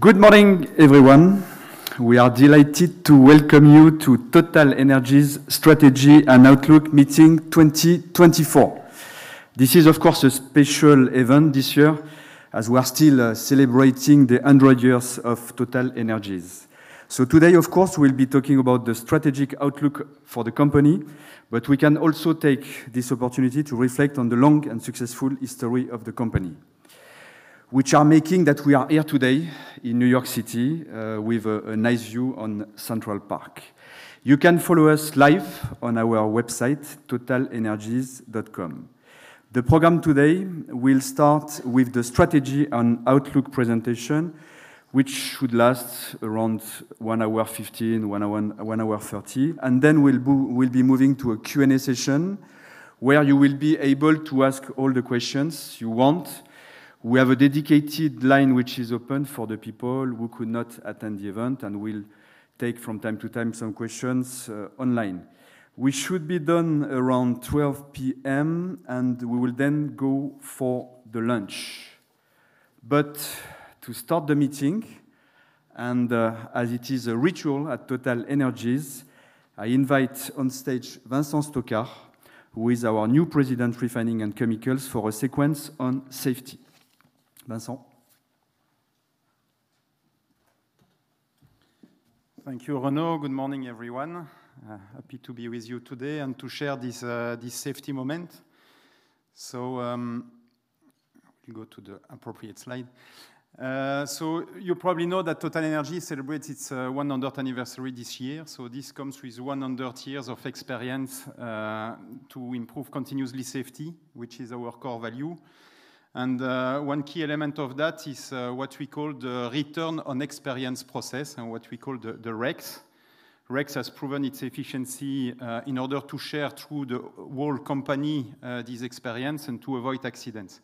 Good morning, everyone. We are delighted to welcome you to TotalEnergies Strategy and Outlook Meeting 2024. This is, of course, a special event this year, as we are still celebrating the hundred years of TotalEnergies. So today, of course, we'll be talking about the strategic outlook for the company, but we can also take this opportunity to reflect on the long and successful history of the company, which are making that we are here today in New York City, with a nice view on Central Park. You can follow us live on our website, totalenergies.com. The program today will start with the strategy and outlook presentation, which should last around one hour fifteen, one hour, one hour thirty, and then we'll be moving to a Q&A session, where you will be able to ask all the questions you want. We have a dedicated line which is open for the people who could not attend the event and we'll take from time to time some questions, online. We should be done around 12:00 P.M., and we will then go for the lunch. But to start the meeting, and, as it is a ritual at TotalEnergies, I invite on stage Vincent Stoquart, who is our new President, Refining and Chemicals, for a sequence on safety. Vincent? Thank you, Renaud. Good morning, everyone. Happy to be with you today and to share this safety moment. So, go to the appropriate slide. So you probably know that TotalEnergies celebrates its one hundredth anniversary this year, so this comes with one hundred years of experience to improve continuously safety, which is our core value. And one key element of that is what we call the return on experience process and what we call the REX. REX has proven its efficiency in order to share through the whole company this experience and to avoid accidents.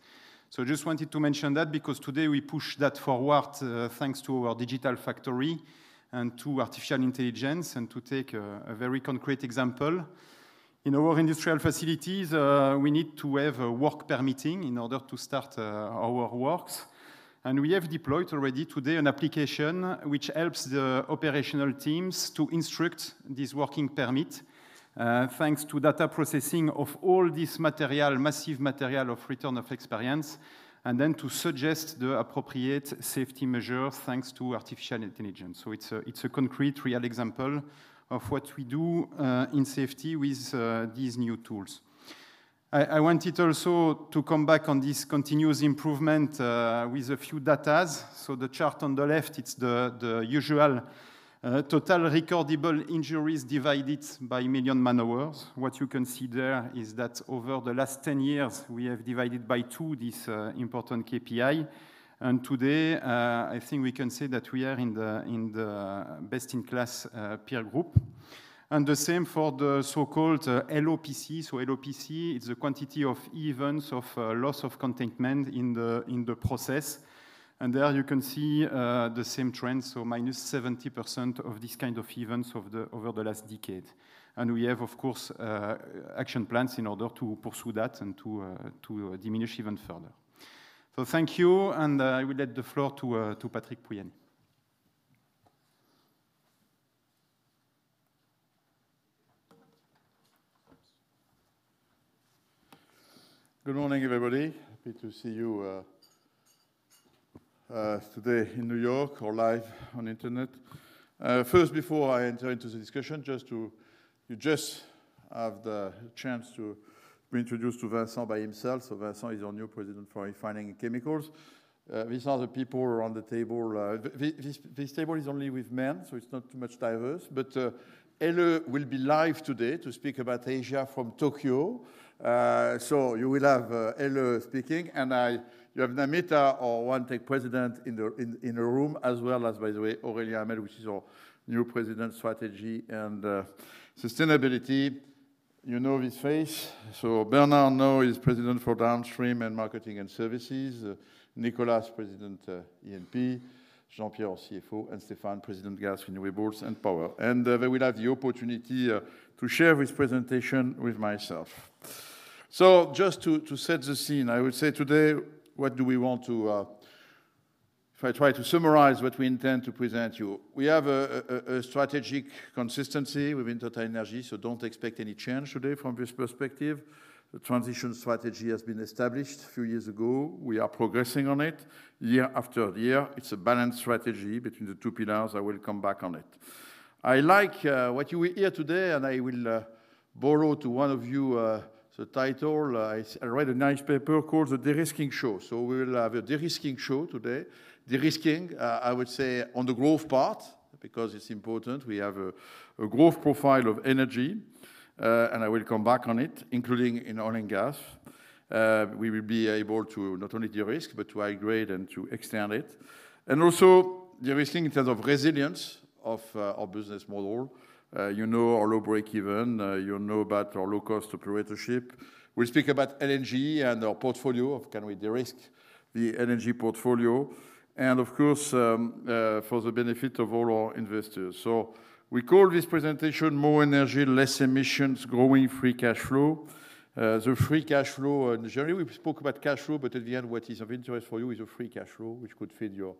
So just wanted to mention that because today we push that forward, thanks to our Digital Factory and to artificial intelligence, and to take a very concrete example, in our industrial facilities, we need to have a work permitting in order to start our works. And we have deployed already today an application which helps the operational teams to instruct this working permit, thanks to data processing of all this material, massive material of return of experience, and then to suggest the appropriate safety measures, thanks to artificial intelligence. So it's a concrete, real example of what we do in safety with these new tools. I wanted also to come back on this continuous improvement with a few data. So the chart on the left, it's the usual Total Recordable Injuries divided by million man-hours. What you can see there is that over the last 10 years, we have divided by two this important KPI, and today, I think we can say that we are in the best-in-class peer group. And the same for the so-called LOPC. So LOPC is the quantity of events of loss of containment in the process, and there you can see the same trend, so minus 70% of these kind of events over the last decade. And we have, of course, action plans in order to pursue that and to diminish even further. So thank you, and I will hand the floor to Patrick Pouyanné. Good morning, everybody. Happy to see you today in New York or live on internet. First, before I enter into the discussion, just to... You just have the chance to be introduced to Vincent by himself. So Vincent is our new President for Refining and Chemicals. These are the people around the table. This table is only with men, so it's not too much diverse, but Helle will be live today to speak about Asia from Tokyo. So you will have Helle speaking, and you have Namita, our OneTech President in the room, as well as, by the way, Aurélie Alemany, which is our new President, Strategy and Sustainability. You know this face. So Bernard Pinatel is president for Downstream and Marketing and Services, Nicolas, President, E&P, Jean-Pierre, our CFO, and Stéphane, President, Gas, Renewables, and Power. And, they will have the opportunity to share this presentation with myself. So just to set the scene, I will say today, what do we want to, if I try to summarize what we intend to present you, we have a strategic consistency within TotalEnergies, so don't expect any change today from this perspective. The transition strategy has been established a few years ago. We are progressing on it year after year. It's a balanced strategy between the two pillars. I will come back on it. I like what you hear today, and I will borrow to one of you the title. I read a nice paper called The De-risking Show. So we will have a de-risking show today. De-risking, I would say, on the growth part, because it's important. We have a growth profile of energy, and I will come back on it, including in oil and gas. We will be able to not only de-risk, but to upgrade and to extend it, and also de-risking in terms of resilience of our business model. You know our low break-even, you know about our low-cost operatorship. We'll speak about LNG and our portfolio of can we de-risk the LNG portfolio, and of course, for the benefit of all our investors. So we call this presentation More Energy, Less Emissions, Growing Free Cash Flow. The free cash flow, and generally, we spoke about cash flow, but at the end, what is of interest for you is your free cash flow, which could feed your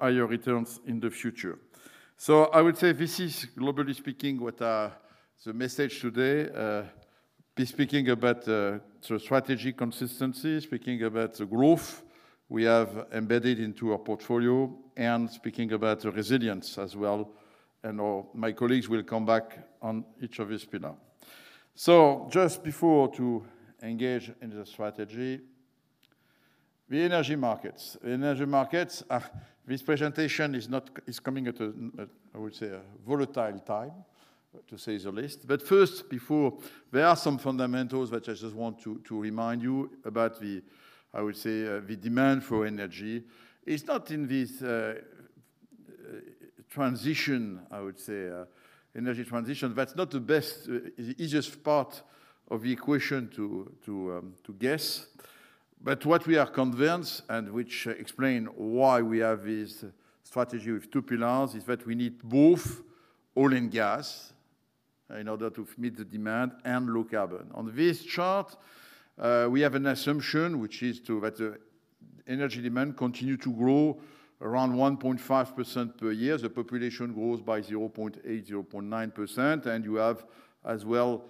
higher returns in the future. So I would say this is, globally speaking, what the message today be speaking about the strategy consistency, speaking about the growth we have embedded into our portfolio, and speaking about the resilience as well, and all my colleagues will come back on each of these pillar. So just before to engage in the strategy, the energy markets. The energy markets are. This presentation is coming at a volatile time, to say the least. But first, there are some fundamentals, which I just want to remind you about the, I would say, the demand for energy. It's not in this transition, I would say, energy transition. That's not the best, the easiest part of the equation to guess. But what we are convinced, and which explain why we have this strategy with two pillars, is that we need both oil and gas in order to meet the demand and low carbon. On this chart, we have an assumption, which is that the energy demand continue to grow around 1.5% per year. The population grows by 0.8-0.9%, and you have as well,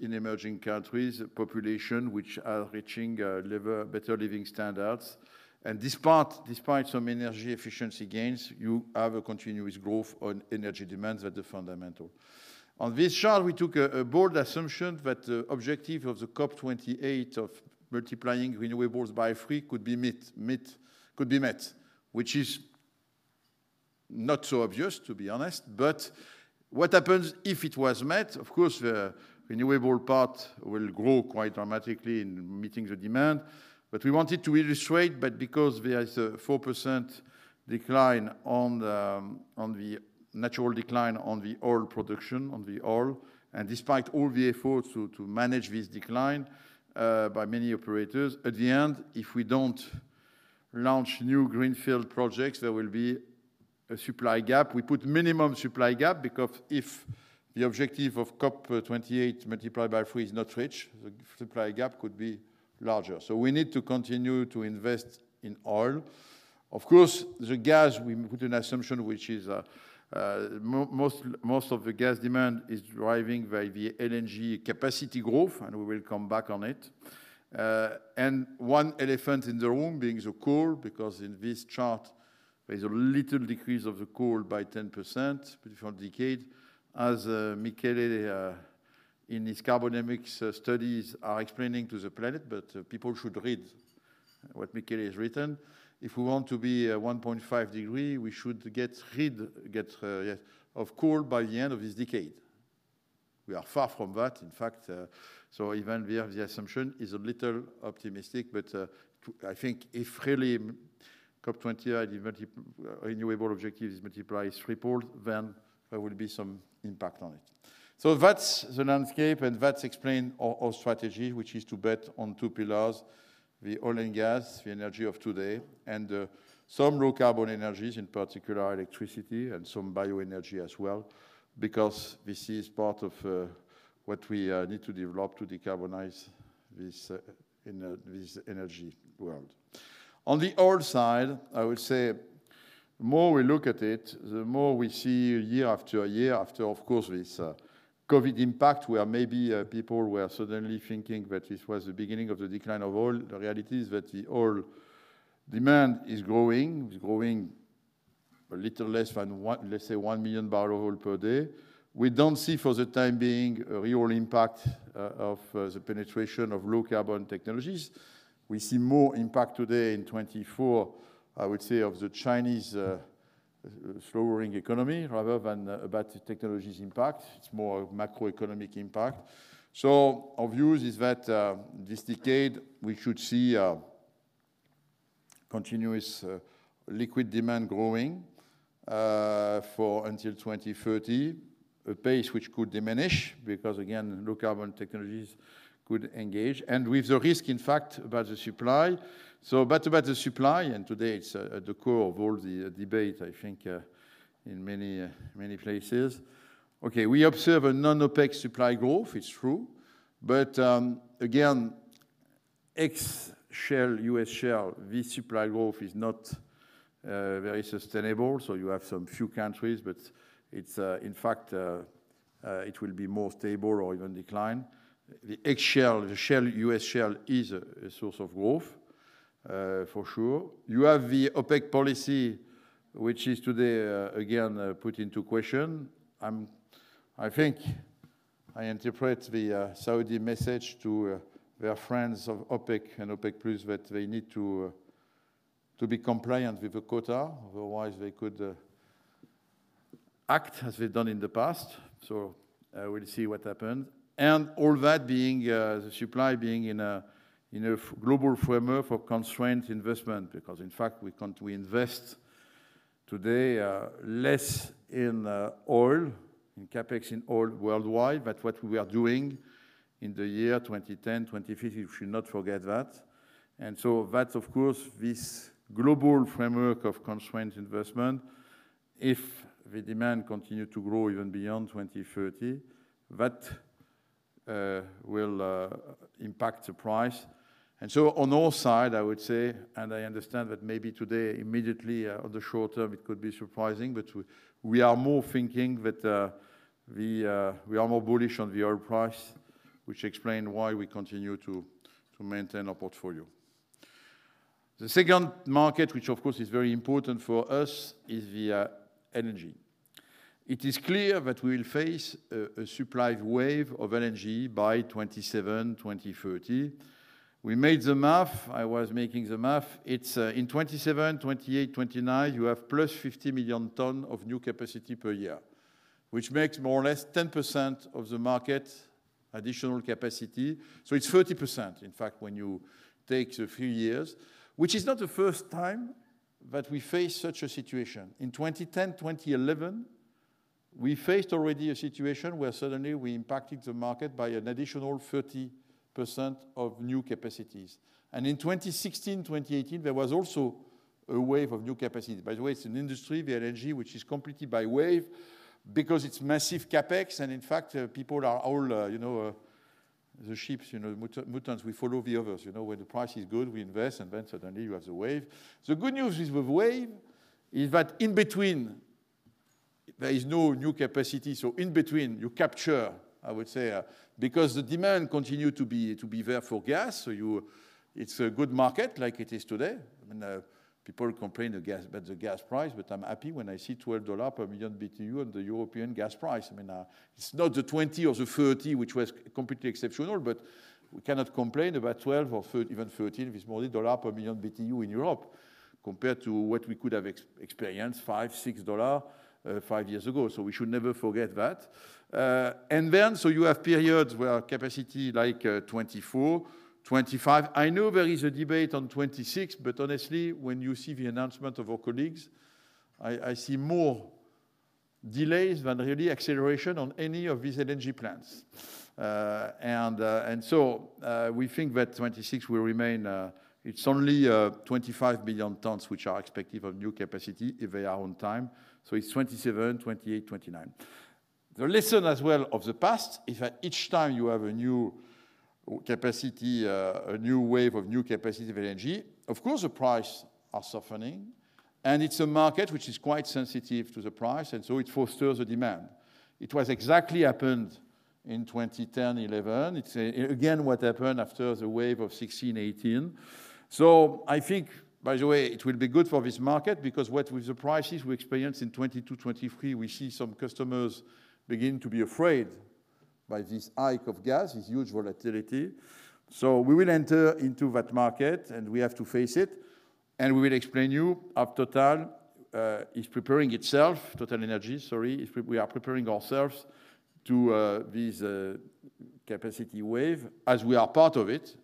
in emerging countries, population which are reaching, better living standards. And despite some energy efficiency gains, you have a continuous growth on energy demand that the fundamental. On this chart, we took a bold assumption that the objective of the COP twenty-eight of multiplying renewables by three could be met, which is not so obvious, to be honest. But what happens if it was met? Of course, the renewable part will grow quite dramatically in meeting the demand. But we wanted to illustrate that because there is a 4% decline on the natural decline on the oil production, on the oil, and despite all the efforts to manage this decline by many operators, at the end, if we don't launch new greenfield projects, there will be a supply gap. We put minimum supply gap, because if the objective of COP twenty-eight multiplied by three is not reached, the supply gap could be larger. So we need to continue to invest in oil. Of course, the gas, we put an assumption, which is, most of the gas demand is driving by the LNG capacity growth, and we will come back on it. And one elephant in the room being the coal, because in this chart, there is a little decrease of the coal by 10% before decade. As, Michele, in his Carbonomics studies are explaining to the planet, but people should read what Michele has written. If we want to be one point five degree, we should get rid of coal by the end of this decade. We are far from that, in fact, so even we have the assumption is a little optimistic, but, I think if really COP 28, the multi renewable objectives is multiplies threefold, then there will be some impact on it. So that's the landscape, and that's explain our strategy, which is to bet on two pillars: the oil and gas, the energy of today, and some low carbon energies, in particular electricity and some bioenergy as well, because this is part of what we need to develop to decarbonize this energy world. On the oil side, I would say, the more we look at it, the more we see year after year after, of course, this Covid impact, where maybe people were suddenly thinking that this was the beginning of the decline of oil. The reality is that the oil demand is growing. It's growing a little less than one, let's say, one million barrel of oil per day. We don't see for the time being, a real impact of the penetration of low carbon technologies. We see more impact today in 2024, I would say, of the Chinese slowing economy rather than about the technology's impact. It's more a macroeconomic impact. Our view is that this decade, we should see a continuous liquid demand growing for until 2030, a pace which could diminish because, again, low carbon technologies could engage, and with the risk, in fact, about the supply. But about the supply, and today it's at the core of all the debate, I think, in many, many places. Okay, we observe a non-OPEC supply growth, it's true. But again, ex-shale, U.S. shale, this supply growth is not very sustainable. So you have some few countries, but it's, in fact, it will be more stable or even decline. The ex-shale, the shale, US shale is a source of growth for sure. You have the OPEC policy, which is today again put into question. I think I interpret the Saudi message to their friends of OPEC and OPEC+ that they need to be compliant with the quota, otherwise they could act as they've done in the past. I will see what happens. All that being the supply being in a global framework for constrained investment, because in fact, we invest today less in oil, in CapEx in oil worldwide, but what we are doing in the year 2010, 2050, we should not forget that. And so that, of course, this global framework of constraint investment, if the demand continue to grow even beyond 2030, that will impact the price. And so on our side, I would say, and I understand that maybe today, immediately, on the short term, it could be surprising, but we are more thinking that we are more bullish on the oil price, which explain why we continue to maintain our portfolio. The second market, which of course is very important for us, is the LNG. It is clear that we will face a supply wave of LNG by 2027, 2030. We made the math. I was making the math. It's in 2027, 2028, 2029, you have plus 50 million tons of new capacity per year, which makes more or less 10% of the market additional capacity. So it's 30%, in fact, when you take a few years, which is not the first time that we face such a situation. In 2010, 2011, we faced already a situation where suddenly we impacted the market by an additional 30% of new capacities. And in 2016, 2018, there was also a wave of new capacity. By the way, it's an industry, the LNG, which is completed by wave because it's massive CapEx, and in fact, people are all, you know, the ships, you know, me too, me toos, we follow the others. You know, when the price is good, we invest, and then suddenly you have the wave. The good news with the wave is that in between, there is no new capacity, so in between, you capture, I would say, because the demand continue to be there for gas, so it's a good market like it is today. I mean, people complain about the gas price, but I'm happy when I see $12 per million BTU on the European gas price. I mean, it's not the 20 or the 30, which was completely exceptional, but we cannot complain about 12 or even 13, if it's more, dollars per million BTU in Europe, compared to what we could have experienced, $5, $6 five years ago. So we should never forget that. And then, so you have periods where capacity like 2024, 2025. I know there is a debate on 2026, but honestly, when you see the announcement of our colleagues, I see more delays than really acceleration on any of these LNG plants. And so, we think that 2026 will remain. It's only 25 billion tons, which are expected of new capacity if they are on time. So it's 2027, 2028, 2029. The lesson as well of the past is that each time you have a new capacity, a new wave of new capacity of LNG, of course, the price are softening, and it's a market which is quite sensitive to the price, and so it fosters the demand. It was exactly happened in 2010, 2011. It's again, what happened after the wave of 2016, 2018. I think, by the way, it will be good for this market because what with the prices we experienced in 2020 to 2023, we see some customers begin to be afraid by this hike of gas, this huge volatility. We will enter into that market, and we have to face it, and we will explain you how Total is preparing itself, TotalEnergies, sorry, is we are preparing ourselves to this capacity wave, as we are part of it.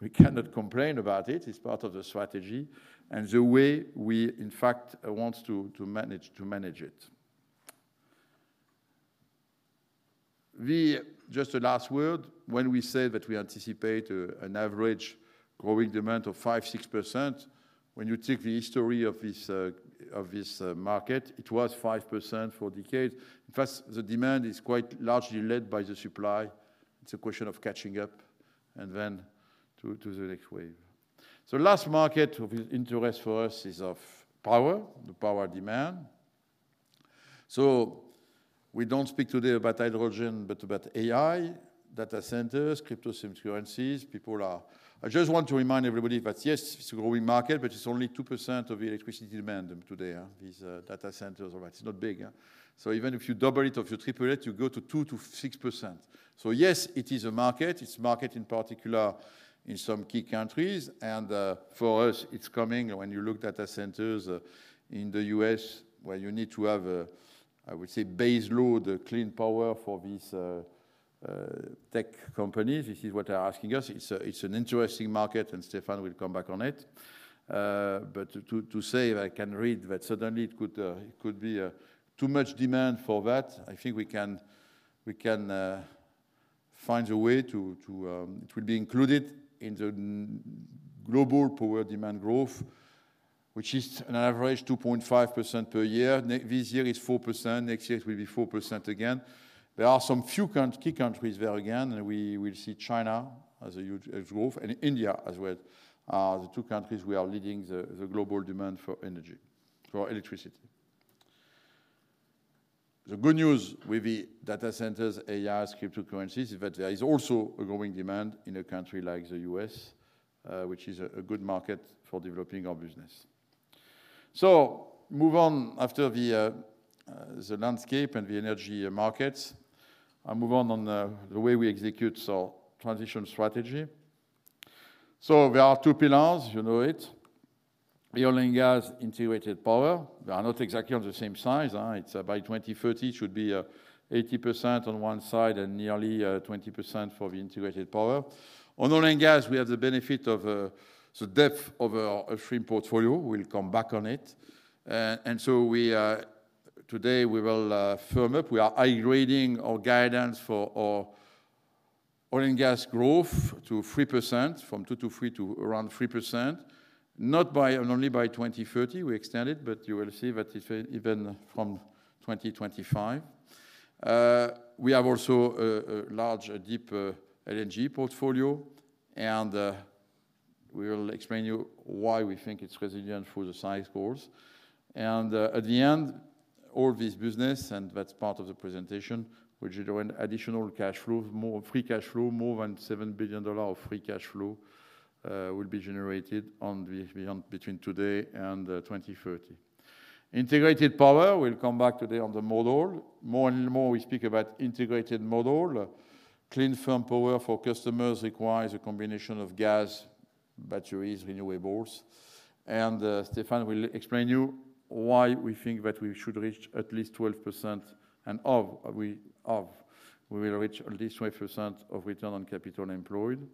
We cannot complain about it. It's part of the strategy and the way we, in fact, wants to manage it. Just a last word, when we say that we anticipate an average growing demand of 5-6%, when you take the history of this market, it was 5% for decades. In fact, the demand is quite largely led by the supply. It's a question of catching up and then to the next wave. The last market of interest for us is of power, the power demand. So we don't speak today about hydrogen, but about AI, data centers, cryptocurrencies, people are... I just want to remind everybody that, yes, it's a growing market, but it's only 2% of the electricity demand today, these data centers. All right? It's not big. So even if you double it or if you triple it, you go to 2%-6%. So yes, it is a market. It's market, in particular, in some key countries, and for us, it's coming. When you look data centers in the U.S., where you need to have a, I would say, base load, clean power for these, tech companies, this is what they are asking us. It's an interesting market, and Stéphane will come back on it. But to say, if I can read, that suddenly it could be too much demand for that, I think we can find a way to... It will be included in the global power demand growth, which is an average 2.5% per year. This year, it's 4%. Next year, it will be 4% again. There are a few key countries there again, and we will see China as a huge growth, and India as well, are the two countries who are leading the global demand for energy, for electricity. The good news with the data centers, AI, cryptocurrencies, is that there is also a growing demand in a country like the US, which is a good market for developing our business. After the landscape and the energy markets, I move on to the way we execute our transition strategy. There are two pillars, you know it. The Oil and Gas, Integrated Power. They are not exactly on the same size. By 2030, it should be 80% on one side and nearly 20% for the Integrated Power. On oil and gas, we have the benefit of the depth of our upstream portfolio. We'll come back on it. Today we will firm up. We are high-grading our guidance for our oil and gas growth to 3%, from 2% to 3% to around 3%. Not only by 2030 we extend it, but you will see that even from 2025. We have also a large, deep LNG portfolio, and we will explain to you why we think it's resilient to the cycle, of course. And at the end, all this business, and that's part of the presentation, will generate additional cash flow, more free cash flow. More than $7 billion of free cash flow will be generated between today and 2030. Integrated power, we'll come back today on the model. More and more we speak about integrated model. Clean firm power for customers requires a combination of gas, batteries, renewables. Stefan will explain you why we think that we should reach at least 12%, and that we will reach at least 12% return on capital employed,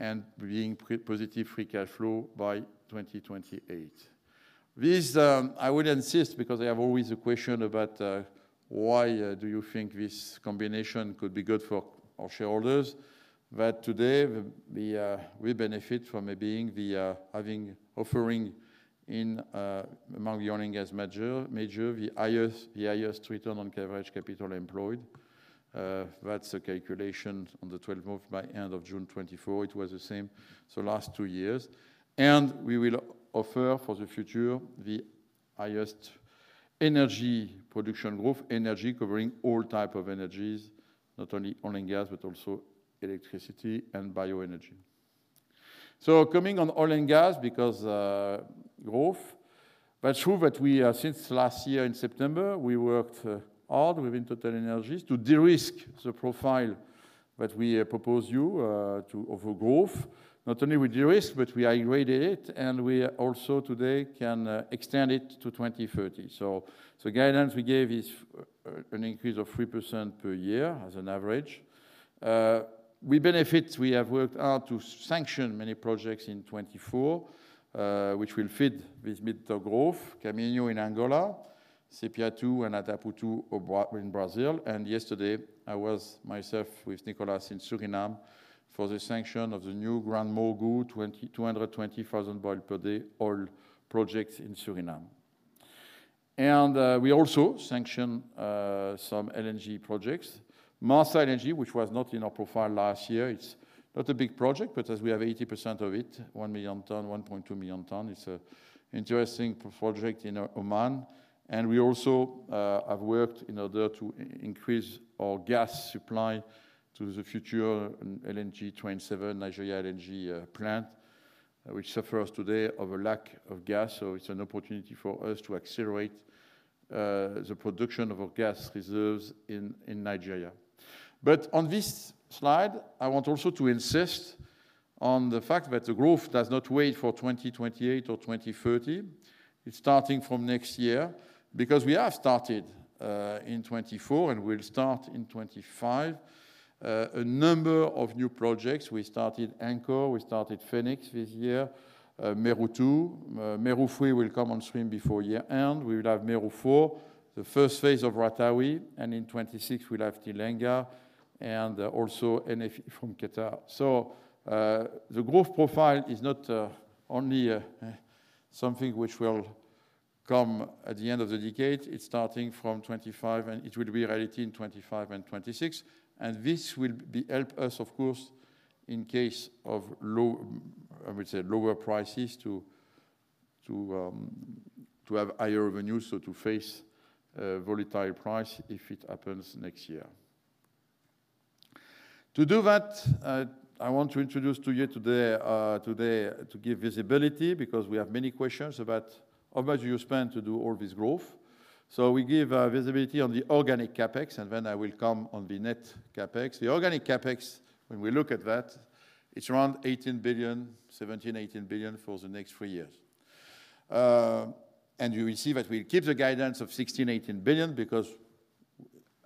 and being positive free cash flow by 2028. This, I will insist, because I have always a question about, why do you think this combination could be good for our shareholders? That today, the, we benefit from being the, having offering in, among oil and gas majors, the highest return on capital employed. That's a calculation on the 12th by end of June 2024, it was the same, so last two years. We will offer for the future the highest energy production growth, energy covering all type of energies, not only oil and gas, but also electricity and bioenergy. Coming on oil and gas, because growth, but true that we since last year in September, we worked hard within TotalEnergies to de-risk the profile that we propose you to of a growth. Not only we de-risk, but we upgraded it, and we also today can extend it to 2030. Guidance we gave is an increase of 3% per year as an average. We benefit, we have worked hard to sanction many projects in 2024, which will fit with mid-term growth, Kaminho in Angola, Sépia-2 and Atapu-2 in Brazil. And yesterday, I was myself with Nicolas in Suriname for the sanction of the new GranMorgu 220,000-barrel-per-day oil project in Suriname. And we also sanction some LNG projects. Marsa LNG, which was not in our profile last year, it's not a big project, but as we have 80% of it, 1 million ton, 1.2 million ton, it's an interesting project in Oman. And we also have worked in order to increase our gas supply to the future LNG Train 7, Nigeria LNG plant, which suffers today of a lack of gas. So it's an opportunity for us to accelerate the production of our gas reserves in Nigeria. But on this slide, I want also to insist on the fact that the growth does not wait for 2028 or 2030. It's starting from next year, because we have started in 2024, and we'll start in 2025. A number of new projects, we started Anchor, we started Fenix this year, Mero-2. Mero-3 will come on stream before year end. We will have Mero-4, the first phase of Ratawi, and in 2026, we'll have Tilenga and also NF from Qatar. So, the growth profile is not only something which will come at the end of the decade, it's starting from 2025, and it will be a reality in 2025 and 2026. And this will be help us, of course, in case of low, I would say, lower prices to have higher revenues, so to face a volatile price if it happens next year. To do that, I want to introduce to you today to give visibility, because we have many questions about how much you spend to do all this growth. So we give visibility on the organic CapEx, and then I will come on the net CapEx. The organic CapEx, when we look at that, it's around $17-18 billion for the next three years. And you will see that we keep the guidance of $16-18 billion, because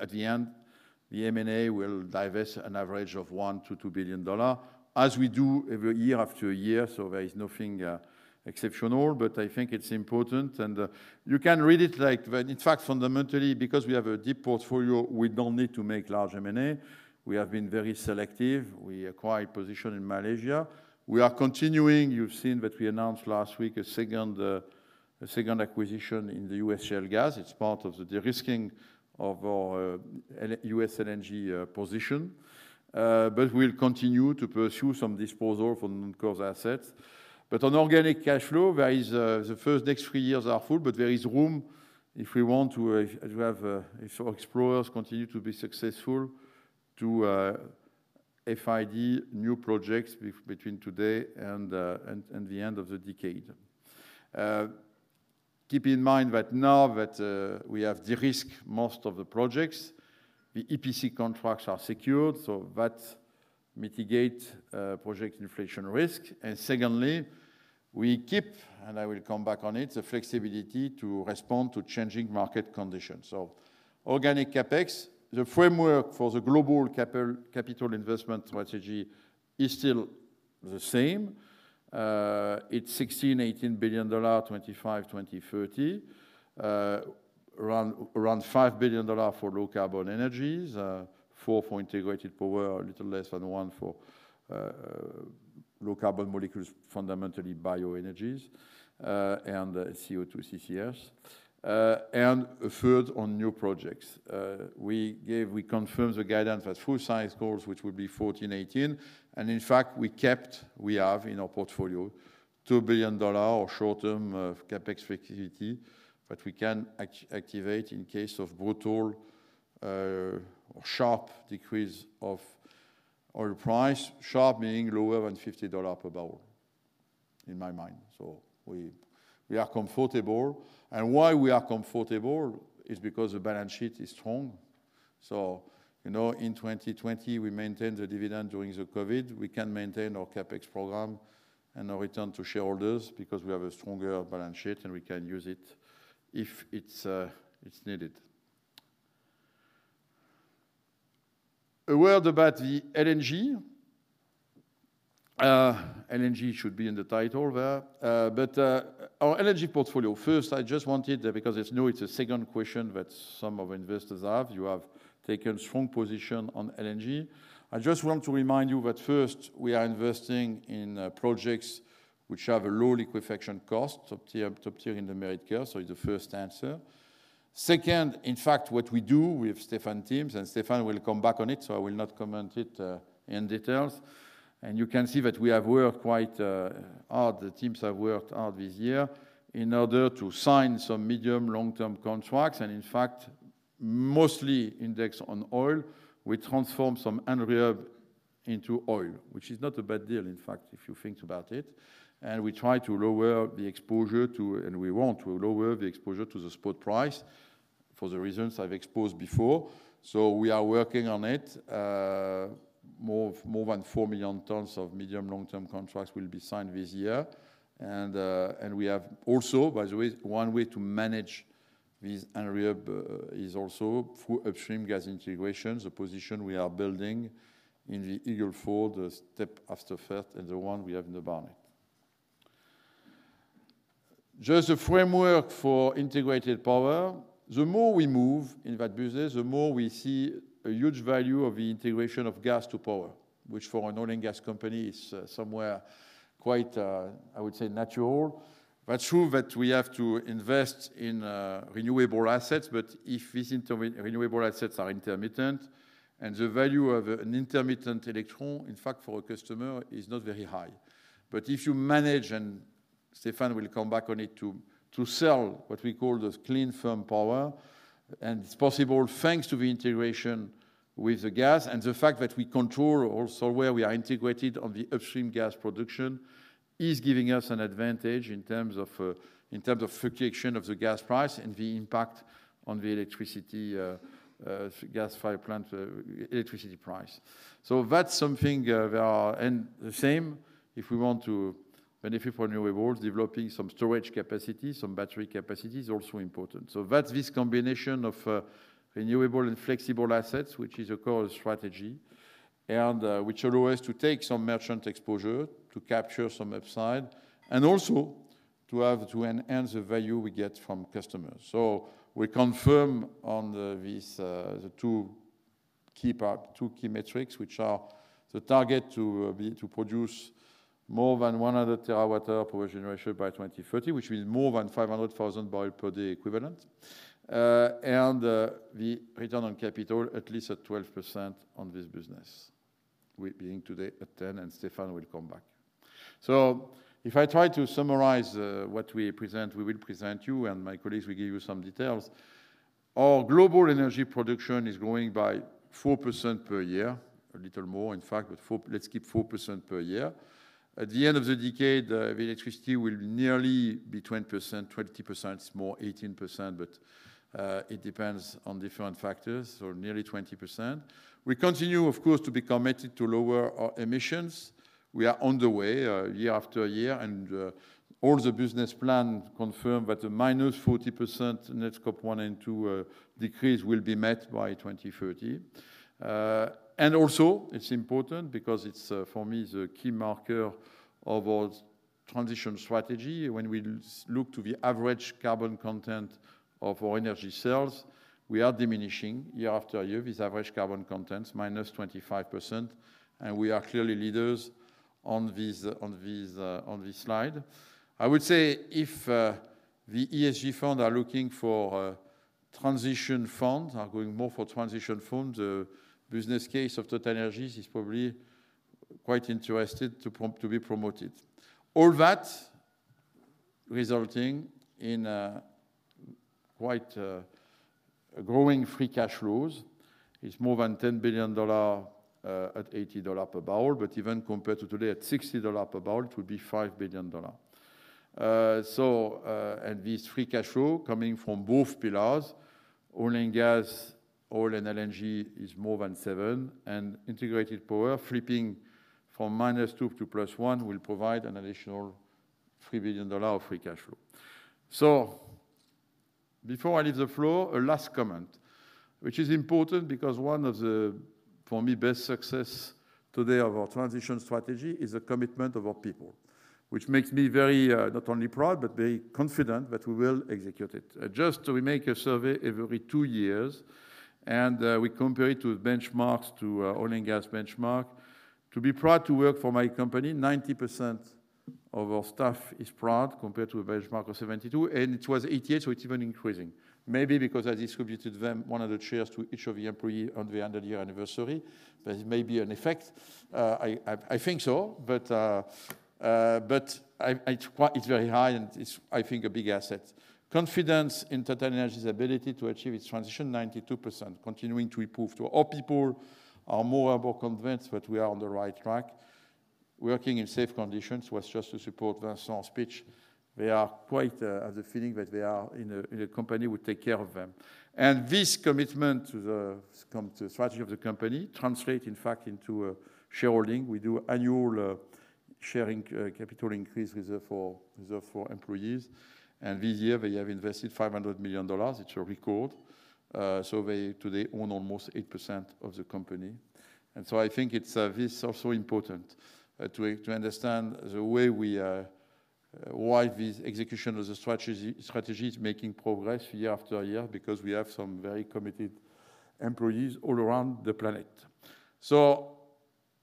at the end, the M&A will divest an average of $1-2 billion dollar, as we do every year after year, so there is nothing exceptional, but I think it's important, and you can read it like when in fact, fundamentally, because we have a deep portfolio, we don't need to make large M&A. We have been very selective. We acquired position in Malaysia. We are continuing. You've seen that we announced last week a second acquisition in the US shale gas. It's part of the de-risking of our US LNG position. But we'll continue to pursue some disposal from non-core assets. But on organic cash flow, there is the next three years are full, but there is room if we want to, as we have, if our explorers continue to be successful, to FID new projects between today and the end of the decade. Keep in mind that now that we have de-risk most of the projects, the EPC contracts are secured, so that mitigate project inflation risk. Secondly, we keep, and I will come back on it, the flexibility to respond to changing market conditions. Organic CapEx, the framework for the global capital investment strategy is still the same. It's $16-$18 billion, 2025-2030. Around $5 billion for low carbon energies, $4 billion for integrated power, a little less than $1 billion for low carbon molecules, fundamentally bio energies, and CO2 CCS, and a third on new projects. We confirmed the guidance for full size goals, which would be 14-18, and in fact, we have in our portfolio $2 billion of short term CapEx flexibility that we can activate in case of brutal or sharp decrease of oil price. Sharp meaning lower than $50 per barrel, in my mind. We are comfortable. And why we are comfortable is because the balance sheet is strong. You know, in 2020, we maintain the dividend during the COVID. We can maintain our CapEx program and our return to shareholders because we have a stronger balance sheet, and we can use it if it's needed. A word about the LNG. LNG should be in the title there, but our LNG portfolio. First, I just wanted, because it's new, it's a second question that some investors have. You have taken strong position on LNG. I just want to remind you that first, we are investing in projects which have a low liquefaction cost, top tier in the merit curve. So it's the first answer. Second, in fact, what we do with Stéphane's team, and Stéphane will come back on it, so I will not comment on it in details. And you can see that we have worked quite hard. The teams have worked hard this year in order to sign some medium, long-term contracts, and in fact, mostly indexed on oil. We transform some Henry Hub into oil, which is not a bad deal, in fact, if you think about it. And we try to lower the exposure to, and we want to lower the exposure to the spot price for the reasons I've explained before. So we are working on it. More than four million tons of medium, long-term contracts will be signed this year. And we have also, by the way, one way to manage this Henry Hub is also through upstream gas integration, the position we are building in the Eagle Ford, the step after first and the one we have in the Barnett. Just a framework for integrated power. The more we move in that business, the more we see a huge value of the integration of gas to power, which for an oil and gas company is somewhere quite, I would say, natural. But true that we have to invest in, renewable assets. But if these renewable assets are intermittent, and the value of an intermittent electron, in fact, for a customer is not very high. But if you manage, and Stéphane will come back on it, to sell what we call the clean firm power, and it's possible, thanks to the integration with the gas and the fact that we control also where we are integrated on the upstream gas production, is giving us an advantage in terms of, in terms of fluctuation of the gas price and the impact on the electricity, gas-fired plant, electricity price. So that's something we are, and the same if we want to benefit from renewables, developing some storage capacity, some battery capacity is also important. So that's this combination of renewable and flexible assets, which is a core strategy, and which allow us to take some merchant exposure to capture some upside and also to have to enhance the value we get from customers. So we confirm on this, the two key part, two key metrics, which are the target to produce more than one hundred terawatt hour power generation by twenty thirty, which means more than five hundred thousand barrel per day equivalent, and the return on capital at least at 12% on this business, we being today at 10%, and Stéphane will come back. If I try to summarize what we present, we will present you and my colleagues will give you some details. Our global energy production is growing by 4% per year, a little more, in fact, but 4%, let's keep 4% per year. At the end of the decade, the electricity will nearly be 20%, 20% more, 18%, but it depends on different factors, so nearly 20%. We continue, of course, to be committed to lower our emissions. We are on the way year after year, and all the business plan confirm that the -40% net Scope 1 and 2 decrease will be met by 2030. And also, it's important because it's for me the key marker of our transition strategy. When we look to the average carbon content of our energy cells, we are diminishing year after year, this average carbon content, minus 25%, and we are clearly leaders on this slide. I would say if the ESG fund are looking for transition funds, are going more for transition funds, the business case of TotalEnergies is probably quite interested to be promoted. All that resulting in quite growing free cash flows, is more than $10 billion at $80 per barrel, but even compared to today, at $60 per barrel, it would be $5 billion. So, and this free cash flow coming from both pillars, oil and gas, oil and LNG is more than $7 billion, and integrated power flipping from minus $2 billion to plus $1 billion will provide an additional $3 billion of free cash flow. So before I leave the floor, a last comment, which is important because one of the, for me, best success today of our transition strategy is the commitment of our people... which makes me very, not only proud, but very confident that we will execute it. Just so we make a survey every two years, and we compare it to benchmarks, to oil and gas benchmark. To be proud to work for my company, 90% of our staff is proud, compared to a benchmark of 72, and it was 88, so it's even increasing. Maybe because I distributed 100 shares to each of the employees on the 100-year anniversary. There may be an effect. I think so, but it's very high, and it's, I think, a big asset. Confidence in TotalEnergies' ability to achieve its transition, 92%, continuing to improve. To all people are more and more convinced that we are on the right track. Working in safe conditions was just to support Vincent's speech. They quite have the feeling that they are in a company who takes care of them. And this commitment to the strategy of the company translates, in fact, into a shareholding. We do annual sharing capital increase reserve for employees, and this year they have invested $500 million. It's a record. So they today own almost 8% of the company. And so I think it's this also important to understand the way we are, why this execution of the strategy is making progress year after year, because we have some very committed employees all around the planet. So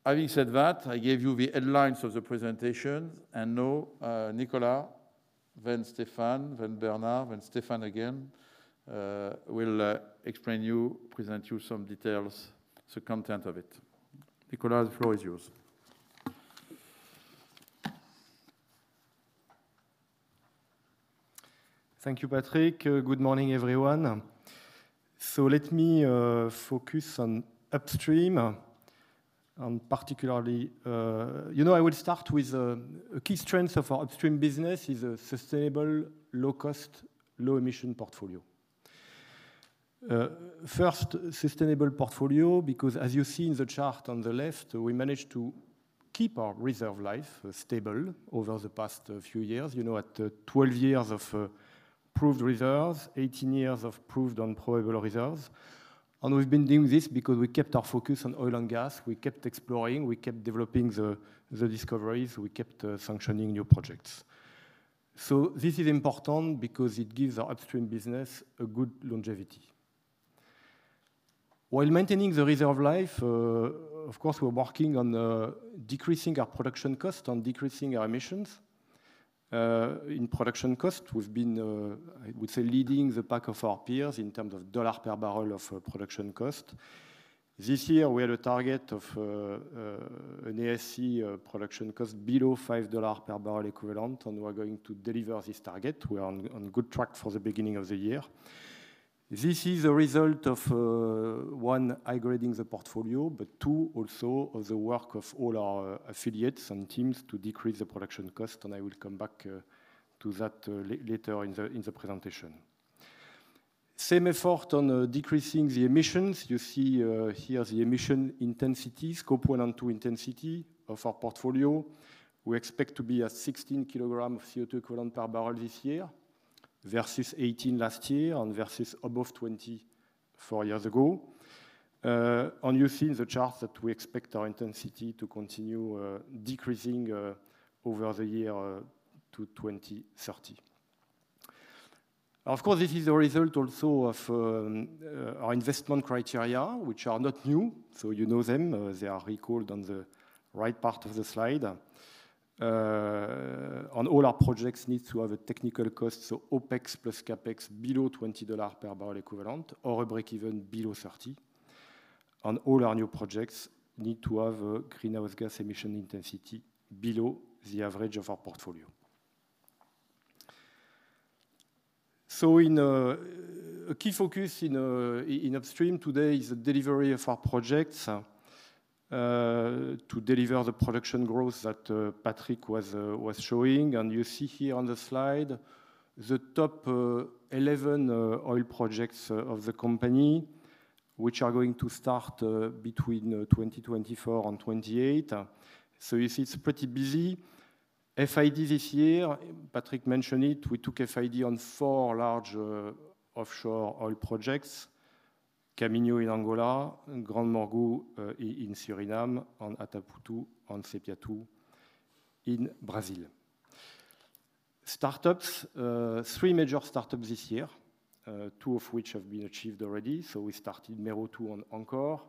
having said that, I gave you the headlines of the presentation, and now, Nicolas, then Stéphane, then Bernard, then Stéphane again, will explain you, present you some details, the content of it. Nicolas, the floor is yours. Thank you, Patrick. Good morning, everyone. Let me focus on upstream, particularly. You know, I will start with a key strength of our upstream business is a sustainable, low-cost, low-emission portfolio. First, sustainable portfolio, because as you see in the chart on the left, we managed to keep our reserve life stable over the past few years, you know, at 12 years of proved reserves, 18 years of proved and probable reserves. We've been doing this because we kept our focus on oil and gas. We kept exploring, we kept developing the discoveries, we kept sanctioning new projects. This is important because it gives our upstream business a good longevity. While maintaining the reserve life, of course, we are working on decreasing our production cost, on decreasing our emissions. In production cost, we've been, I would say, leading the pack of our peers in terms of $ per barrel of production cost. This year, we had a target of an upstream production cost below $5 per barrel equivalent, and we are going to deliver this target. We are on good track for the beginning of the year. This is a result of one, high-grading the portfolio, but two, also the work of all our affiliates and teams to decrease the production cost, and I will come back to that later in the presentation. Same effort on decreasing the emissions. You see here the emission intensity, Scope 1 and Scope 2 intensity of our portfolio. We expect to be at sixteen kilograms of CO2 equivalent per barrel this year, versus eighteen last year and versus above twenty-four years ago. And you see in the chart that we expect our intensity to continue decreasing over the year to twenty thirty. Of course, this is a result also of our investment criteria, which are not new, so you know them. They are recalled on the right part of the slide. And all our projects need to have a technical cost, so OpEx plus CapEx below $20 per barrel equivalent or a break-even below $30. And all our new projects need to have a greenhouse gas emission intensity below the average of our portfolio. A key focus in upstream today is the delivery of our projects to deliver the production growth that Patrick was showing. You see here on the slide, the top 11 oil projects of the company, which are going to start between 2024 and 2028. So you see, it's pretty busy. FID this year, Patrick mentioned it, we took FID on four large offshore oil projects: Kaminho in Angola, GranMorgu in Suriname, and Atapu-2 and Sépia-2 in Brazil. Startups three major startups this year, two of which have been achieved already. So we started Mero-2 and Anchor.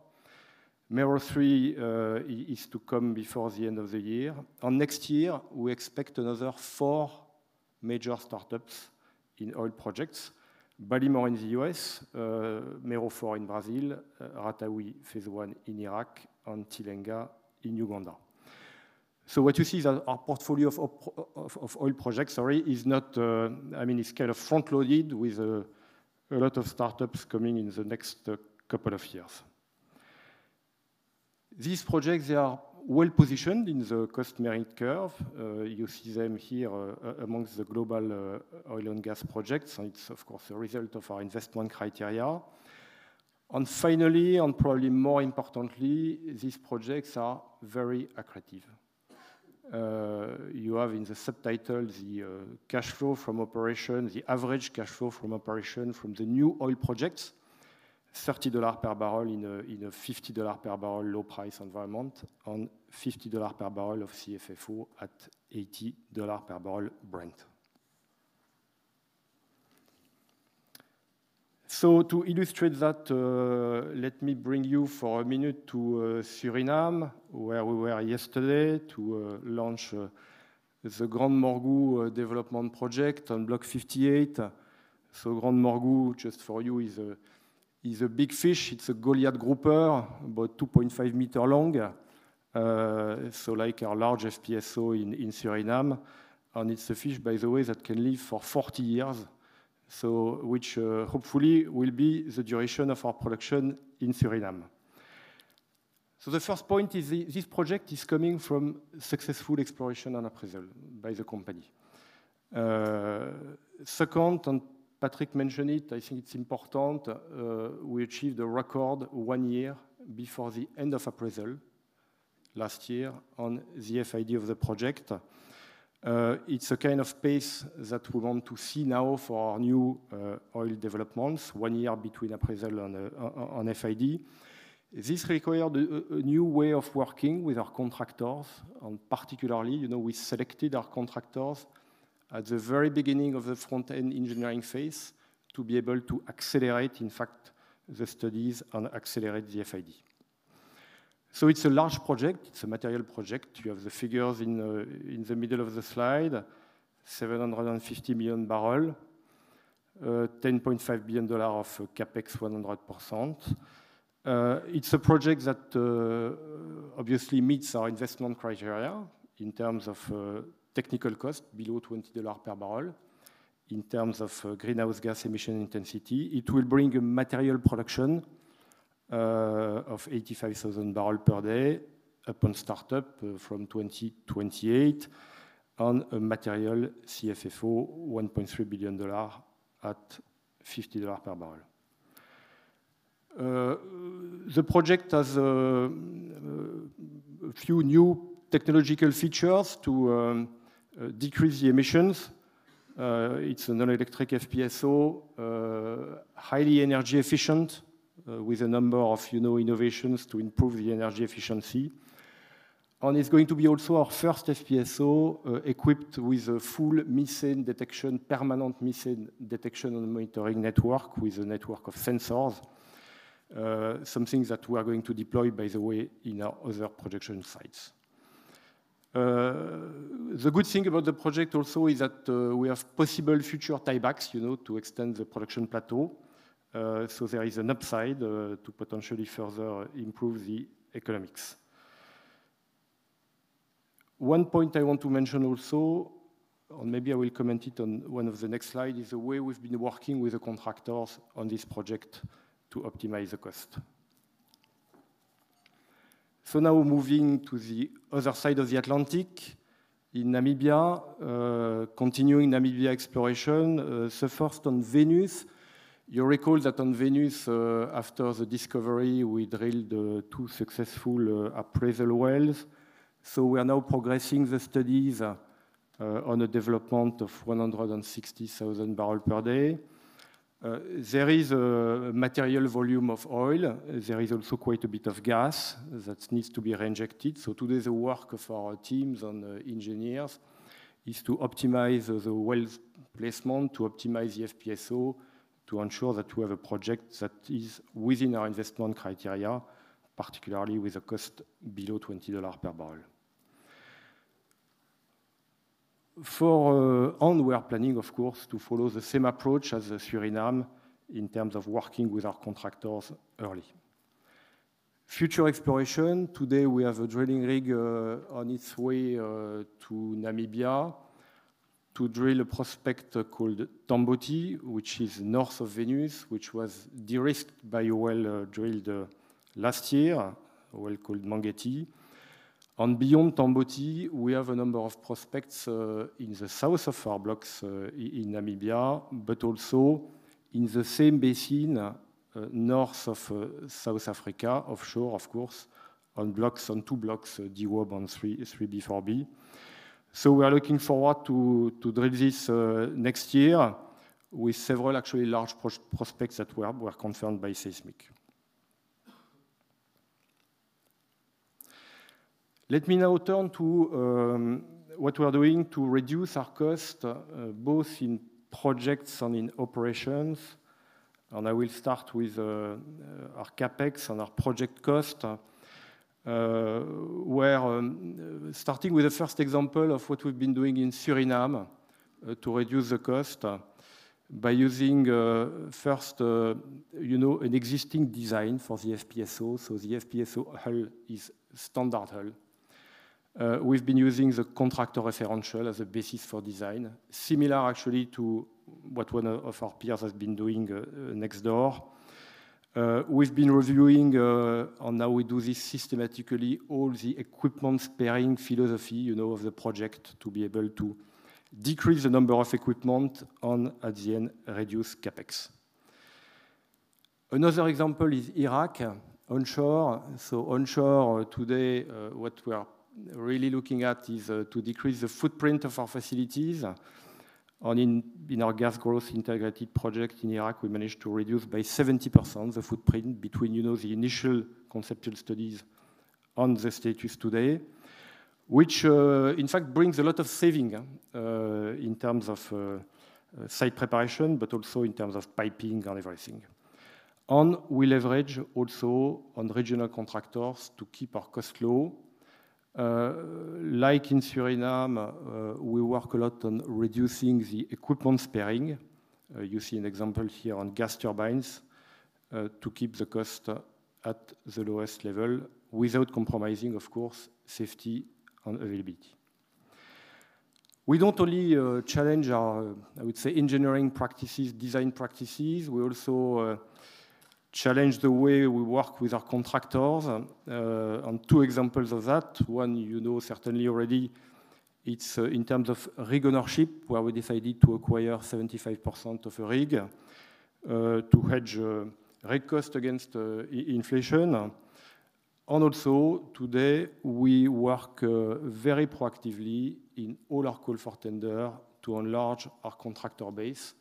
Mero-3 is to come before the end of the year. Next year, we expect another four major startups in oil projects: Ballymore in the U.S., Mero-4 in Brazil, Ratawi Phase One in Iraq, and Tilenga in Uganda. So what you see is that our portfolio of oil projects, sorry, is not, I mean, it's kind of front-loaded with a lot of startups coming in the next couple of years. These projects, they are well-positioned in the cost merit curve. You see them here, amongst the global oil and gas projects. It's, of course, a result of our investment criteria. And finally, and probably more importantly, these projects are very accretive. You have in the subtitle, the cash flow from operations, the average cash flow from operations from the new oil projects. $30 per barrel in a $50 per barrel low price environment, and $50 per barrel of CFFO at $80 per barrel Brent. To illustrate that, let me bring you for a minute to Suriname, where we were yesterday to launch the GranMorgu development project on Block 58. GrandMorgu, just for you, is a big fish. It's a Goliath grouper, about 2.5 meters long, so like our large FPSO in Suriname, and it's a fish, by the way, that can live for 40 years, so which hopefully will be the duration of our production in Suriname. The first point is this. This project is coming from successful exploration and appraisal by the company. Second, and Patrick mentioned it, I think it's important. We achieved a record one year before the end of appraisal last year on the FID of the project. It's a kind of pace that we want to see now for our new oil developments, one year between appraisal and on FID. This required a new way of working with our contractors, and particularly, you know, we selected our contractors at the very beginning of the front-end engineering phase to be able to accelerate, in fact, the studies and accelerate the FID. So it's a large project. It's a material project. You have the figures in the middle of the slide, 750 million barrels, $10.5 billion of CapEx 100%. It's a project that obviously meets our investment criteria in terms of technical cost, below $20 per barrel. In terms of greenhouse gas emission intensity, it will bring a material production of 85,000 barrels per day upon startup from 2028 on a material CFFO, $1.3 billion at $50 per barrel. The project has a few new technological features to decrease the emissions. It's an electric FPSO, highly energy efficient, with a number of, you know, innovations to improve the energy efficiency. It's going to be also our first FPSO equipped with a full methane detection, permanent methane detection and monitoring network, with a network of sensors. Something that we are going to deploy, by the way, in our other production sites. The good thing about the project also is that we have possible future tiebacks, you know, to extend the production plateau. So there is an upside to potentially further improve the economics. One point I want to mention also, or maybe I will comment it on one of the next slide, is the way we've been working with the contractors on this project to optimize the cost. So now moving to the other side of the Atlantic, in Namibia, continuing Namibia exploration. So first on Venus. You recall that on Venus, after the discovery, we drilled two successful appraisal wells. So we are now progressing the studies on the development of 160,000 barrel per day. There is a material volume of oil. There is also quite a bit of gas that needs to be reinjected. So today, the work of our teams and engineers is to optimize the well's placement, to optimize the FPSO, to ensure that we have a project that is within our investment criteria, particularly with a cost below $20 per barrel. For Angola, we are planning, of course, to follow the same approach as Suriname in terms of working with our contractors early. Future exploration, today we have a drilling rig on its way to Namibia to drill a prospect called Tamboti, which is north of Venus, which was de-risked by a well drilled last year, a well called Mangetti. And beyond Tamboti, we have a number of prospects in the south of our blocks in Namibia, but also in the same basin north of South Africa, offshore, of course, on two blocks, DWOB on Block 3B/4B. So we are looking forward to drill this next year with several actually large prospects that were confirmed by seismic. Let me now turn to what we are doing to reduce our cost both in projects and in operations, and I will start with our CapEx and our project cost. Starting with the first example of what we've been doing in Suriname to reduce the cost by using first you know an existing design for the FPSO. So the FPSO hull is standard hull. We've been using the contractor referential as a basis for design, similar actually to what one of our peers has been doing next door. We've been reviewing, and now we do this systematically, all the equipment sparing philosophy, you know, of the project, to be able to decrease the number of equipment and at the end, reduce CapEx. Another example is Iraq, onshore. Onshore today, what we are really looking at is to decrease the footprint of our facilities. In our gas growth integrated project in Iraq, we managed to reduce by 70% the footprint between, you know, the initial conceptual studies and the status today, which, in fact, brings a lot of saving in terms of site preparation, but also in terms of piping and everything. And we leverage also on regional contractors to keep our cost low. Like in Suriname, we work a lot on reducing the equipment sparing. You see an example here on gas turbines, to keep the cost at the lowest level without compromising, of course, safety and availability. We don't only challenge our, I would say, engineering practices, design practices. We also challenge the way we work with our contractors, and on two examples of that. One you know certainly already. It's in terms of rig ownership, where we decided to acquire 75% of a rig, to hedge rig cost against inflation. And also, today, we work very proactively in all our call for tender to enlarge our contractor base,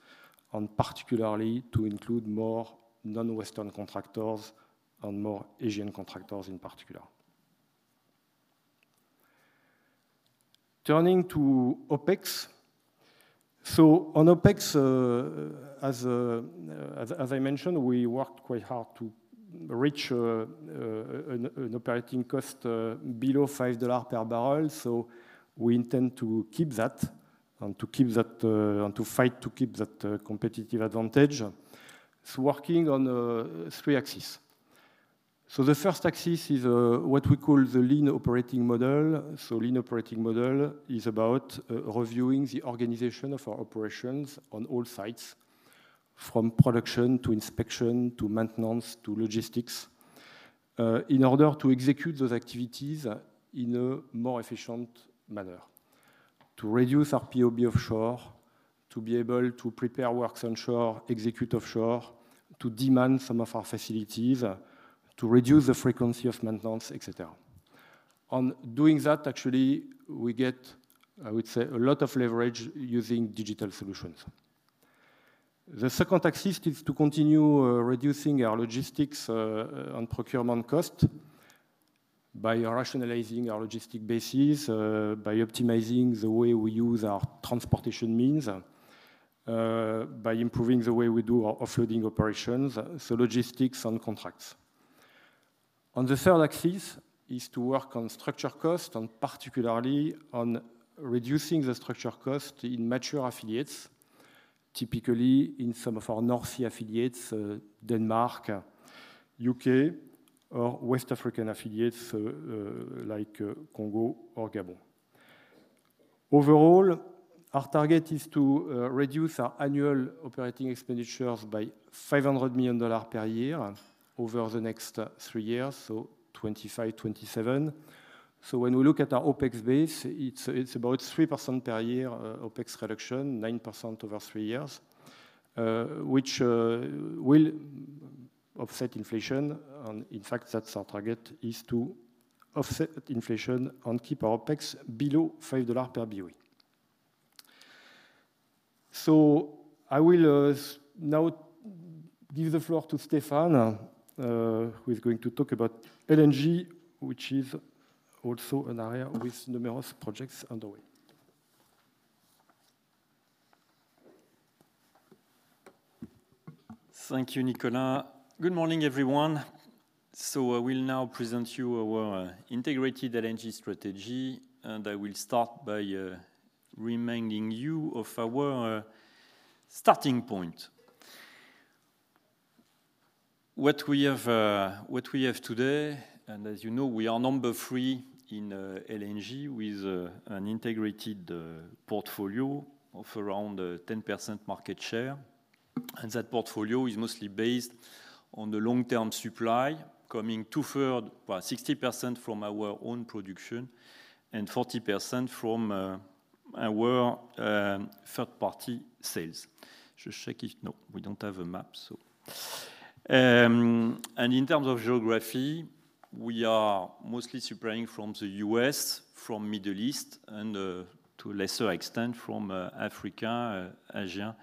and particularly to include more non-Western contractors and more Asian contractors in particular. Turning to OpEx. So on OpEx, as I mentioned, we worked quite hard to reach an operating cost below $5 per barrel, so we intend to keep that and to fight to keep that competitive advantage. It's working on three axes. So the first axis is what we call the lean operating model. So lean operating model is about reviewing the organization of our operations on all sites, from production, to inspection, to maintenance, to logistics, in order to execute those activities in a more efficient manner. To reduce our POB offshore, to be able to prepare works onshore, execute offshore, to demand some of our facilities, to reduce the frequency of maintenance, et cetera. On doing that, actually, we get, I would say, a lot of leverage using digital solutions. The second axis is to continue reducing our logistics and procurement cost by rationalizing our logistic bases, by optimizing the way we use our transportation means, by improving the way we do our offloading operations, so logistics and contracts. The third axis is to work on structure cost, and particularly on reducing the structure cost in mature affiliates, typically in some of our North Sea affiliates, Denmark, UK, or West African affiliates, like Congo or Gabon. Overall, our target is to reduce our annual operating expenditures by $500 million per year over the next three years, so 2025-2027. When we look at our OpEx base, it's about 3% per year OpEx reduction, 9% over three years, which will offset inflation. In fact, that's our target, is to offset inflation and keep our OpEx below $5 per BOE. I will now give the floor to Stéphane, who is going to talk about LNG, which is also an area with numerous projects underway. Thank you, Nicolas. Good morning, everyone. I will now present you our integrated LNG strategy, and I will start by reminding you of our starting point. What we have, what we have today, and as you know, we are number three in LNG with an integrated portfolio of around 10% market share. That portfolio is mostly based on the long-term supply, coming two-thirds, well, 60% from our own production and 40% from our third-party sales. Just check if... No, we don't have a map, so. In terms of geography, we are mostly supplying from the US, from Middle East, and to a lesser extent, from Africa, Asia,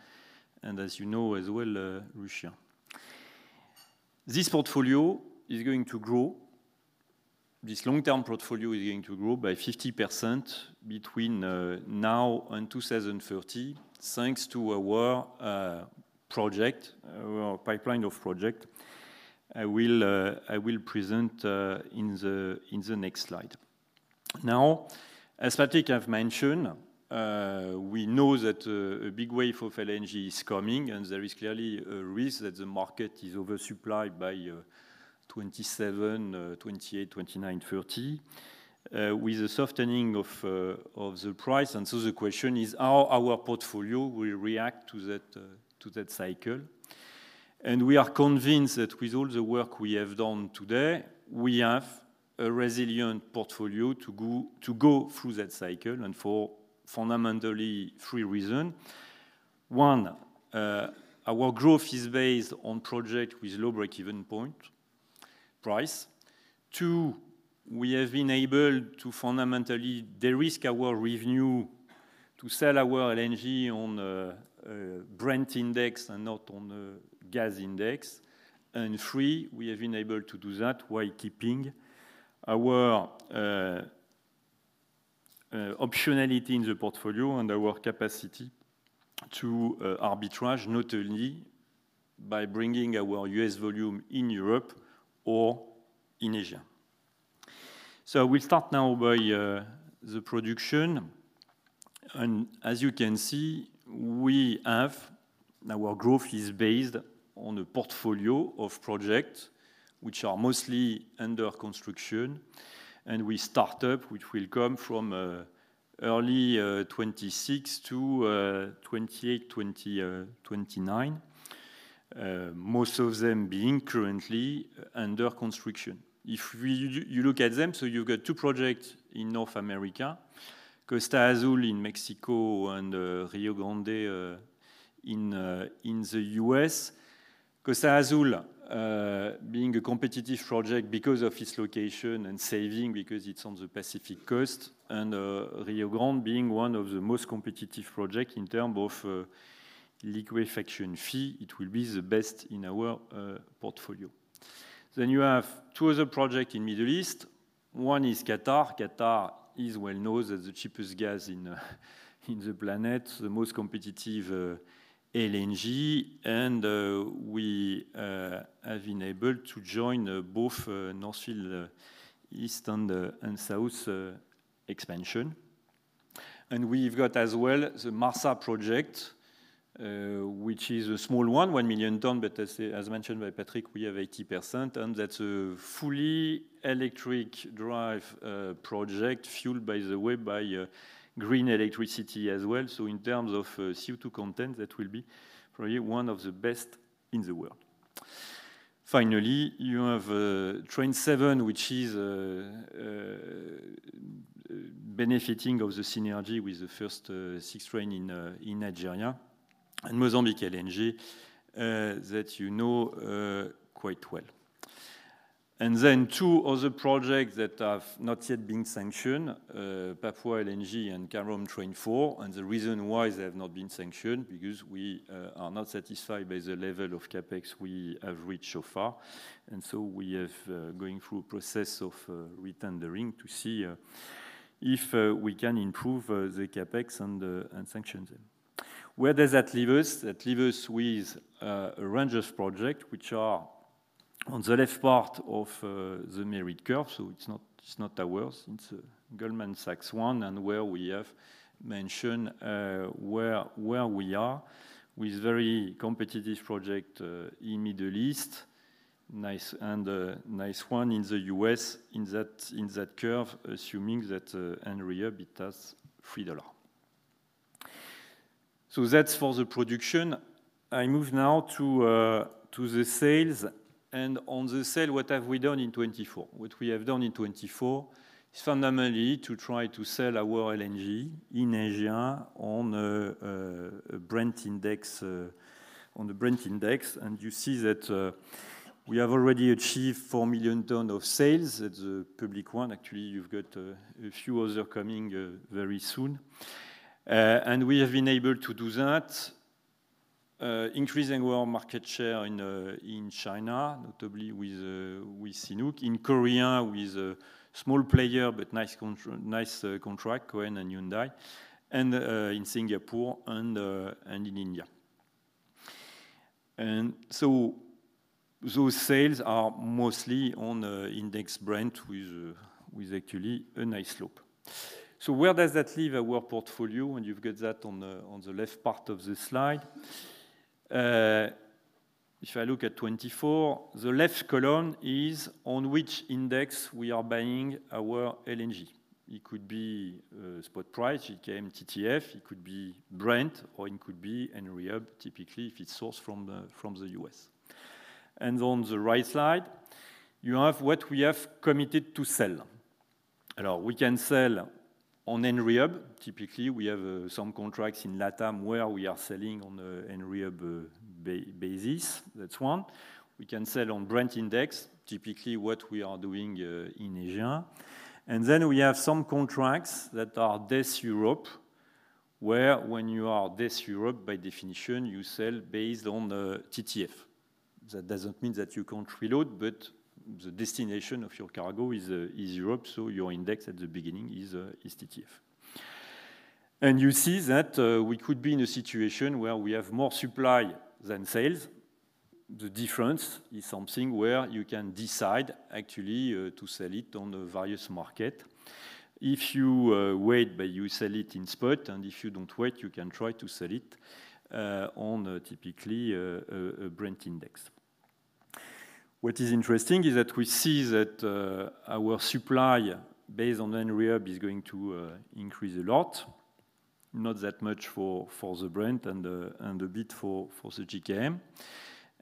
and as you know as well, Russia. This portfolio is going to grow. This long-term portfolio is going to grow by 50% between now and 2030, thanks to our project, our pipeline of projects. I will present in the next slide. Now, as Patrick has mentioned, we know that a big wave of LNG is coming, and there is clearly a risk that the market is oversupplied by 2027, 2028, 2029, 2030, with a softening of the price. And so the question is, how our portfolio will react to that cycle? And we are convinced that with all the work we have done today, we have a resilient portfolio to go through that cycle, and for fundamentally three reasons. One, our growth is based on projects with low break-even price. Two, we have been able to fundamentally de-risk our revenue to sell our LNG on Brent Index and not on a gas index. And three, we have been able to do that while keeping our optionality in the portfolio and our capacity to arbitrage, not only by bringing our U.S. volume in Europe or in Asia. So we'll start now by the production, and as you can see, we have our growth is based on a portfolio of projects which are mostly under construction, and we start up which will come from early 2026 to 2028, 2029. Most of them being currently under construction. If you look at them, so you've got two projects in North America, Costa Azul in Mexico and Rio Grande in the U.S. Costa Azul being a competitive project because of its location and saving, because it's on the Pacific Coast, and Rio Grande being one of the most competitive project in term of liquefaction fee, it will be the best in our portfolio. Then you have two other project in Middle East. One is Qatar. Qatar is well known as the cheapest gas in the planet, the most competitive LNG, and we have been able to join both North Field East and South expansion. And we've got as well the Marsa project, which is a small one, one million ton, but as mentioned by Patrick, we have 80%, and that's a fully electric drive project, fueled, by the way, by green electricity as well. So in terms of CO2 content, that will be probably one of the best in the world. Finally, you have Train seven, which is benefiting of the synergy with the first six train in Nigeria and Mozambique LNG, that you know quite well. And then two other projects that have not yet been sanctioned, Papua LNG and Cameron Train four. And the reason why they have not been sanctioned, because we are not satisfied by the level of CapEx we have reached so far, and so we have going through a process of re-tendering to see if we can improve the CapEx and sanction them. Where does that leave us? That leaves us with a range of projects which are on the left part of the merit curve, so it's not, it's not ours, it's Goldman Sachs one, and where we have mentioned where we are with very competitive projects in the Middle East. Nice, and nice one in the U.S. in that, in that curve, assuming that Henry Hub at $3. So that's for the production. I move now to the sales, and on the sales, what have we done in 2024? What we have done in 2024 is fundamentally to try to sell our LNG in Asia on a Brent index, on the Brent index, and you see that we have already achieved four million tons of sales. That's a public one. Actually, you've got a few other coming very soon. And we have been able to do that, increasing our market share in China, notably with CNOOC, in Korea, with a small player, but nice contract, KOEN and Hyundai, and in Singapore and in India. And so those sales are mostly on Index Brent with actually a nice slope. So where does that leave our portfolio? And you've got that on the left part of the slide. If I look at 2024, the left column is on which index we are buying our LNG. It could be spot price, JKM, TTF, it could be Brent, or it could be Henry, typically, if it's sourced from the U.S. And on the right side, you have what we have committed to sell. We can sell on Henry. Typically, we have some contracts in Latam where we are selling on a Henry Hub basis. That's one. We can sell on Brent Index, typically what we are doing in Asia. And then we have some contracts that are DES Europe, where when you are DES Europe, by definition, you sell based on TTF. That doesn't mean that you can't reload, but the destination of your cargo is Europe, so your index at the beginning is TTF. And you see that we could be in a situation where we have more supply than sales. The difference is something where you can decide actually to sell it on the various market. If you wait, but you sell it in spot, and if you don't wait, you can try to sell it on a typically a Brent Index. What is interesting is that we see that our supply based on Henry Hub is going to increase a lot. Not that much for the Brent and a bit for the JKM.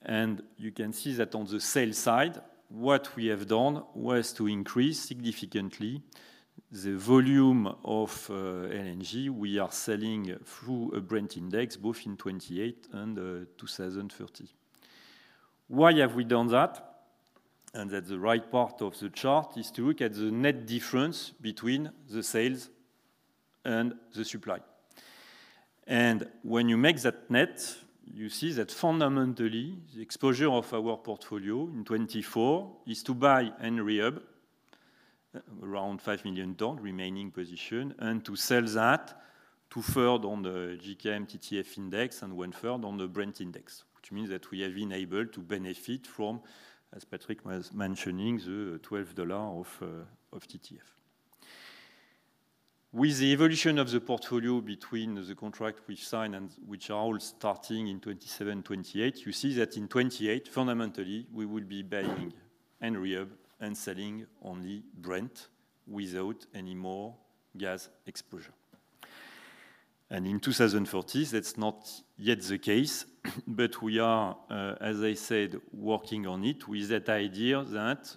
And you can see that on the sales side, what we have done was to increase significantly the volume of LNG we are selling through a Brent index, both in 2028 and 2030. Why have we done that? And that the right part of the chart is to look at the net difference between the sales and the supply. And when you make that net, you see that fundamentally, the exposure of our portfolio in 2024 is to buy Henry Hub around five million ton remaining position, and to sell that two-thirds on the JKM TTF index and one-third on the Brent index, which means that we have been able to benefit from, as Patrick was mentioning, the $12 of TTF. With the evolution of the portfolio between the contracts we sign and which are all starting in 2027, 2028, you see that in 2028, fundamentally, we will be buying and buying Henry Hub and selling only Brent without any more gas exposure. And in 2030, that's not yet the case, but we are, as I said, working on it with that idea that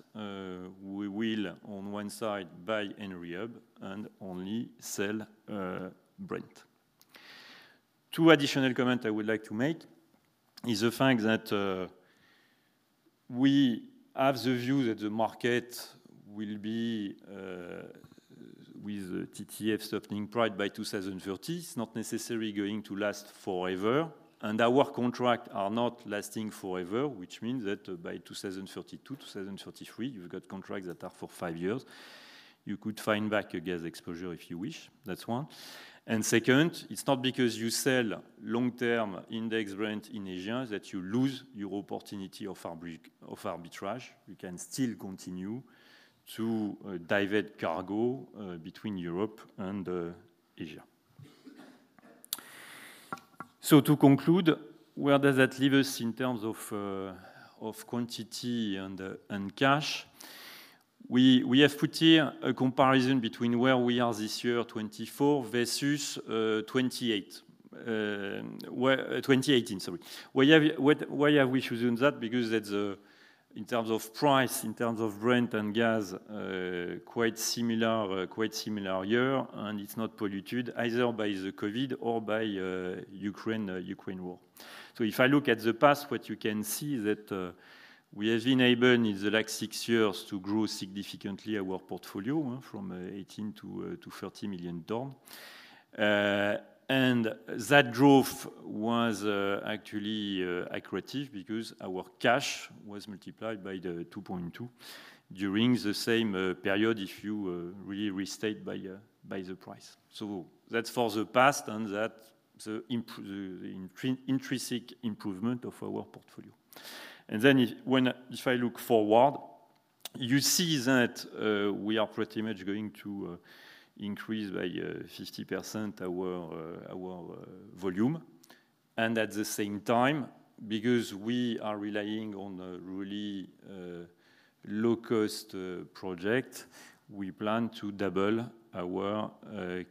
we will, on one side, buy Henry rehub and only sell Brent. Two additional comments I would like to make is the fact that we have the view that the market will be with TTF softening price by 2030. It's not necessarily going to last forever, and our contracts are not lasting forever, which means that by 2032, 2033, you've got contracts that are for five years. You could find back your gas exposure if you wish. That's one. And second, it's not because you sell long-term index Brent in Asia that you lose your opportunity of arbitrage. You can still continue to divert cargo between Europe and Asia. So to conclude, where does that leave us in terms of quantity and cash? We have put here a comparison between where we are this year, 2024, versus 2018, sorry. Why have we chosen that? Because that's in terms of price, in terms of Brent and gas, quite similar year, and it's not polluted either by the COVID or by Ukraine war. So if I look at the past, what you can see is that we have been able in the last six years to grow significantly our portfolio from 18 to 30 million tonnes. And that growth was actually accretive because our cash was multiplied by 2.2 during the same period, if you really restated by the price. So that's for the past and that the intrinsic improvement of our portfolio. And then when I look forward, you see that we are pretty much going to increase by 50% our volume. And at the same time, because we are relying on a really low-cost project, we plan to double our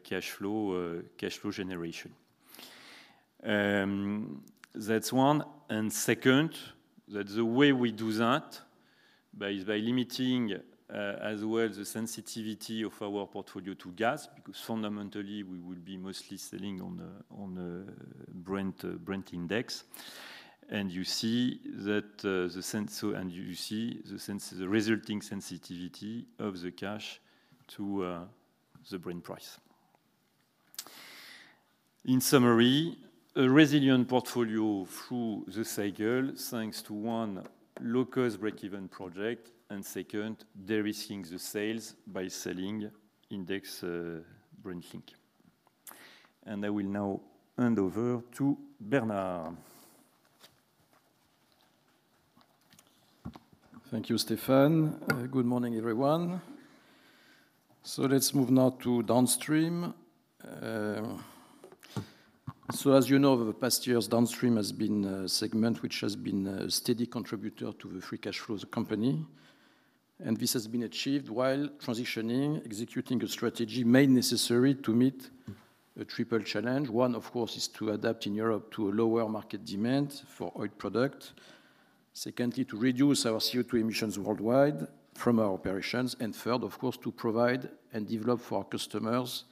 cash flow generation. That's one, and second, the way we do that is by limiting as well the sensitivity of our portfolio to gas, because fundamentally, we will be mostly selling on the Brent index. And you see that the resulting sensitivity of the cash to the Brent price. In summary, a resilient portfolio through the cycle, thanks to one, low-cost break-even project, and second, de-risking the sales by selling index, Brent link. And I will now hand over to Bernard. Thank you, Stefan. Good morning, everyone. Let's move now to downstream. So as you know, over the past years, downstream has been a segment which has been a steady contributor to the free cash flow of the company, and this has been achieved while transitioning, executing a strategy made necessary to meet a triple challenge. One, of course, is to adapt in Europe to a lower market demand for oil product. Secondly, to reduce our CO2 emissions worldwide from our operations, and third, of course, to provide and develop for our customers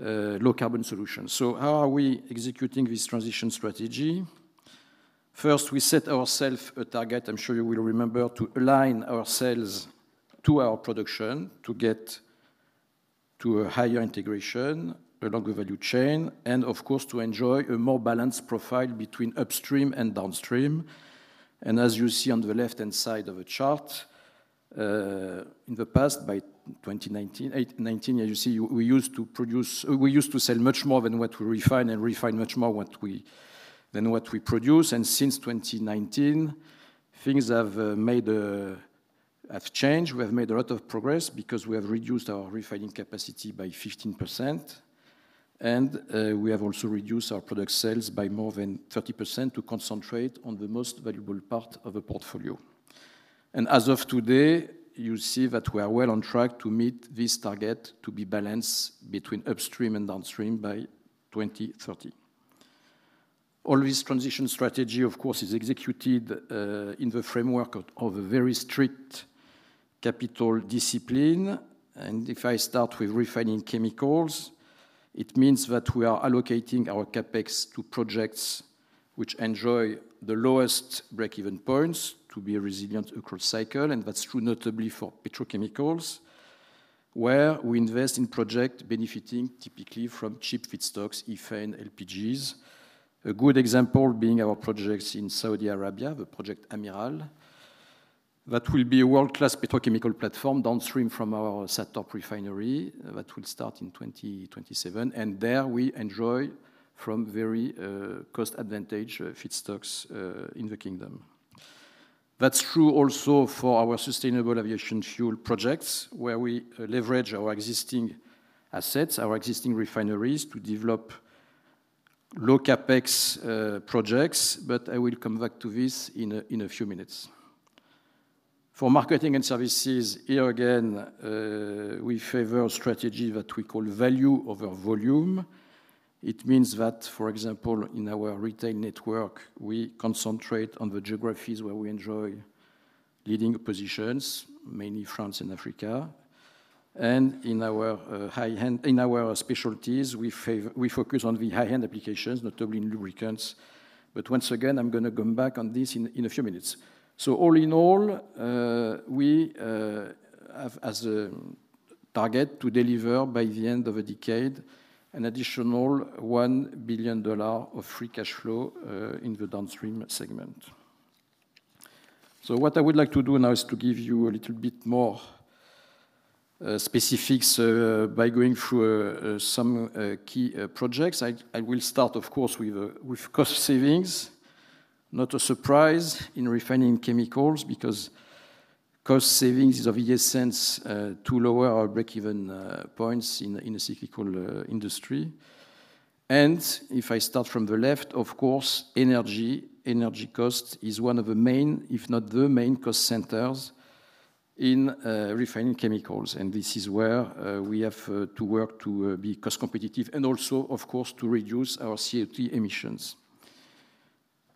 low-carbon solutions. How are we executing this transition strategy? First, we set ourselves a target, I'm sure you will remember, to align ourselves to our production, to get to a higher integration along the value chain, and of course, to enjoy a more balanced profile between upstream and downstream. As you see on the left-hand side of the chart, in the past, by 2019, as you see, we used to sell much more than what we refine and refine much more than what we produce. And since 2019, things have changed. We have made a lot of progress because we have reduced our refining capacity by 15%, and we have also reduced our product sales by more than 30% to concentrate on the most valuable part of the portfolio. And as of today, you see that we are well on track to meet this target, to be balanced between upstream and downstream by 2030. All this transition strategy, of course, is executed in the framework of a very strict capital discipline. And if I start with refining chemicals, it means that we are allocating our CapEx to projects which enjoy the lowest break-even points to be resilient across cycle, and that's true notably for petrochemicals, where we invest in project benefiting typically from cheap feedstocks, ethane, LPGs. A good example being our projects in Saudi Arabia, the Amiral project. That will be a world-class petrochemical platform downstream from our SATORP refinery that will start in 2027, and there we enjoy from very cost advantage feedstocks in the kingdom. That's true also for our sustainable aviation fuel projects, where we leverage our existing assets, our existing refineries, to develop low CapEx projects, but I will come back to this in a few minutes. For marketing and services, here again, we favor a strategy that we call value over volume. It means that, for example, in our retail network, we concentrate on the geographies where we enjoy leading positions, mainly France and Africa. And in our high-end specialties, we focus on the high-end applications, notably in lubricants. But once again, I'm gonna come back on this in a few minutes. So all in all, we have as a target to deliver by the end of a decade, an additional $1 billion of free cash flow in the downstream segment. So what I would like to do now is to give you a little bit more specifics by going through some key projects. I will start, of course, with cost savings. Not a surprise in refining chemicals because cost savings is of essence to lower our break-even points in a cyclical industry. And if I start from the left, of course, energy, energy cost is one of the main, if not the main cost centers in refining chemicals, and this is where we have to work to be cost competitive and also, of course, to reduce our CO2 emissions.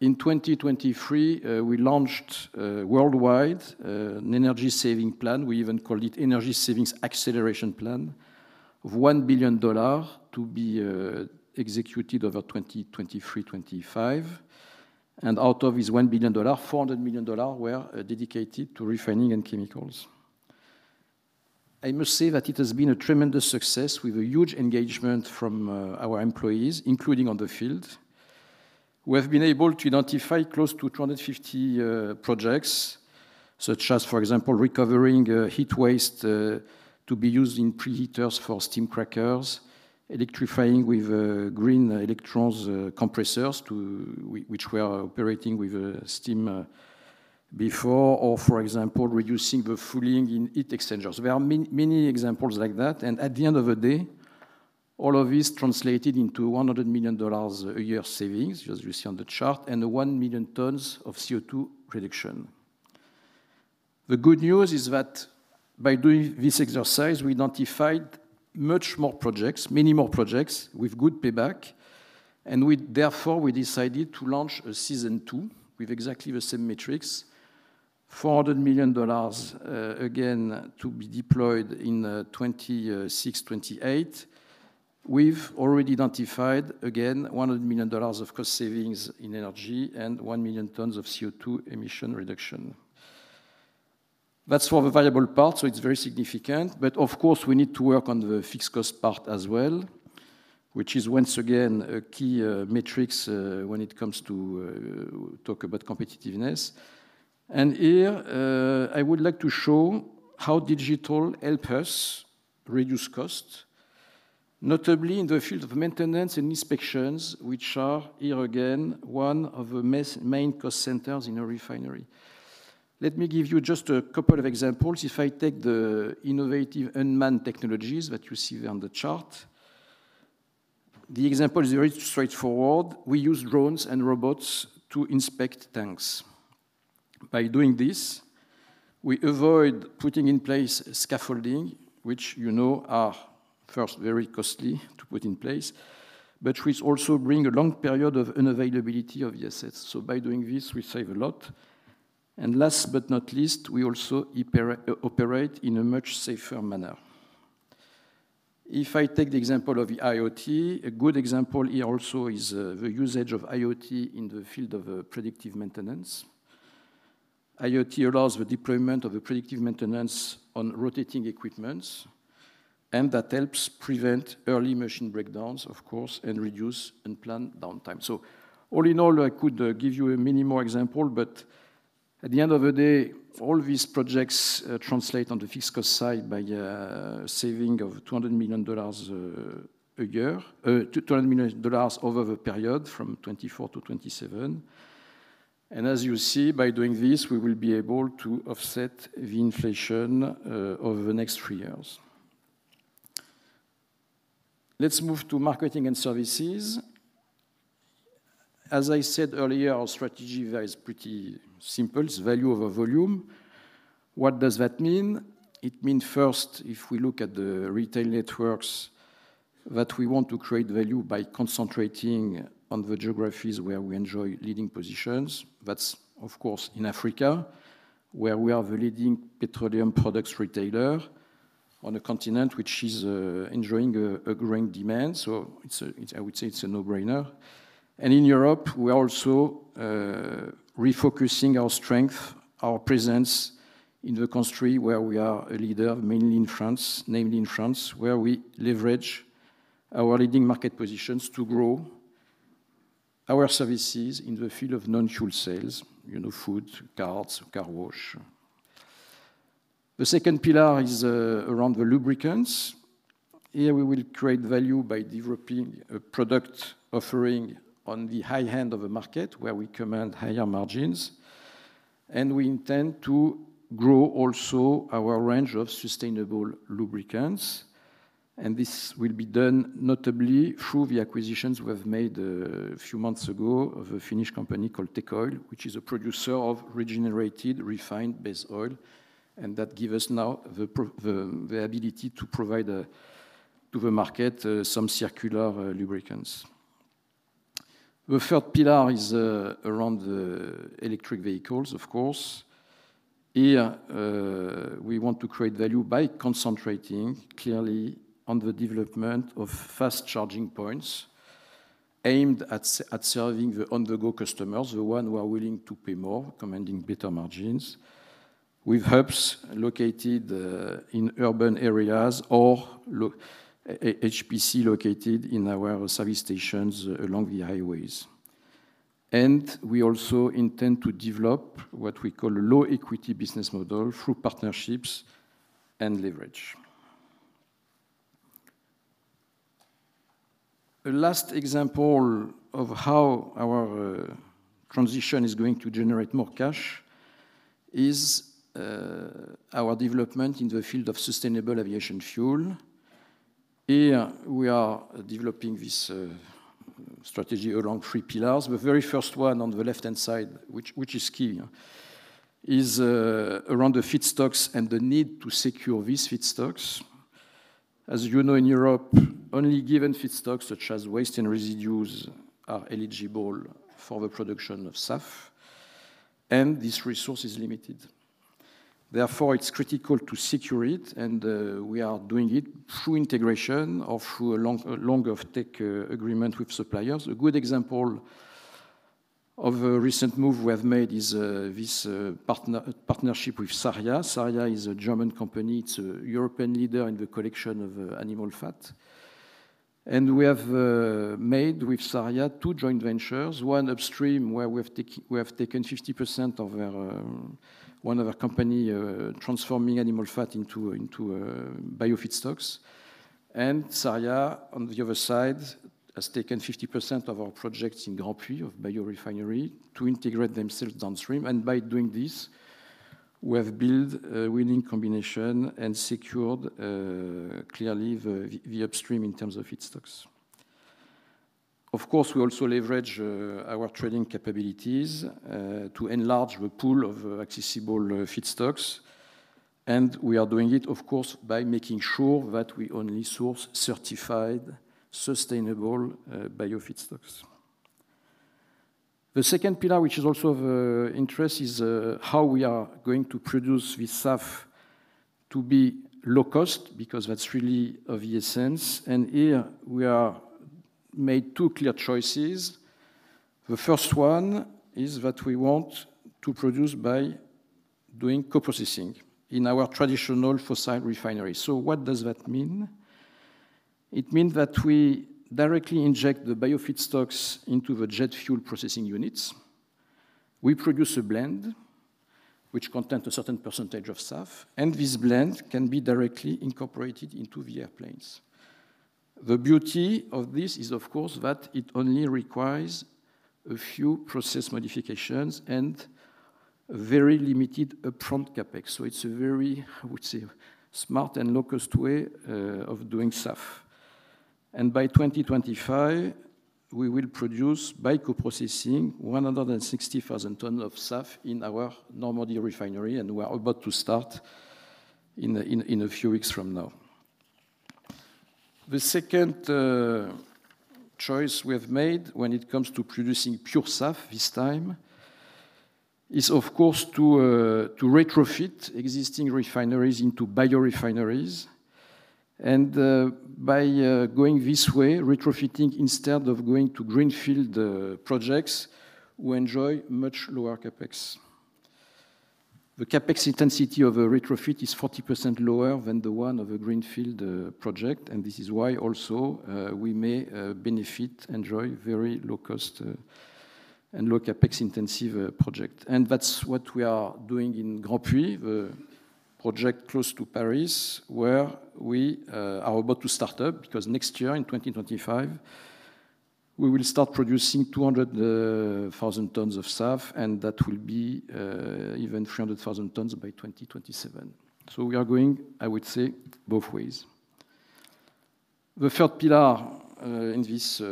In 2023, we launched worldwide an energy saving plan. We even called it Energy Savings Acceleration Plan, of $1 billion to be executed over 2023-2025. And out of this $1 billion, $400 million were dedicated to refining and chemicals. I must say that it has been a tremendous success with a huge engagement from our employees, including on the field. We have been able to identify close to 250 projects, such as, for example, recovering heat waste to be used in preheaters for steam crackers, electrifying with green electrons compressors which were operating with steam before, or, for example, reducing the fouling in heat exchangers. There are many, many examples like that, and at the end of the day, all of this translated into $100 million a year savings, as you see on the chart, and 1 million tons of CO2 reduction. The good news is that by doing this exercise, we identified much more projects, many more projects with good payback, and we therefore, we decided to launch a season two with exactly the same metrics. $400 million again to be deployed in 2026-2028. We've already identified, again, $100 million of cost savings in energy and 1 million tons of CO2 emission reduction. That's for the variable part, so it's very significant. But of course, we need to work on the fixed cost part as well, which is once again, a key metrics, when it comes to talk about competitiveness. And here I would like to show how digital help us reduce costs, notably in the field of maintenance and inspections, which are, here again, one of the main cost centers in a refinery. Let me give you just a couple of examples. If I take the innovative unmanned technologies that you see on the chart, the example is very straightforward. We use drones and robots to inspect tanks. By doing this, we avoid putting in place scaffolding, which, you know, are first, very costly to put in place, but which also bring a long period of unavailability of the assets. So by doing this, we save a lot. And last but not least, we also operate in a much safer manner. If I take the example of the IoT, a good example here also is the usage of IoT in the field of predictive maintenance. IoT allows the deployment of a predictive maintenance on rotating equipment, and that helps prevent early machine breakdowns, of course, and reduce unplanned downtime. So all in all, I could give you many more examples, but at the end of the day, all these projects translate on the fixed cost side by a saving of $200 million a year, $200 million over the period from 2024 to 2027. And as you see, by doing this, we will be able to offset the inflation over the next three years. Let's move to marketing and services. As I said earlier, our strategy there is pretty simple. It's value over volume. What does that mean? It means first, if we look at the retail networks, that we want to create value by concentrating on the geographies where we enjoy leading positions. That's, of course, in Africa, where we are the leading petroleum products retailer on a continent which is enjoying a growing demand. It's a no-brainer. In Europe, we are also refocusing our strength, our presence in the country where we are a leader, mainly in France, namely in France, where we leverage our leading market positions to grow our services in the field of non-fuel sales, you know, food, cars, car wash. The second pillar is around the lubricants. Here, we will create value by developing a product offering on the high end of the market, where we command higher margins, and we intend to grow also our range of sustainable lubricants, and this will be done notably through the acquisitions we have made a few months ago of a Finnish company called Tecoil, which is a producer of re-refined base oil, and that give us now the pro... The ability to provide to the market some circular lubricants. The third pillar is around the electric vehicles, of course. Here, we want to create value by concentrating clearly on the development of fast charging points aimed at serving the on-the-go customers, the one who are willing to pay more, commanding better margins, with hubs located in urban areas, HPC located in our service stations along the highways. And we also intend to develop what we call low equity business model through partnerships and leverage. The last example of how our transition is going to generate more cash is our development in the field of sustainable aviation fuel. Here, we are developing this strategy around three pillars. The very first one on the left-hand side, which is key, is around the feedstocks and the need to secure these feedstocks. As you know, in Europe, only given feedstocks such as waste and residues are eligible for the production of SAF, and this resource is limited. Therefore, it's critical to secure it, and we are doing it through integration or through a longer take agreement with suppliers. A good example of a recent move we have made is this partnership with SARIA. SARIA is a German company. It's a European leader in the collection of animal fat. And we have made with SARIA two joint ventures, one upstream, where we have taken 50% of their one of their company transforming animal fat into biofeedstocks. SARIA, on the other side, has taken 50% of our projects in Grandpuits biorefinery to integrate themselves downstream, and by doing this, we have built a winning combination and secured clearly the upstream in terms of feedstocks. Of course, we also leverage our trading capabilities to enlarge the pool of accessible feedstocks, and we are doing it, of course, by making sure that we only source certified, sustainable biofeedstocks. The second pillar, which is also of interest, is how we are going to produce this SAF to be low cost, because that's really of the essence, and here we are made two clear choices. The first one is that we want to produce by doing co-processing in our traditional fossil refinery. So what does that mean? It means that we directly inject the biofeedstocks into the jet fuel processing units. We produce a blend which contain a certain percentage of SAF, and this blend can be directly incorporated into the airplanes. The beauty of this is, of course, that it only requires a few process modifications and very limited upfront CapEx. So it's a very, I would say, smart and low-cost way of doing SAF. By 2025, we will produce, by co-processing, 160,000 tons of SAF in our Normandy refinery, and we are about to start in a few weeks from now. The second choice we have made when it comes to producing pure SAF this time is, of course, to retrofit existing refineries into biorefineries. And by going this way, retrofitting instead of going to greenfield projects, we enjoy much lower CapEx. The CapEx intensity of a retrofit is 40% lower than the one of a greenfield project, and this is why also we may benefit, enjoy very low cost and low CapEx-intensive project. And that's what we are doing in Grandpuits, the project close to Paris, where we are about to start up, because next year, in 2025, we will start producing 200,000 tons of SAF, and that will be even 300,000 tons by 2027. So we are going, I would say, both ways. The third pillar in this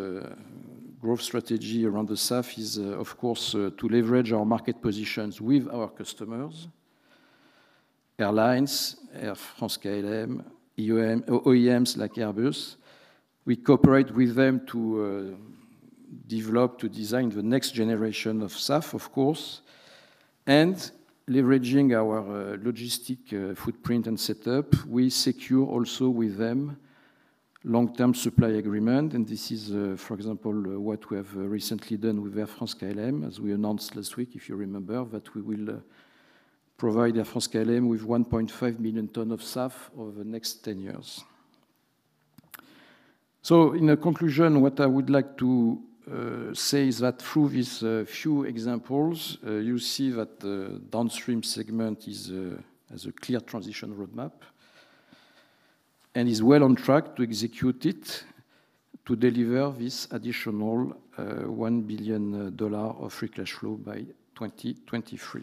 growth strategy around the SAF is, of course, to leverage our market positions with our customers: airlines, Air France-KLM, OEMs like Airbus. We cooperate with them to develop, to design the next generation of SAF, of course, and leveraging our logistics footprint and setup, we secure also with them long-term supply agreement. This is, for example, what we have recently done with Air France-KLM, as we announced last week, if you remember, that we will provide Air France-KLM with 1.5 million tons of SAF over the next 10 years. In conclusion, what I would like to say is that through these few examples, you see that the downstream segment has a clear transition roadmap, and is well on track to execute it, to deliver this additional $1 billion of free cash flow by 2023.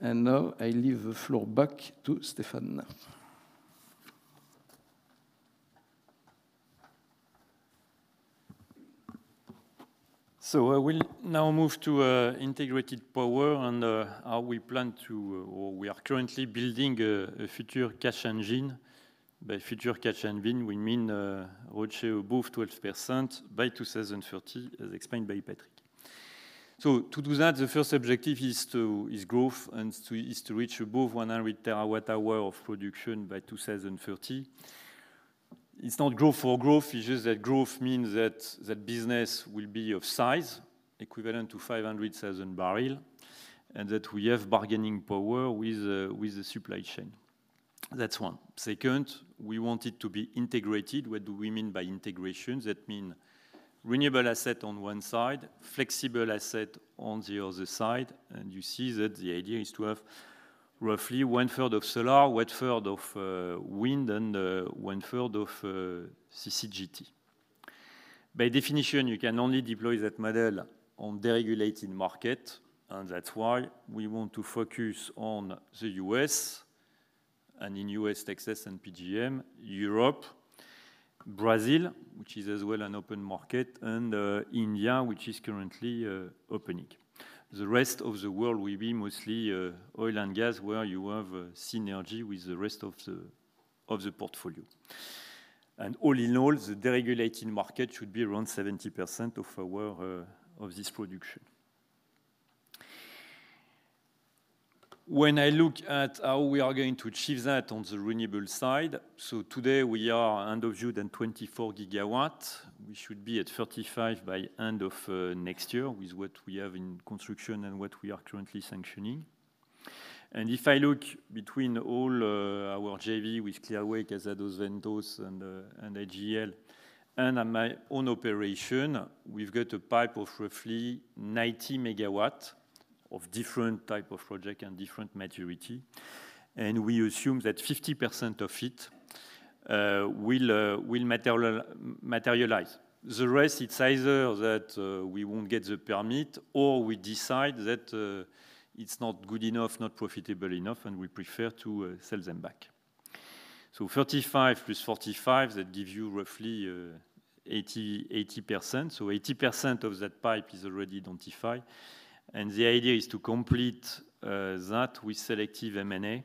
Now, I leave the floor back to Stéphane. So I will now move to integrated power and how we plan to, or we are currently building a future cash engine. By future cash engine, we mean ROCE above 12% by 2030, as explained by Patrick. To do that, the first objective is to reach above 100 terawatt hour of production by 2030. It's not growth for growth. It's just that growth means that the business will be of size equivalent to 500,000 barrel, and that we have bargaining power with the supply chain. That's one. Second, we want it to be integrated. What do we mean by integration? That means renewable asset on one side, flexible asset on the other side, and you see that the idea is to have roughly one third of solar, one third of wind, and one third of CCGT. By definition, you can only deploy that model on deregulated market, and that's why we want to focus on the U.S., and in U.S., Texas and PJM, Europe, Brazil, which is as well an open market, and India, which is currently opening. The rest of the world will be mostly oil and gas, where you have a synergy with the rest of the portfolio. And all in all, the deregulated market should be around 70% of our production. When I look at how we are going to achieve that on the renewable side, so today we are end of 2024 24 gigawatts. We should be at 35 by end of next year, with what we have in construction and what we are currently sanctioning. And if I look between all our JV with Clearway, Casa dos Ventos and and AGEL, and on my own operation, we've got a pipe of roughly 90 megawatts of different type of project and different maturity, and we assume that 50% of it will materialize. The rest, it's either that we won't get the permit, or we decide that it's not good enough, not profitable enough, and we prefer to sell them back. So 35 plus 45, that gives you roughly eighty 80%. 80% of that pipe is already identified, and the idea is to complete that with selective M&A,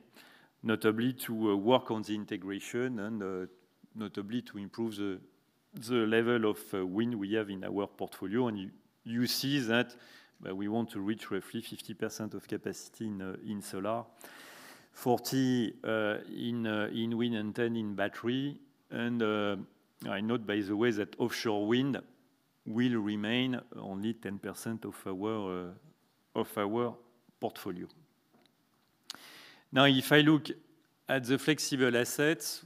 notably to work on the integration and notably to improve the level of wind we have in our portfolio. And you see that we want to reach roughly 50% of capacity in solar, 40% in wind, and 10% in battery. And I note, by the way, that offshore wind will remain only 10% of our portfolio. Now, if I look at the flexible assets,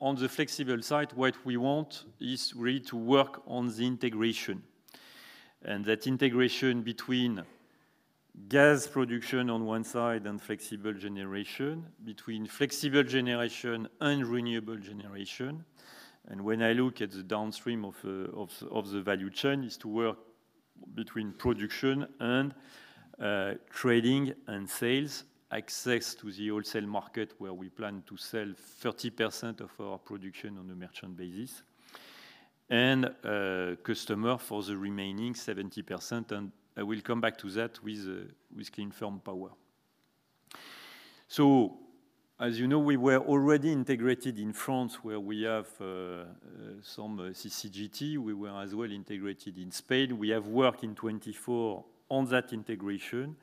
on the flexible side, what we want is really to work on the integration. And that integration between gas production on one side and flexible generation, between flexible generation and renewable generation. When I look at the downstream of the value chain, is to work between production and trading and sales, access to the wholesale market, where we plan to sell 30% of our production on a merchant basis, and customer for the remaining 70%, and I will come back to that with Clean Firm Power. As you know, we were already integrated in France, where we have some CCGT. We were as well integrated in Spain. We have worked in 2024 on that integration,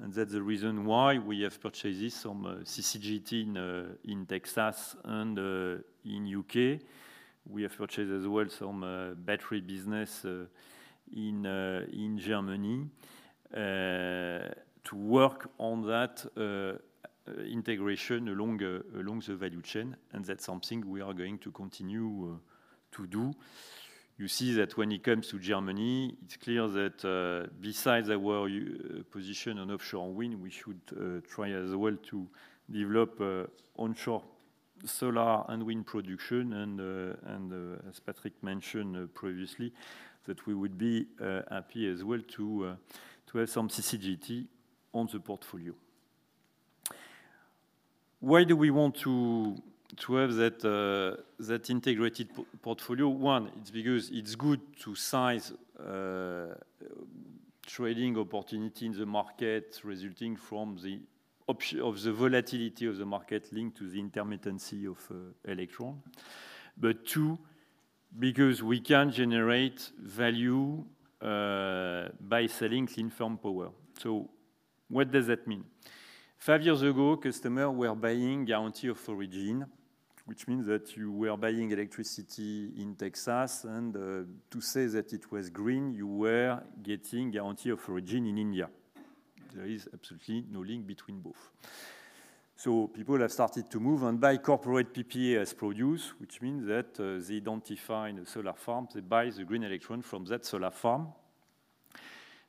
and that's the reason why we have purchased some CCGT in Texas and in the U.K. We have purchased as well some battery business in Germany to work on that integration along the value chain, and that's something we are going to continue to do. You see that when it comes to Germany, it's clear that besides our position on offshore wind, we should try as well to develop onshore solar and wind production, and as Patrick mentioned previously, we would be happy as well to have some CCGT on the portfolio. Why do we want to have that integrated power portfolio? One, it's because it's good to seize trading opportunities in the market resulting from the volatility of the market linked to the intermittency of electricity. But two, because we can generate value by selling clean firm power. So what does that mean? Five years ago, customers were buying guarantee of origin, which means that you were buying electricity in Texas, and to say that it was green, you were getting guarantee of origin in India. There is absolutely no link between both. So people have started to move and buy corporate PPAs produced, which means that they identify the solar farm, they buy the green electrons from that solar farm.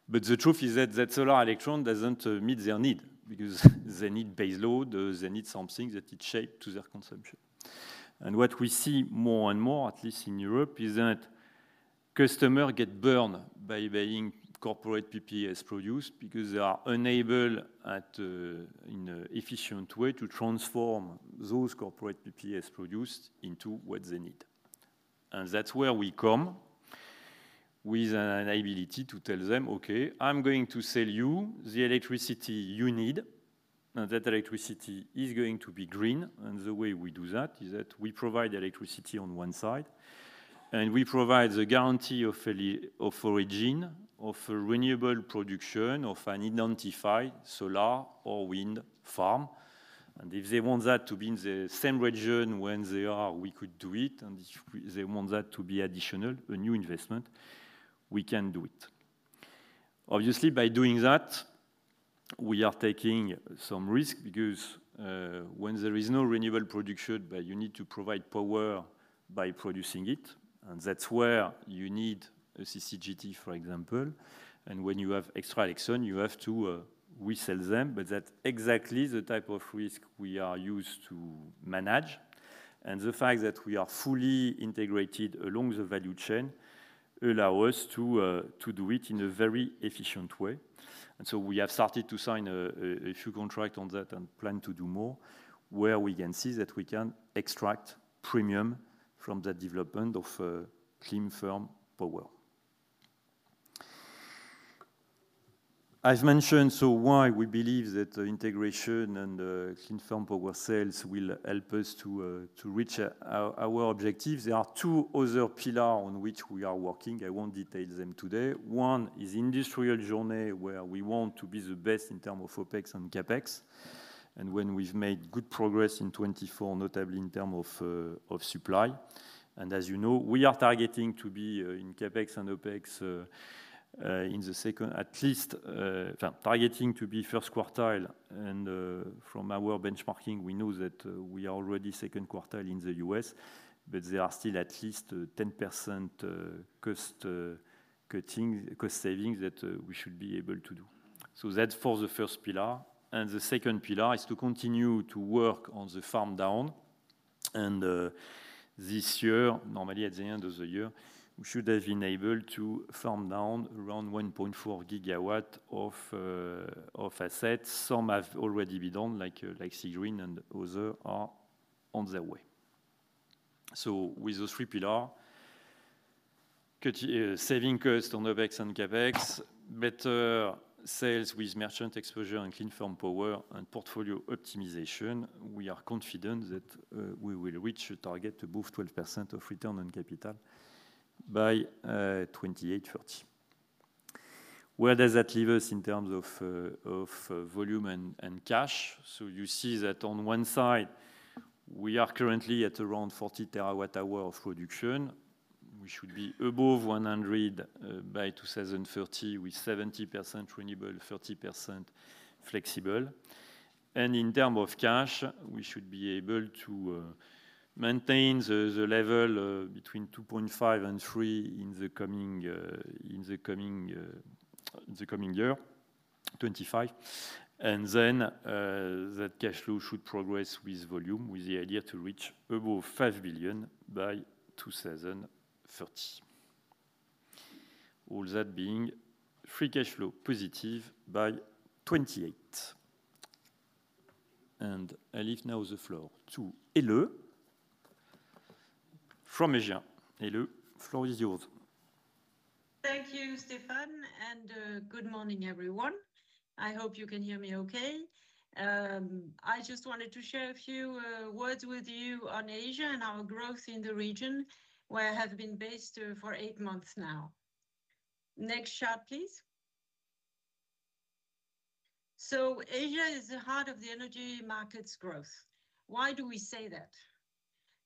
But the truth is that that solar electron doesn't meet their need, because they need baseload, they need something that is shaped to their consumption. What we see more and more, at least in Europe, is that customers get burned by buying corporate PPA power, because they are unable, in an efficient way, to transform those corporate PPA power into what they need. That's where we come with an ability to tell them, "Okay, I'm going to sell you the electricity you need, and that electricity is going to be green." The way we do that is that we provide electricity on one side, and we provide the guarantee of origin, of a renewable production, of an identified solar or wind farm. If they want that to be in the same region where they are, we could do it. If they want that to be additional, a new investment, we can do it. Obviously, by doing that, we are taking some risk because when there is no renewable production, but you need to provide power by producing it, and that's where you need a CCGT, for example. And when you have extra electrons, you have to resell them, but that's exactly the type of risk we are used to manage. And the fact that we are fully integrated along the value chain allow us to to do it in a very efficient way. And so we have started to sign a few contracts on that and plan to do more, where we can see that we can extract premium from the development of clean firm power. I've mentioned, so why we believe that integration and clean firm power sales will help us to to reach our objectives. There are two other pillars on which we are working. I won't detail them today. One is industrial journey, where we want to be the best in terms of OpEx and CapEx, and when we've made good progress in 2024, notably in terms of supply. As you know, we are targeting to be in CapEx and OpEx in the second quartile at least, targeting to be first quartile. From our benchmarking, we know that we are already second quartile in the U.S., but there are still at least 10% cost cutting cost savings that we should be able to do. So that's for the first pillar. The second pillar is to continue to work on the farm-down. This year, normally at the end of the year, we should have been able to farm down around 1.4 gigawatts of assets. Some have already been done, like Seagreen, and others are on their way. With those three pillars, cutting, saving costs on OpEx and CapEx, better sales with merchant exposure and clean firm power, and portfolio optimization, we are confident that we will reach a target above 12% of return on capital by 2028-2030. Where does that leave us in terms of volume and cash? You see that on one side, we are currently at around 40 terawatt-hours of production. We should be above 100 by 2030, with 70% renewable, 30% flexible. In terms of cash, we should be able to maintain the level between 2.5 and 3 in the coming year, 2025. Then, that cash flow should progress with volume, with the idea to reach above 5 billion by 2030. All that being free cash flow positive by 2028. I leave now the floor to Helle from Asia. Helle, floor is yours. Thank you, Stéphane, and good morning, everyone. I hope you can hear me okay. I just wanted to share a few words with you on Asia and our growth in the region, where I have been based for eight months now. Next chart, please. Asia is the heart of the energy markets growth. Why do we say that?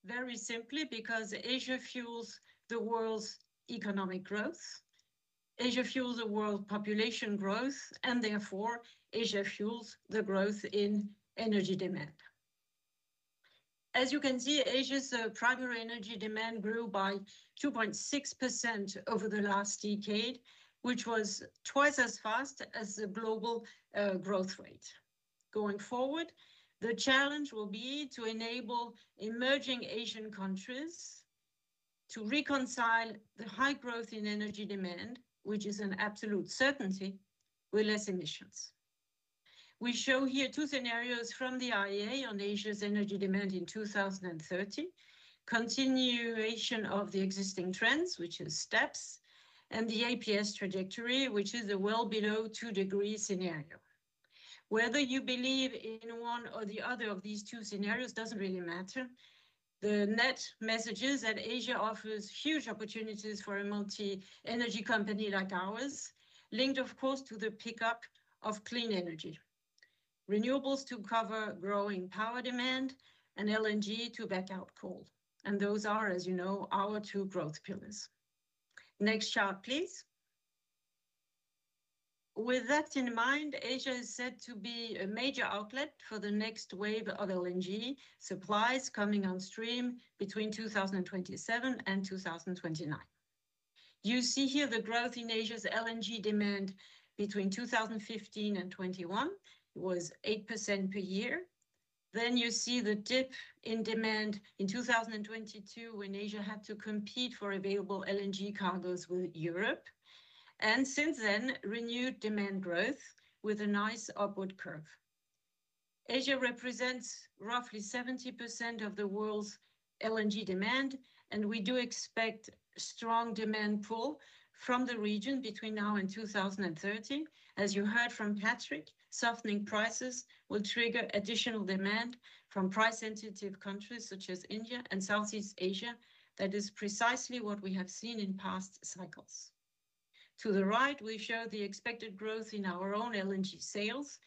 Very simply because Asia fuels the world's economic growth, Asia fuels the world population growth, and therefore, Asia fuels the growth in energy demand. As you can see, Asia's primary energy demand grew by 2.6% over the last decade, which was twice as fast as the global growth rate. Going forward, the challenge will be to enable emerging Asian countries to reconcile the high growth in energy demand, which is an absolute certainty, with less emissions. We show here two scenarios from the IEA on Asia's energy demand in 2030. Continuation of the existing trends, which is STEPS, and the APS trajectory, which is a well below 2-degree scenario. Whether you believe in one or the other of these two scenarios doesn't really matter. The net message is that Asia offers huge opportunities for a multi-energy company like ours, linked, of course, to the pickup of clean energy. Renewables to cover growing power demand and LNG to back out coal, and those are, as you know, our two growth pillars. Next chart, please. With that in mind, Asia is set to be a major outlet for the next wave of LNG supplies coming on stream between 2027 and 2029. You see here the growth in Asia's LNG demand between 2015 and 2021 was 8% per year. Then you see the dip in demand in 2022, when Asia had to compete for available LNG cargoes with Europe, and since then, renewed demand growth with a nice upward curve. Asia represents roughly 70% of the world's LNG demand, and we do expect strong demand pull from the region between now and 2030. As you heard from Patrick, softening prices will trigger additional demand from price-sensitive countries such as India and Southeast Asia. That is precisely what we have seen in past cycles. To the right, we show the expected growth in our own LNG sales,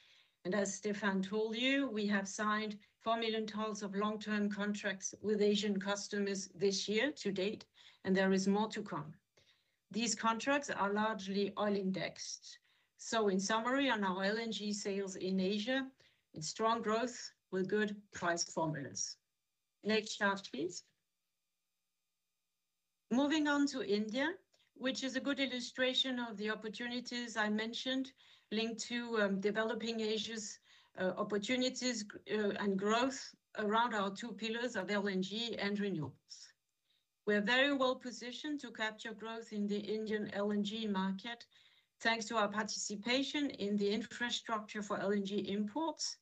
and as Stéphane told you, we have signed four million tons of long-term contracts with Asian customers this year to date, and there is more to come. These contracts are largely oil indexed. So in summary, on our LNG sales in Asia, it's strong growth with good price formulas. Next chart, please. Moving on to India, which is a good illustration of the opportunities I mentioned, linked to developing Asia's opportunities and growth around our two pillars of LNG and renewables. We are very well positioned to capture growth in the Indian LNG market, thanks to our participation in the infrastructure for LNG imports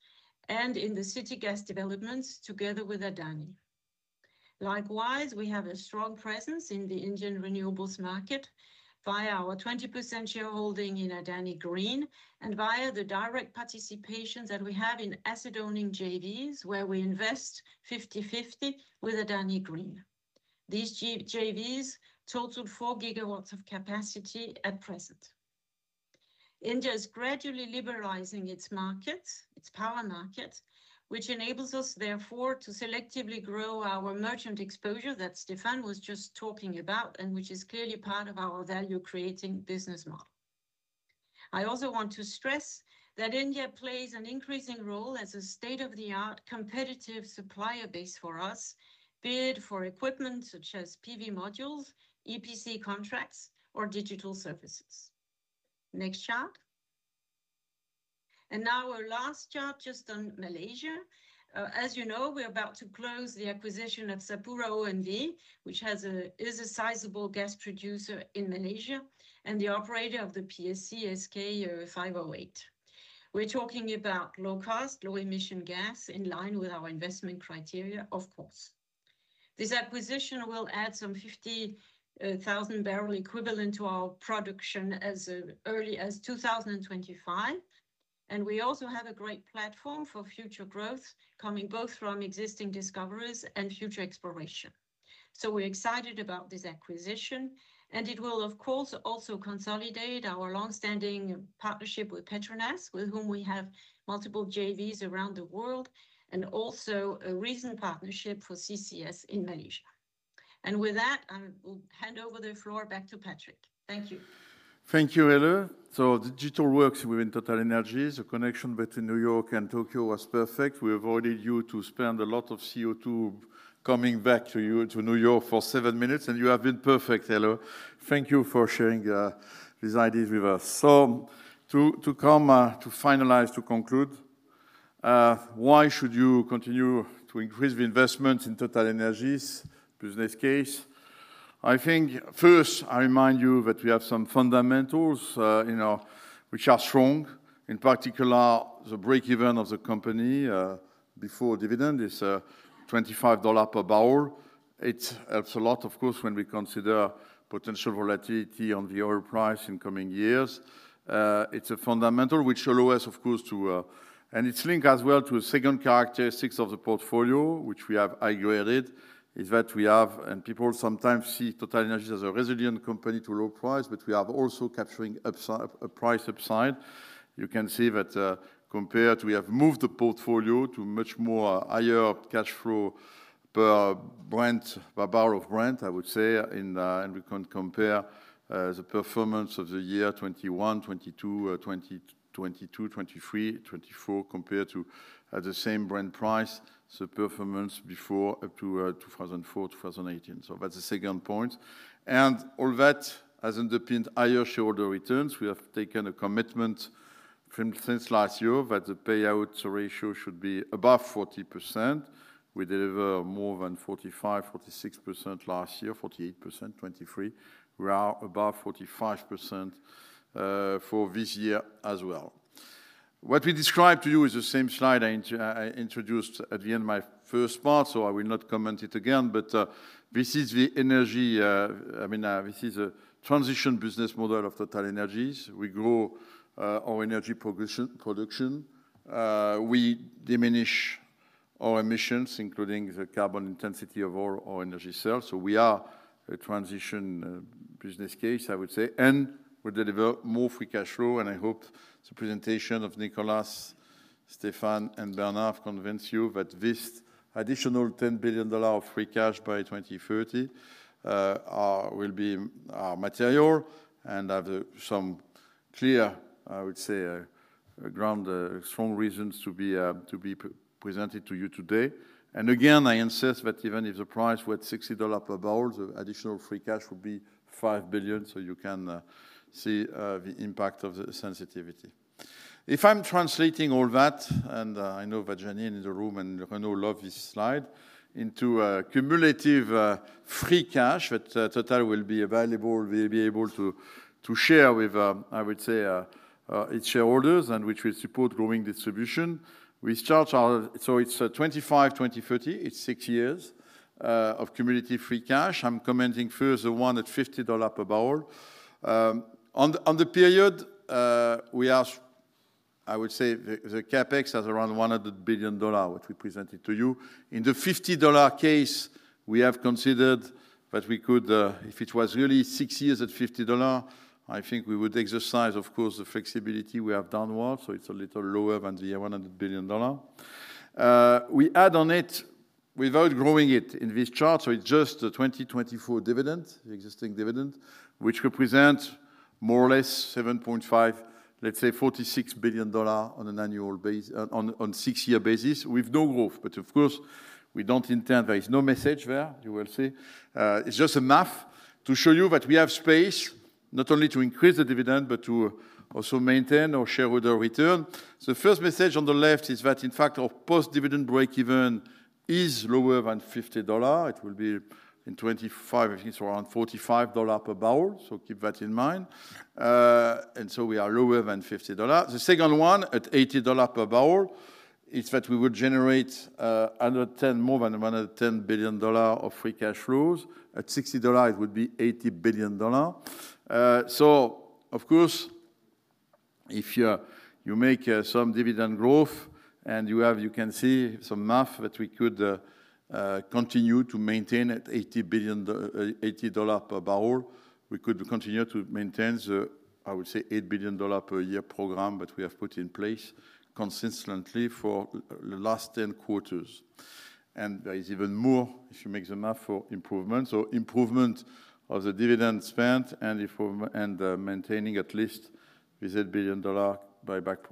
and in the city gas developments together with Adani. Likewise, we have a strong presence in the Indian renewables market via our 20% shareholding in Adani Green and via the direct participation that we have in asset owning JVs, where we invest 50/50 with Adani Green. These JVs total four gigawatts of capacity at present. India is gradually liberalizing its markets, its power markets, which enables us, therefore, to selectively grow our merchant exposure that Stefan was just talking about, and which is clearly part of our value-creating business model. I also want to stress that India plays an increasing role as a state-of-the-art competitive supplier base for us, be it for equipment such as PV modules, EPC contracts, or digital services. Next chart. Now our last chart, just on Malaysia. As you know, we're about to close the acquisition of SapuraOMV, which is a sizable gas producer in Malaysia and the operator of the PSC SK508. We're talking about low cost, low emission gas in line with our investment criteria, of course. This acquisition will add some 50,000 BOE to our production as early as 2025, and we also have a great platform for future growth, coming both from existing discoveries and future exploration. So we're excited about this acquisition, and it will, of course, also consolidate our long-standing partnership with Petronas, with whom we have multiple JVs around the world, and also a recent partnership for CCS in Malaysia. And with that, I will hand over the floor back to Patrick. Thank you. Thank you, Helle. So the digital works within TotalEnergies. The connection between New York and Tokyo was perfect. We avoided you to spend a lot of CO2 coming back to you to New York for seven minutes, and you have been perfect, Helle. Thank you for sharing these ideas with us. So to come to finalize, to conclude, why should you continue to increase the investment in TotalEnergies business case? I think first, I remind you that we have some fundamentals, you know, which are strong. In particular, the break-even of the company before dividend is $25 per barrel. It helps a lot, of course, when we consider potential volatility on the oil price in coming years. It's a fundamental which allow us, of course, to... It's linked as well to a second characteristic of the portfolio, which we have highlighted, is that we have and people sometimes see TotalEnergies as a resilient company to low price, but we are also capturing upside, a price upside. You can see that, compared to we have moved the portfolio to much more higher cash flow per Brent, per barrel of Brent, I would say. And and we can compare the performance of the year 2021, 2022, 2022, 2023, 2024, compared to the same Brent price, so performance before up to two thousand and four, two thousand and eighteen. So that's the second point. And all that has underpinned higher shareholder returns. We have taken a commitment from since last year that the payout ratio should be above 40%. We deliver more than 45-46% last year, 48%, 2023. We are above 45%, for this year as well. What we describe to you is the same slide I introduced at the end of my first part, so I will not comment it again. But, this is the energy, I mean, this is a transition business model of TotalEnergies. We grow, our energy production, we diminish our emissions, including the carbon intensity of all our energy sales. So we are a transition, business case, I would say, and we deliver more free cash flow. And I hope the presentation of Nicolas, Stéphane, and Bernard have convinced you that this additional $10 billion of free cash by 2030, will be, material and have some clear, I would say, ground, strong reasons to be, presented to you today. And again, I insist that even if the price were at $60 per barrel, the additional free cash would be $5 billion. So you can see the impact of the sensitivity. If I'm translating all that, and I know that Jeanine in the room and Renaud love this slide, into a cumulative free cash that TotalEnergies will be available, will be able to share with, I would say, its shareholders and which will support growing distribution. We start our. So it's 2025, 2030, it's six years of cumulative free cash. I'm commenting first the one at $50 per barrel. On the period, we are, I would say, the CapEx has around $100 billion, which we presented to you. In the $50 case, we have considered that we could, if it was really six years at $50, I think we would exercise, of course, the flexibility we have downwards, so it's a little lower than the $100 billion. We add on it without growing it in this chart, so it's just the 2024 dividend, the existing dividend, which represents more or less 7.5, let's say $46 billion on an annual basis, on six-year basis with no growth. But of course, we don't intend. There is no message there, you will see. It's just a math to show you that we have space not only to increase the dividend, but to also maintain our shareholder return. The first message on the left is that, in fact, our post-dividend break-even is lower than $50. It will be in twenty-five, I think it's around $45 per barrel, so keep that in mind. And so we are lower than $50. The second one, at $80 per barrel, is that we would generate under ten, more than $110 billion of free cash flows. At $60, it would be $80 billion. So of course, if you make some dividend growth and you have, you can see some math, that we could continue to maintain at $80 per barrel. We could continue to maintain the, I would say, $8 billion per year program that we have put in place consistently for the last 10 quarters. And there is even more if you make the math for improvement. Improvement of the dividend, spending and maintaining at least this $8 billion buyback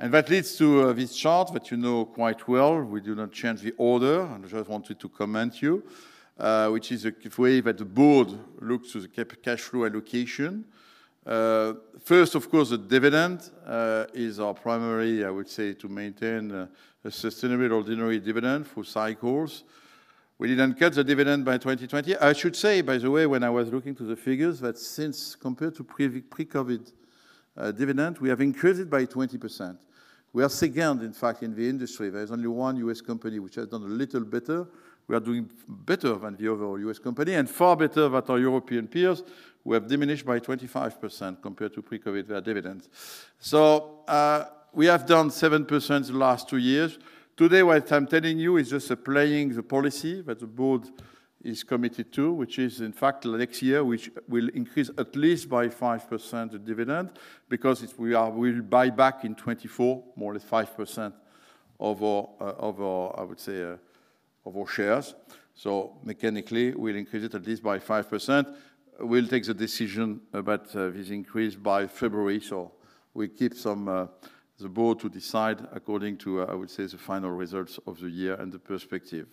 program. That leads to this chart that you know quite well. We do not change the order. I just wanted to comment to you, which is a way that the board looks to the cash flow allocation. First, of course, the dividend is our primary. I would say to maintain a sustainable ordinary dividend through cycles. We didn't cut the dividend in 2020. I should say, by the way, when I was looking to the figures, that compared to pre-COVID dividend, we have increased it by 20%. We are second, in fact, in the industry. There is only one U.S. company which has done a little better. We are doing better than the other US company and far better than our European peers, who have diminished by 25% compared to pre-COVID dividends. So, we have done 7% the last two years. Today, what I'm telling you is just applying the policy that the board is committed to, which is, in fact, next year, which will increase at least by 5% the dividend, because we will buy back in 2024, more or less 5% of our shares. So mechanically, we'll increase it at least by 5%. We'll take the decision about this increase by February, so we keep some the board to decide according to, I would say, the final results of the year and the perspective.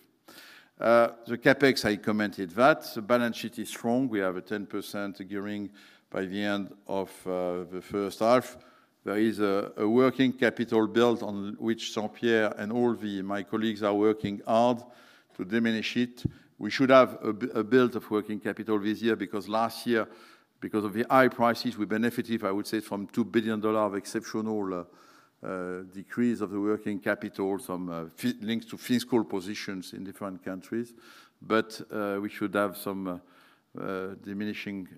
The CapEx, I commented that. The balance sheet is strong. We have a 10% gearing by the end of the first half. There is a working capital build on which Jean-Pierre Sbraire and all my colleagues are working hard to diminish it. We should have a build of working capital this year, because last year, because of the high prices, we benefited, I would say, from $2 billion of exceptional decrease of the working capital from links to fiscal positions in different countries. But we should have some diminishing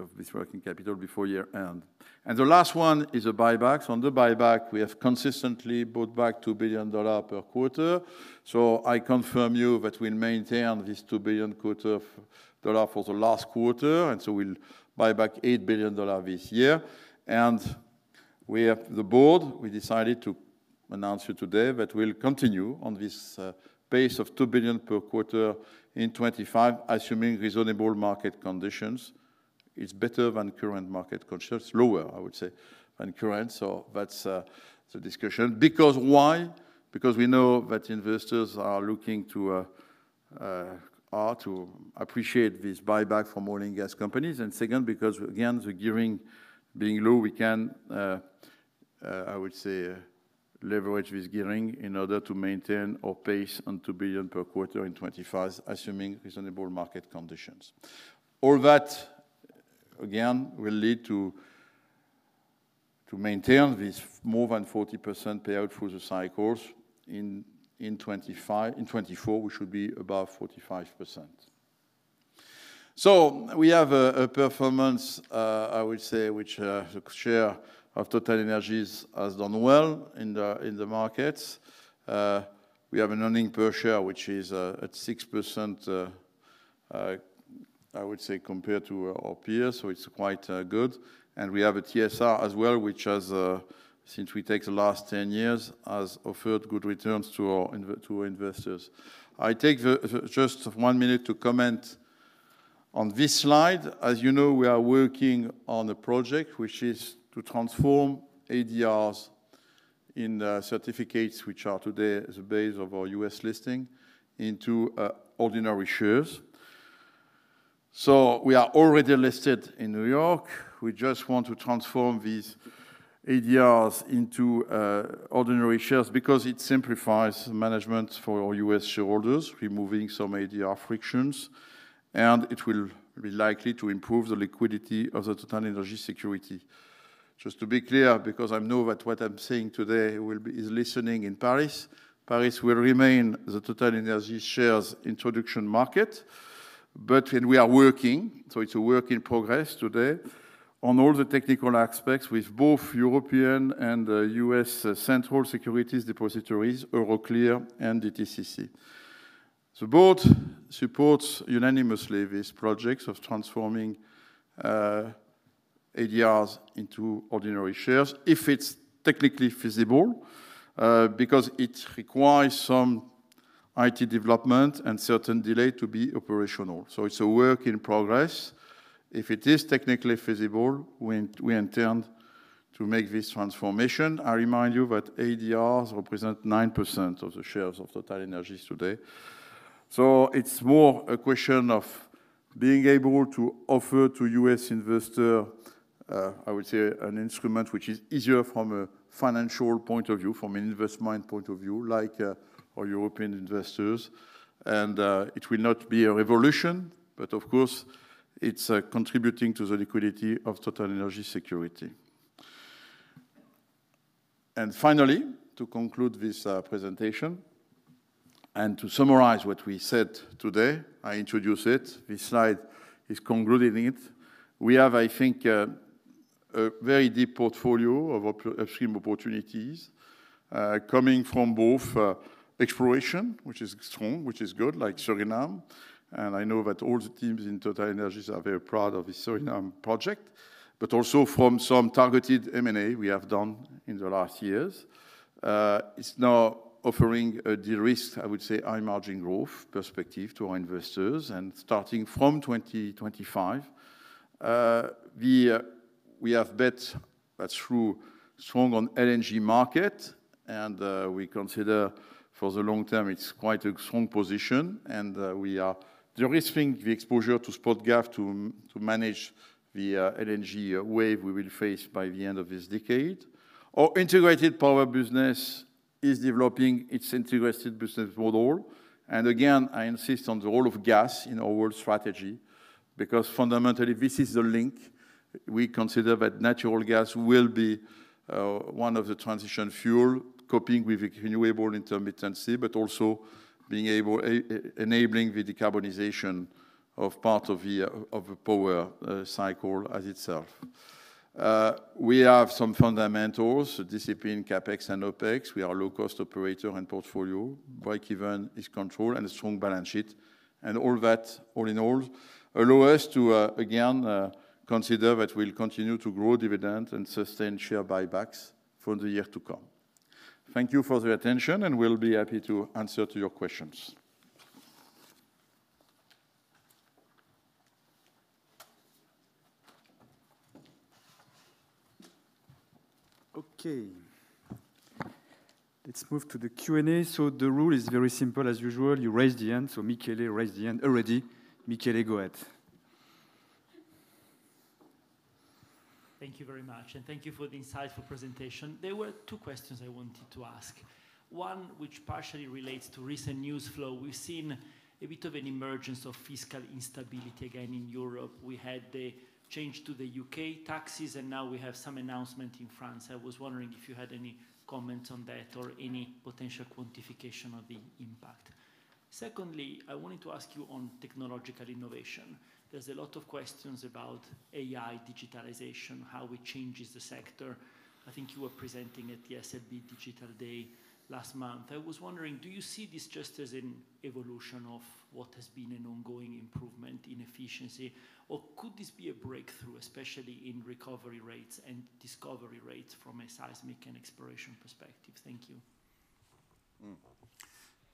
of this working capital before year-end. And the last one is the buybacks. On the buyback, we have consistently bought back $2 billion per quarter. So I confirm you that we'll maintain this two billion quarter of dollar for the last quarter, and so we'll buy back $8 billion this year. We have the board. We decided to announce you today that we'll continue on this pace of $2 billion per quarter in 2025, assuming reasonable market conditions. It's better than current market conditions. Lower, I would say, than current. So that's the discussion. Because why? Because we know that investors are looking to appreciate this buyback from oil and gas companies. And second, because again, the gearing being low, we can, I would say, leverage this gearing in order to maintain our pace on $2 billion per quarter in 2025, assuming reasonable market conditions. All that, again, will lead to maintain this more than 40% payout through the cycles in 2025. In 2024, we should be above 45%. So we have a performance, I would say, which the share of TotalEnergies has done well in the markets. We have an earnings per share, which is at 6%, I would say, compared to our peers, so it's quite good. And we have a TSR as well, which has, since we take the last 10 years, has offered good returns to our investors. I take just one minute to comment on this slide. As you know, we are working on a project which is to transform ADRs into certificates, which are today the base of our U.S. listing, into ordinary shares. So we are already listed in New York. We just want to transform these ADRs into ordinary shares because it simplifies management for our U.S. shareholders, removing some ADR frictions, and it will be likely to improve the liquidity of the TotalEnergies security. Just to be clear, because I know that what I'm saying today will be listened to in Paris. Paris will remain the TotalEnergies shares introduction market, but we are working, so it's a work in progress today, on all the technical aspects with both European and U.S. central securities depositories, Euroclear and DTCC. The board supports unanimously these projects of transforming ADRs into ordinary shares if it's technically feasible, because it requires some IT development and certain delay to be operational. So it's a work in progress. If it is technically feasible, we intend to make this transformation. I remind you that ADRs represent 9% of the shares of TotalEnergies today. So it's more a question of being able to offer to US investor, I would say, an instrument which is easier from a financial point of view, from an investment point of view, like our European investors. And it will not be a revolution, but of course, it's contributing to the liquidity of TotalEnergies security. And finally, to conclude this presentation and to summarize what we said today, I introduce it. This slide is concluding it. We have, I think, a very deep portfolio of upstream opportunities coming from both exploration, which is strong, which is good, like Suriname, and I know that all the teams in TotalEnergies are very proud of the Suriname project, but also from some targeted M&A we have done in the last years. It's now offering a de-risk, I would say, high margin growth perspective to our investors. And starting from twenty twenty-five, we have bet that through strong on LNG market, and we consider for the long term, it's quite a strong position, and we are de-risking the exposure to spot gas to manage the LNG wave we will face by the end of this decade. Our integrated power business is developing its integrated business model. I insist on the role of gas in our strategy, because fundamentally, this is the link. We consider that natural gas will be one of the transition fuel, coping with renewable intermittency, but also enabling the decarbonization of part of the power cycle itself. We have some fundamentals, discipline, CapEx and OpEx. We are a low-cost operator and portfolio. Break-even is controlled and a strong balance sheet. And all that, all in all, allow us to again consider that we'll continue to grow dividend and sustain share buybacks for the year to come. Thank you for the attention, and we'll be happy to answer to your questions. Okay. Let's move to the Q&A. So the rule is very simple as usual, you raise the hand. So Michele raised the hand already. Michele, go ahead. Thank you very much, and thank you for the insightful presentation. There were two questions I wanted to ask. One, which partially relates to recent news flow. We've seen a bit of an emergence of fiscal instability again in Europe. We had the change to the U.K. taxes, and now we have some announcement in France. I was wondering if you had any comments on that or any potential quantification of the impact. Secondly, I wanted to ask you on technological innovation. There's a lot of questions about AI, digitalization, how it changes the sector. I think you were presenting at the SLB Digital Day last month. I was wondering, do you see this just as an evolution of what has been an ongoing improvement in efficiency, or could this be a breakthrough, especially in recovery rates and discovery rates from a seismic and exploration perspective? Thank you.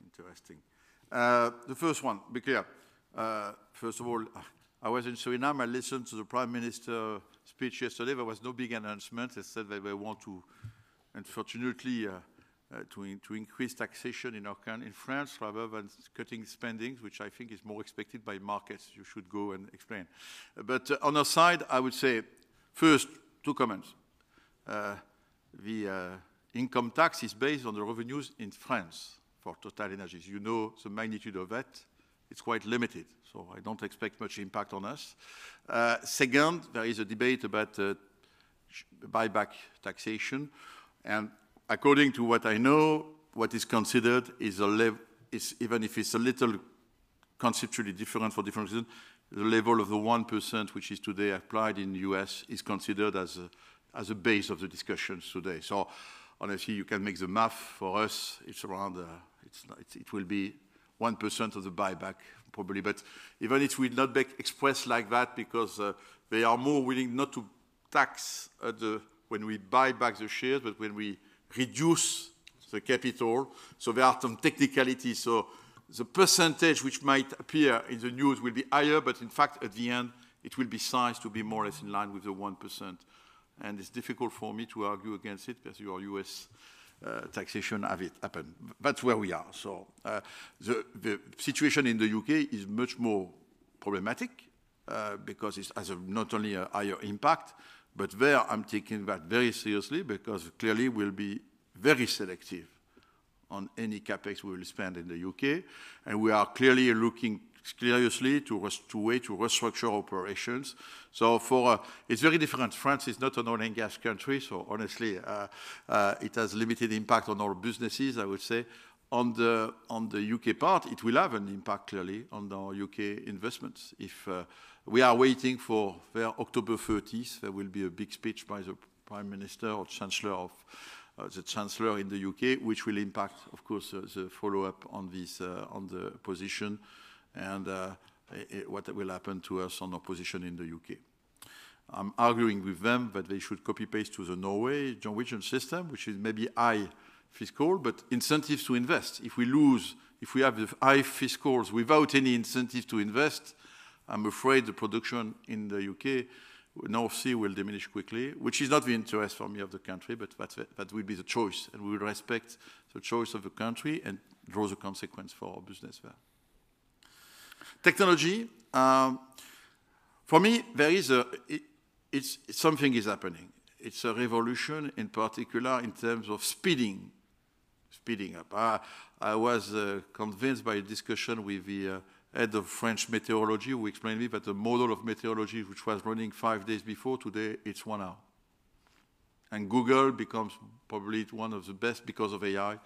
Interesting. First of all, I was in Suriname. I listened to the Prime Minister's speech yesterday. There was no big announcement. They said they want to, unfortunately, to increase taxation in our country in France rather than cutting spending, which I think is more expected by markets. You should go and explain. But on our side, I would say first, two comments. The income tax is based on the revenues in France for TotalEnergies. You know the magnitude of that. It's quite limited, so I don't expect much impact on us. Second, there is a debate about share buyback taxation, and according to what I know, what is considered is a levy. Is even if it's a little conceptually different for different reason, the level of the 1%, which is today applied in the U.S., is considered as a base of the discussions today. So honestly, you can make the math. For us, it's around. It's not. It will be 1% of the buyback, probably. But even it will not be expressed like that because they are more willing not to tax at the when we buy back the shares, but when we reduce the capital. So there are some technicalities. So the percentage which might appear in the news will be higher, but in fact, at the end, it will be sized to be more or less in line with the 1%. And it's difficult for me to argue against it because your U.S. taxation have it happened. That's where we are. The situation in the U.K. is much more problematic because it has not only a higher impact, but there I'm taking that very seriously because clearly we'll be very selective on any CapEx we will spend in the U.K., and we are clearly looking seriously to ways to restructure operations. So it's very different. France is not an oil and gas country, so honestly it has limited impact on our businesses, I would say. On the UK part, it will have an impact, clearly, on our UK investments. If we are waiting for their October thirtieth, there will be a big speech by the Prime Minister or Chancellor of the Exchequer in the UK, which will impact, of course, the follow-up on this, on the position and what will happen to us on our position in the UK. I'm arguing with them that they should copy-paste the Norwegian system, which is maybe high fiscal, but incentives to invest. If we lose, if we have the high fiscals without any incentive to invest, I'm afraid the production in the UK North Sea will diminish quickly, which is not the interest for me of the country, but that's it. That will be the choice, and we will respect the choice of the country and draw the consequence for our business there. Technology, for me, there is something happening. It's a revolution, in particular in terms of speeding up. I was convinced by a discussion with the head of French meteorology, who explained to me that the model of meteorology, which was running five days before today, it's one hour. And Google becomes probably one of the best because of AI.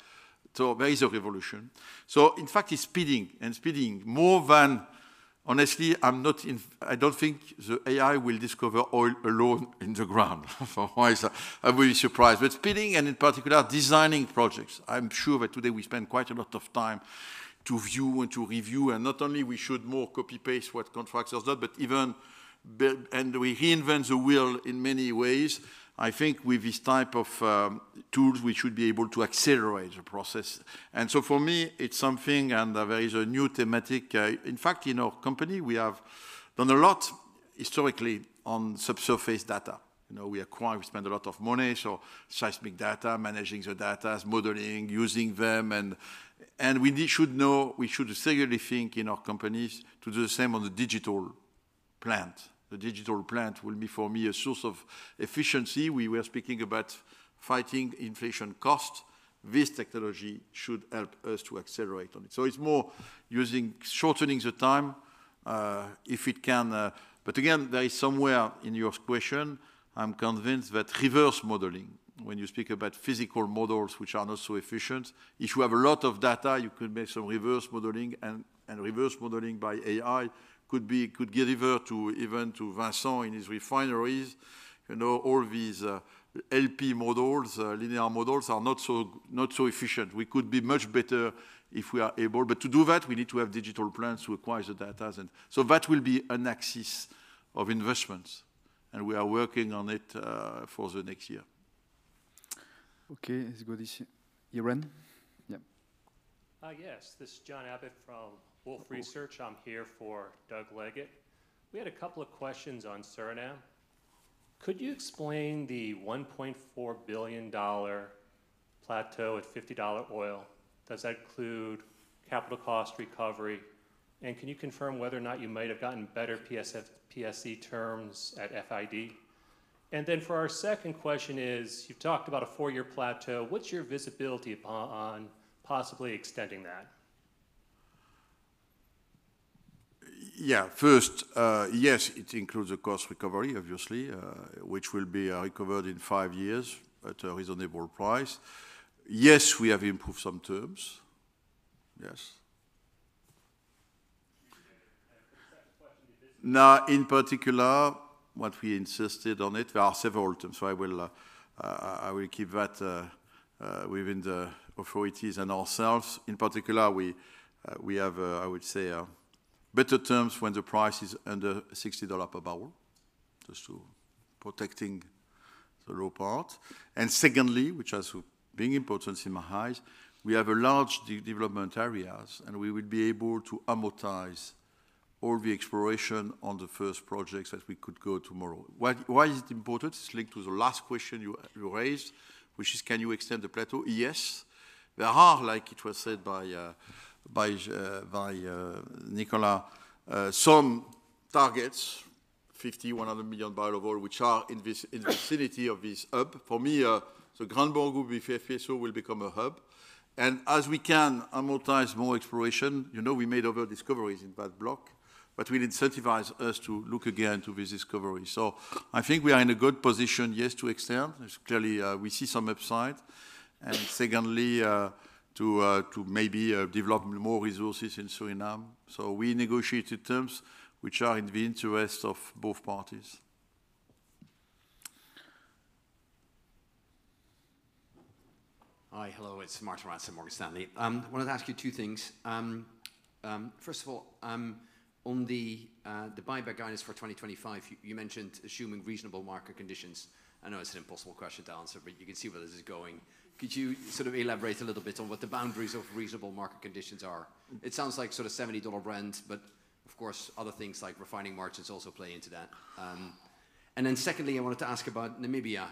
So there is a revolution. So in fact, it's speeding more than... Honestly, I don't think the AI will discover oil alone in the ground. For once, I will be surprised. But speeding and in particular, designing projects. I'm sure that today we spend quite a lot of time to view and to review, and not only we should more copy-paste what contractors does, but even build, and we reinvent the wheel in many ways. I think with these type of tools, we should be able to accelerate the process, and so for me, it's something and there is a new thematic. In fact, in our company, we have done a lot historically on subsurface data. You know, we acquire, we spend a lot of money, so seismic data, managing the data, modeling, using them, and we need should know, we should seriously think in our companies to do the same on the digital plant. The digital plant will be, for me, a source of efficiency. We were speaking about fighting inflation cost. This technology should help us to accelerate on it. So it's more using, shortening the time, if it can... But again, there is somewhere in your question, I'm convinced that reverse modeling, when you speak about physical models, which are not so efficient, if you have a lot of data, you could make some reverse modeling and reverse modeling by AI could be, could deliver to even to Vincent in his refineries. You know, all these LP models, linear models, are not so, not so efficient. We could be much better if we are able. But to do that, we need to have digital plans to acquire the data. And so that will be an axis of investments, and we are working on it for the next year. Okay, let's go this year end. Yeah. Yes, this is John Abbott from Wolfe Research. I'm here for Doug Leggate. We had a couple of questions on Suriname. Could you explain the $1.4 billion dollar plateau at $50 oil? Does that include capital cost recovery, and can you confirm whether or not you might have gotten better FPSO terms at FID? And then for our second question is: you've talked about a four-year plateau. What's your visibility on possibly extending that? Yeah. First, yes, it includes the cost recovery, obviously, which will be recovered in five years at a reasonable price. Yes, we have improved some terms. Yes. And the second question is. Now, in particular, what we insisted on it, there are several terms. So I will keep that within the authorities and ourselves. In particular, we have, I would say, better terms when the price is under $60 per barrel, just to protecting the low part. And secondly, which has big importance in my eyes, we have a large development areas, and we will be able to amortize all the exploration on the first projects as we could go tomorrow. Why is it important? It's linked to the last question you raised, which is: Can you extend the plateau? Yes. There are, like it was said by Nicolas, some targets 50, 100 million barrels of oil, which are in this, in the facility of this hub. For me, the GranMorgu FPSO will become a hub, and as we can amortize more exploration, you know, we made other discoveries in that block, but will incentivize us to look again to this discovery. So I think we are in a good position, yes, to extend. Clearly, we see some upside. And secondly, to maybe develop more resources in Suriname. So we negotiated terms which are in the interest of both parties. Hi. Hello, it's Martijn Rats, Morgan Stanley. Wanted to ask you two things. First of all, on the buyback guidance for 2025, you mentioned assuming reasonable market conditions. I know it's an impossible question to answer, but you can see where this is going. Could you sort of elaborate a little bit on what the boundaries of reasonable market conditions are? It sounds like sort of 70-dollar Brent, but of course, other things like refining margins also play into that. And then secondly, I wanted to ask about Namibia.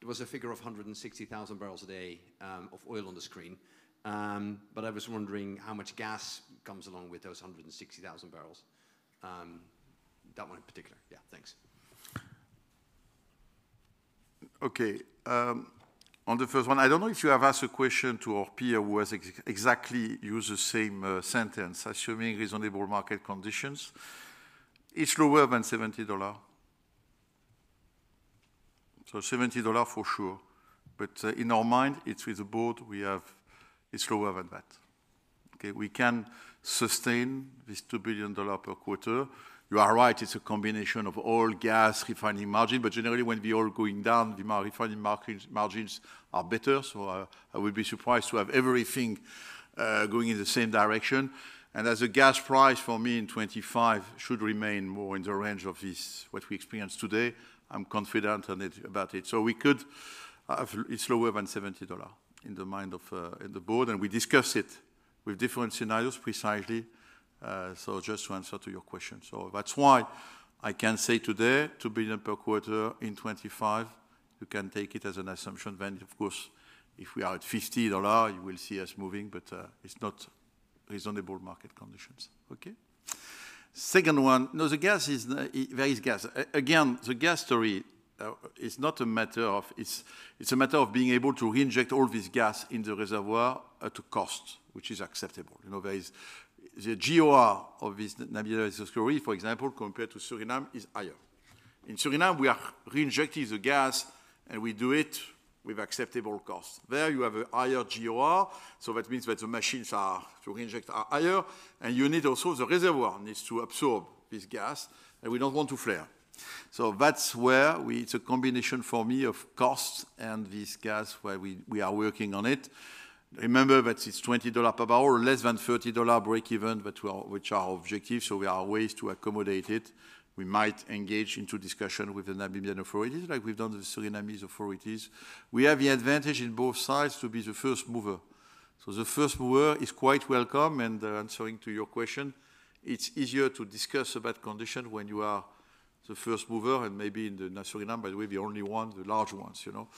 There was a figure of 160,000 barrels a day of oil on the screen. But I was wondering how much gas comes along with those 160,000 barrels. That one in particular. Yeah, thanks. Okay, on the first one, I don't know if you have asked a question to our peer who has exactly used the same sentence, assuming reasonable market conditions. It's lower than $70. So $70 for sure, but in our mind, it's with the board, we have. It's lower than that. Okay, we can sustain this $2 billion per quarter. You are right, it's a combination of oil, gas, refining margin, but generally, when the oil going down, the refining margins, margins are better. So I would be surprised to have everything going in the same direction. And as a gas price for me in 2025 should remain more in the range of this, what we experience today, I'm confident on it, about it. We could have it lower than $70 in the mind of the board, and we discuss it with different scenarios, precisely. Just to answer to your question. That's why I can say today, $2 billion per quarter in 2025, you can take it as an assumption. Then, of course, if we are at $50, you will see us moving, but it's not reasonable market conditions. Okay? Second one. Now, the gas is. There is gas. Again, the gas story is not a matter of. It's a matter of being able to reinject all this gas in the reservoir at a cost which is acceptable. You know, there is the GOR of this Namibia discovery, for example, compared to Suriname, is higher. In Suriname, we are reinjecting the gas, and we do it with acceptable cost. There you have a higher GOR, so that means that the machines are, to reinject are higher, and you need also the reservoir needs to absorb this gas, and we don't want to flare. So that's where we-- it's a combination for me of costs and this gas, where we are working on it. Remember that it's $20 per barrel or less than $30 breakeven, that we are, which are objective, so we are ways to accommodate it. We might engage into discussion with the Namibian authorities like we've done with Surinamese authorities. We have the advantage in both sides to be the first mover. So the first mover is quite welcome, and answering to your question, it's easier to discuss about condition when you are the first mover and maybe in the Suriname, by the way, the only one, the large ones, you know?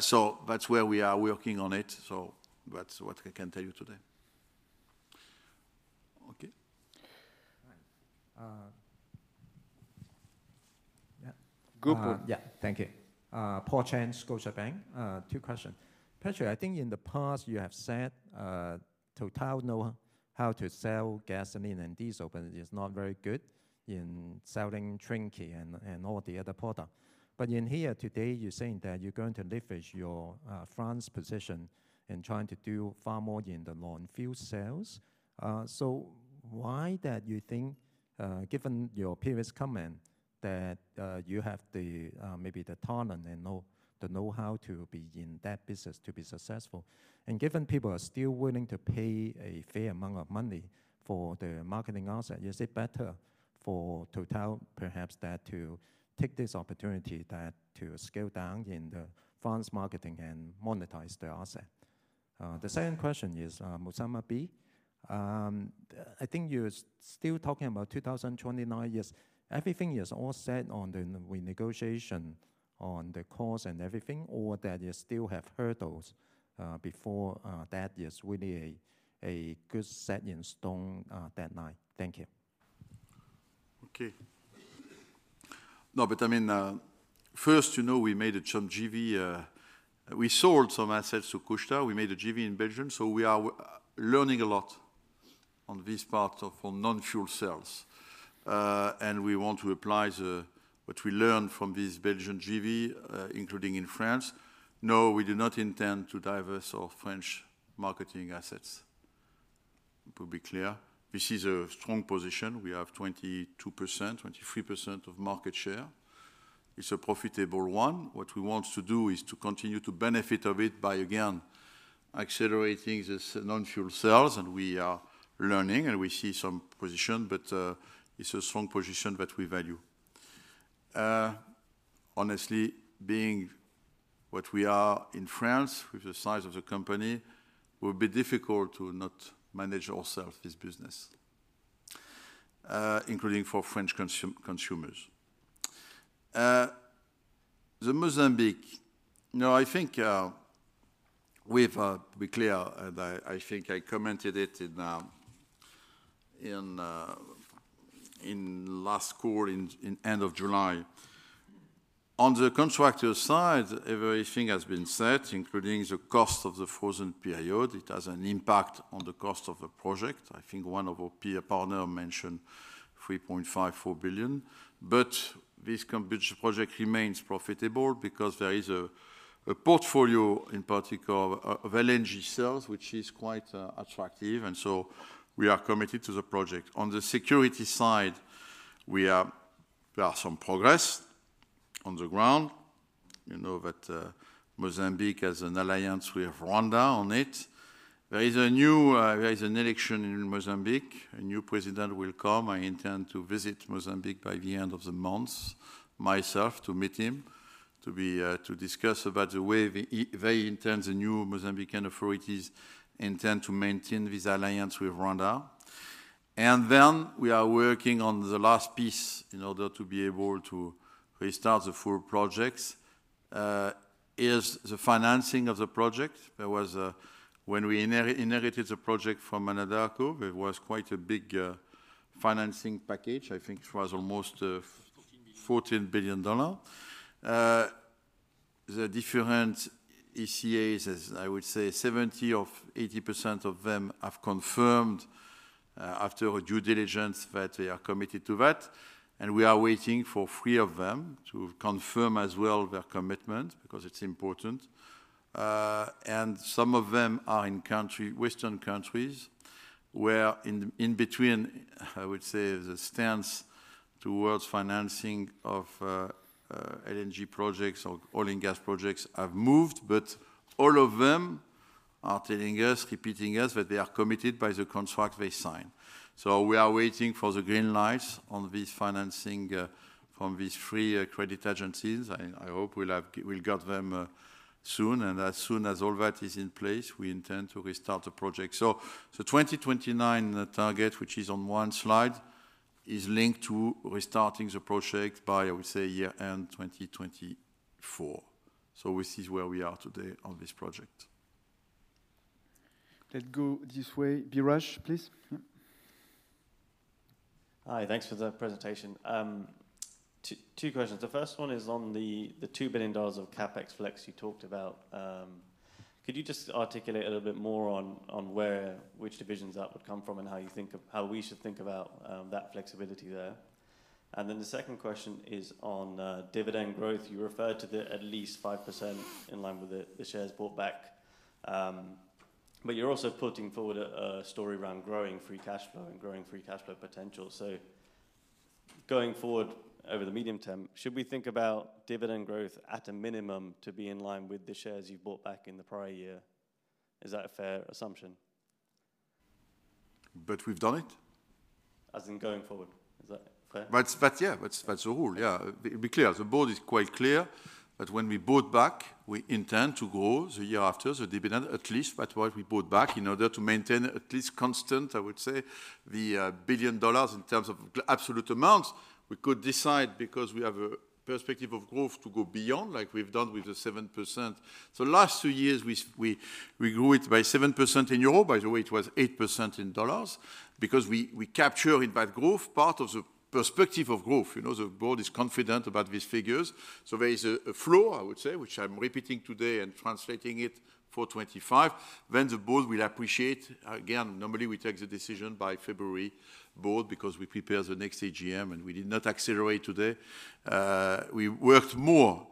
So that's where we are working on it. So that's what I can tell you today. Okay. All right, yeah. Go for it. Yeah, thank you. Paul Cheng, Scotiabank. Two questions. Patrick, I think in the past you have said Total knows how to sell gasoline and diesel, but it is not very good in selling trinkets and all the other products. But here today, you're saying that you're going to leverage your France position in trying to do far more in the non-fuel sales. So why do you think, given your previous comment, that you have the maybe the talent and know-how to be in that business to be successful? And given people are still willing to pay a fair amount of money for the marketing asset, is it better for Total perhaps to take this opportunity to scale down in the France marketing and monetize the asset? The second question is, Mozambique. I think you're still talking about two thousand and twenty-nine. Yes, everything is all set on the negotiation on the cost and everything, or that you still have hurdles before that is really a good set in stone, that right? Thank you. Okay. No, but I mean, first, you know, we made some JV. We sold some assets to Couche-Tard. We made a JV in Belgium, so we are learning a lot on this part of non-fuel sales. And we want to apply what we learned from this Belgian JV, including in France. No, we do not intend to divest our French marketing assets. To be clear, this is a strong position. We have 22%, 23% of market share. It's a profitable one. What we want to do is to continue to benefit of it by, again, accelerating this non-fuel sales, and we are learning, and we see some position, but it's a strong position that we value. Honestly, being what we are in France, with the size of the company, will be difficult to not manage or sell this business, including for French consumers. The Mozambique. No, I think we've to be clear, and I think I commented it in last call in end of July. On the contractor side, everything has been said, including the cost of the frozen period. It has an impact on the cost of the project. I think one of our peer partner mentioned $3.5-$4 billion. But this project remains profitable because there is a portfolio in particular of LNG sales, which is quite attractive, and so we are committed to the project. On the security side, there are some progress on the ground. You know that, Mozambique has an alliance with Rwanda on it. There is an election in Mozambique. A new president will come. I intend to visit Mozambique by the end of the month, myself, to meet him, to discuss about the way they intend, the new Mozambican authorities intend to maintain this alliance with Rwanda. And then we are working on the last piece in order to be able to restart the full projects, is the financing of the project. There was a. When we inherited the project from Anadarko, it was quite a big financing package. I think it was almost, Fourteen billion... $14 billion. The different ECAs, as I would say, 70 of 80% of them have confirmed, after a due diligence, that they are committed to that, and we are waiting for three of them to confirm as well their commitment, because it's important. And some of them are in country, Western countries, where in between, I would say, the stance towards financing of LNG projects or oil and gas projects have moved, but all of them are telling us, repeating us, that they are committed by the contract they signed. So we are waiting for the green lights on this financing from these three credit agencies. I hope we'll get them soon, and as soon as all that is in place, we intend to restart the project. So the 2029 target, which is on one slide, is linked to restarting the project by, I would say, year-end 2024. So this is where we are today on this project. Let's go this way. Biraj, please. Hi, thanks for the presentation. Two questions. The first one is on the $2 billion of CapEx flex you talked about. Could you just articulate a little bit more on where, which divisions that would come from and how you think of - how we should think about that flexibility there? And then the second question is on dividend growth. You referred to the at least 5% in line with the shares bought back, but you're also putting forward a story around growing free cash flow and growing free cash flow potential. So going forward over the medium term, should we think about dividend growth at a minimum to be in line with the shares you bought back in the prior year? Is that a fair assumption? We've done it? As in going forward. Is that fair? Be clear, the board is quite clear that when we bought back, we intend to grow the year after the dividend, at least that what we bought back, in order to maintain at least constant, I would say, the billion dollars in terms of absolute amounts. We could decide, because we have a perspective of growth, to go beyond, like we've done with the 7%. So last two years, we grew it by 7% in euro. By the way, it was 8% in dollars, because we capture it by growth, part of the perspective of growth. You know, the board is confident about these figures. So there is a flow, I would say, which I'm repeating today and translating it for 2025. Then the board will appreciate. Again, normally, we take the decision by February board because we prepare the next AGM, and we did not accelerate today. We worked more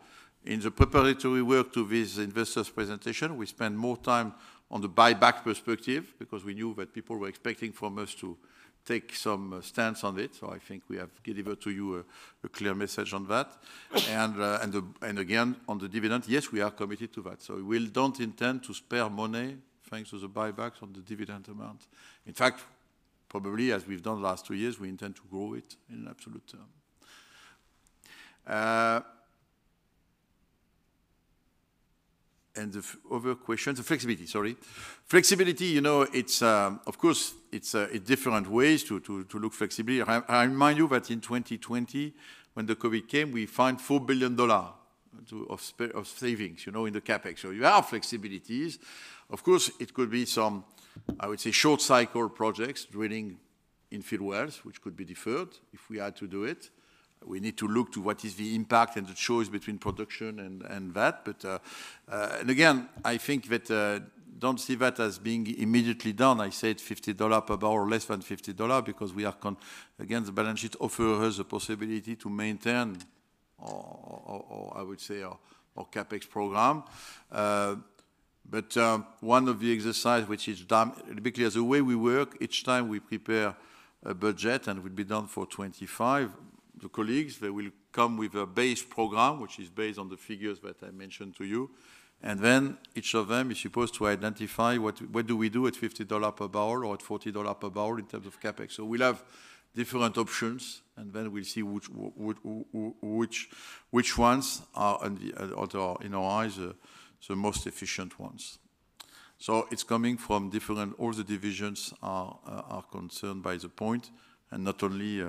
in the preparatory work to this investors presentation. We spent more time on the buyback perspective because we knew that people were expecting from us to take some stance on it. So I think we have delivered to you a clear message on that. And again, on the dividend, yes, we are committed to that. So we don't intend to spare money, thanks to the buyback from the dividend amount. In fact, probably as we've done the last two years, we intend to grow it in absolute term. And the other question, the flexibility, sorry. Flexibility, you know, it's, of course, it's a different ways to look flexibility. I remind you that in 2020, when the COVID came, we found $4 billion of savings, you know, in the CapEx. So you have flexibilities. Of course, it could be some, I would say, short cycle projects, drilling infill wells, which could be deferred if we had to do it. We need to look to what is the impact and the choice between production and that. But again, I think that I don't see that as being immediately done. I said $50 per barrel, less than $50, because again, the balance sheet offers us a possibility to maintain our, I would say, our CapEx program. But one of the exercises which is done, to be clear, the way we work, each time we prepare a budget, and it will be done for 2025, the colleagues, they will come with a base program, which is based on the figures that I mentioned to you. And then each of them is supposed to identify what do we do at $50 per barrel or at $40 per barrel in terms of CapEx. So we'll have different options, and then we'll see which ones are, in our eyes, the most efficient ones. So it's coming from different, all the divisions are concerned by the point, and not only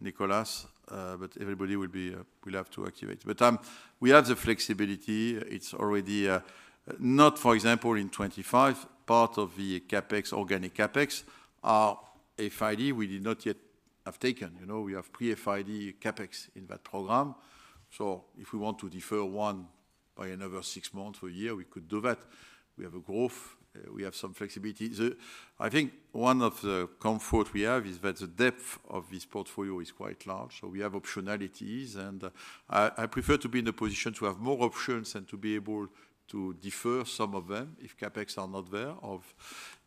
Nicolas, but everybody will be, will have to activate. But we have the flexibility. It's already, not for example, in 2025, part of the CapEx, organic CapEx, are FID. We did not yet have taken. You know, we have pre-FID CapEx in that program. So if we want to defer one by another six months or a year, we could do that. We have a growth, we have some flexibility. I think one of the comfort we have is that the depth of this portfolio is quite large, so we have optionalities, and, I, I prefer to be in a position to have more options than to be able to defer some of them if CapEx are not there, of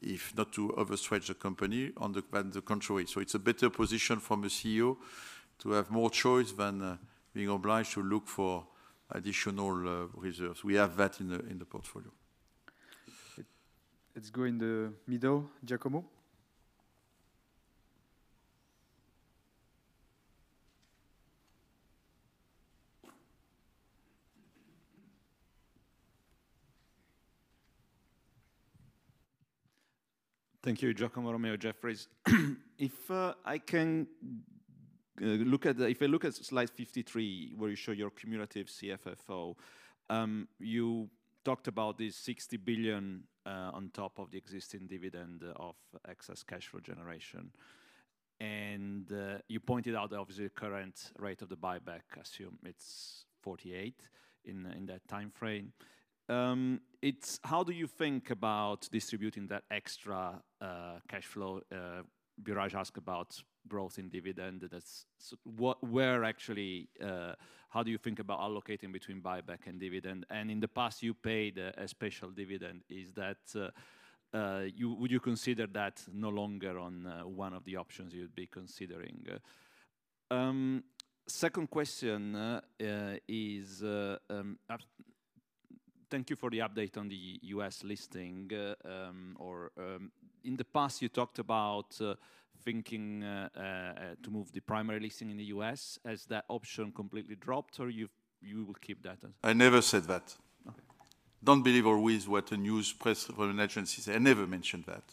if not to overstretch the company on the, than the contrary. So it's a better position from a CEO to have more choice than, being obliged to look for additional, reserves. We have that in the portfolio. Let's go in the middle. Giacomo? Thank you. Giacomo Romeo, Jefferies. If I look at slide 53, where you show your cumulative CFFO, you talked about this 60 billion on top of the existing dividend of excess cash flow generation. And you pointed out obviously the current rate of the buyback, assume it's 48 in that time frame. It's how do you think about distributing that extra cash flow? Biraj asked about growth in dividend. That's where actually how do you think about allocating between buyback and dividend? And in the past, you paid a special dividend. Is that? Would you consider that no longer on one of the options you'd be considering? Second question is thank you for the update on the U.S. listing. Or, in the past, you talked about thinking to move the primary listing in the U.S. Has that option completely dropped, or you will keep that as- I never said that. Okay. Don't believe always what the news press or an agency say. I never mentioned that.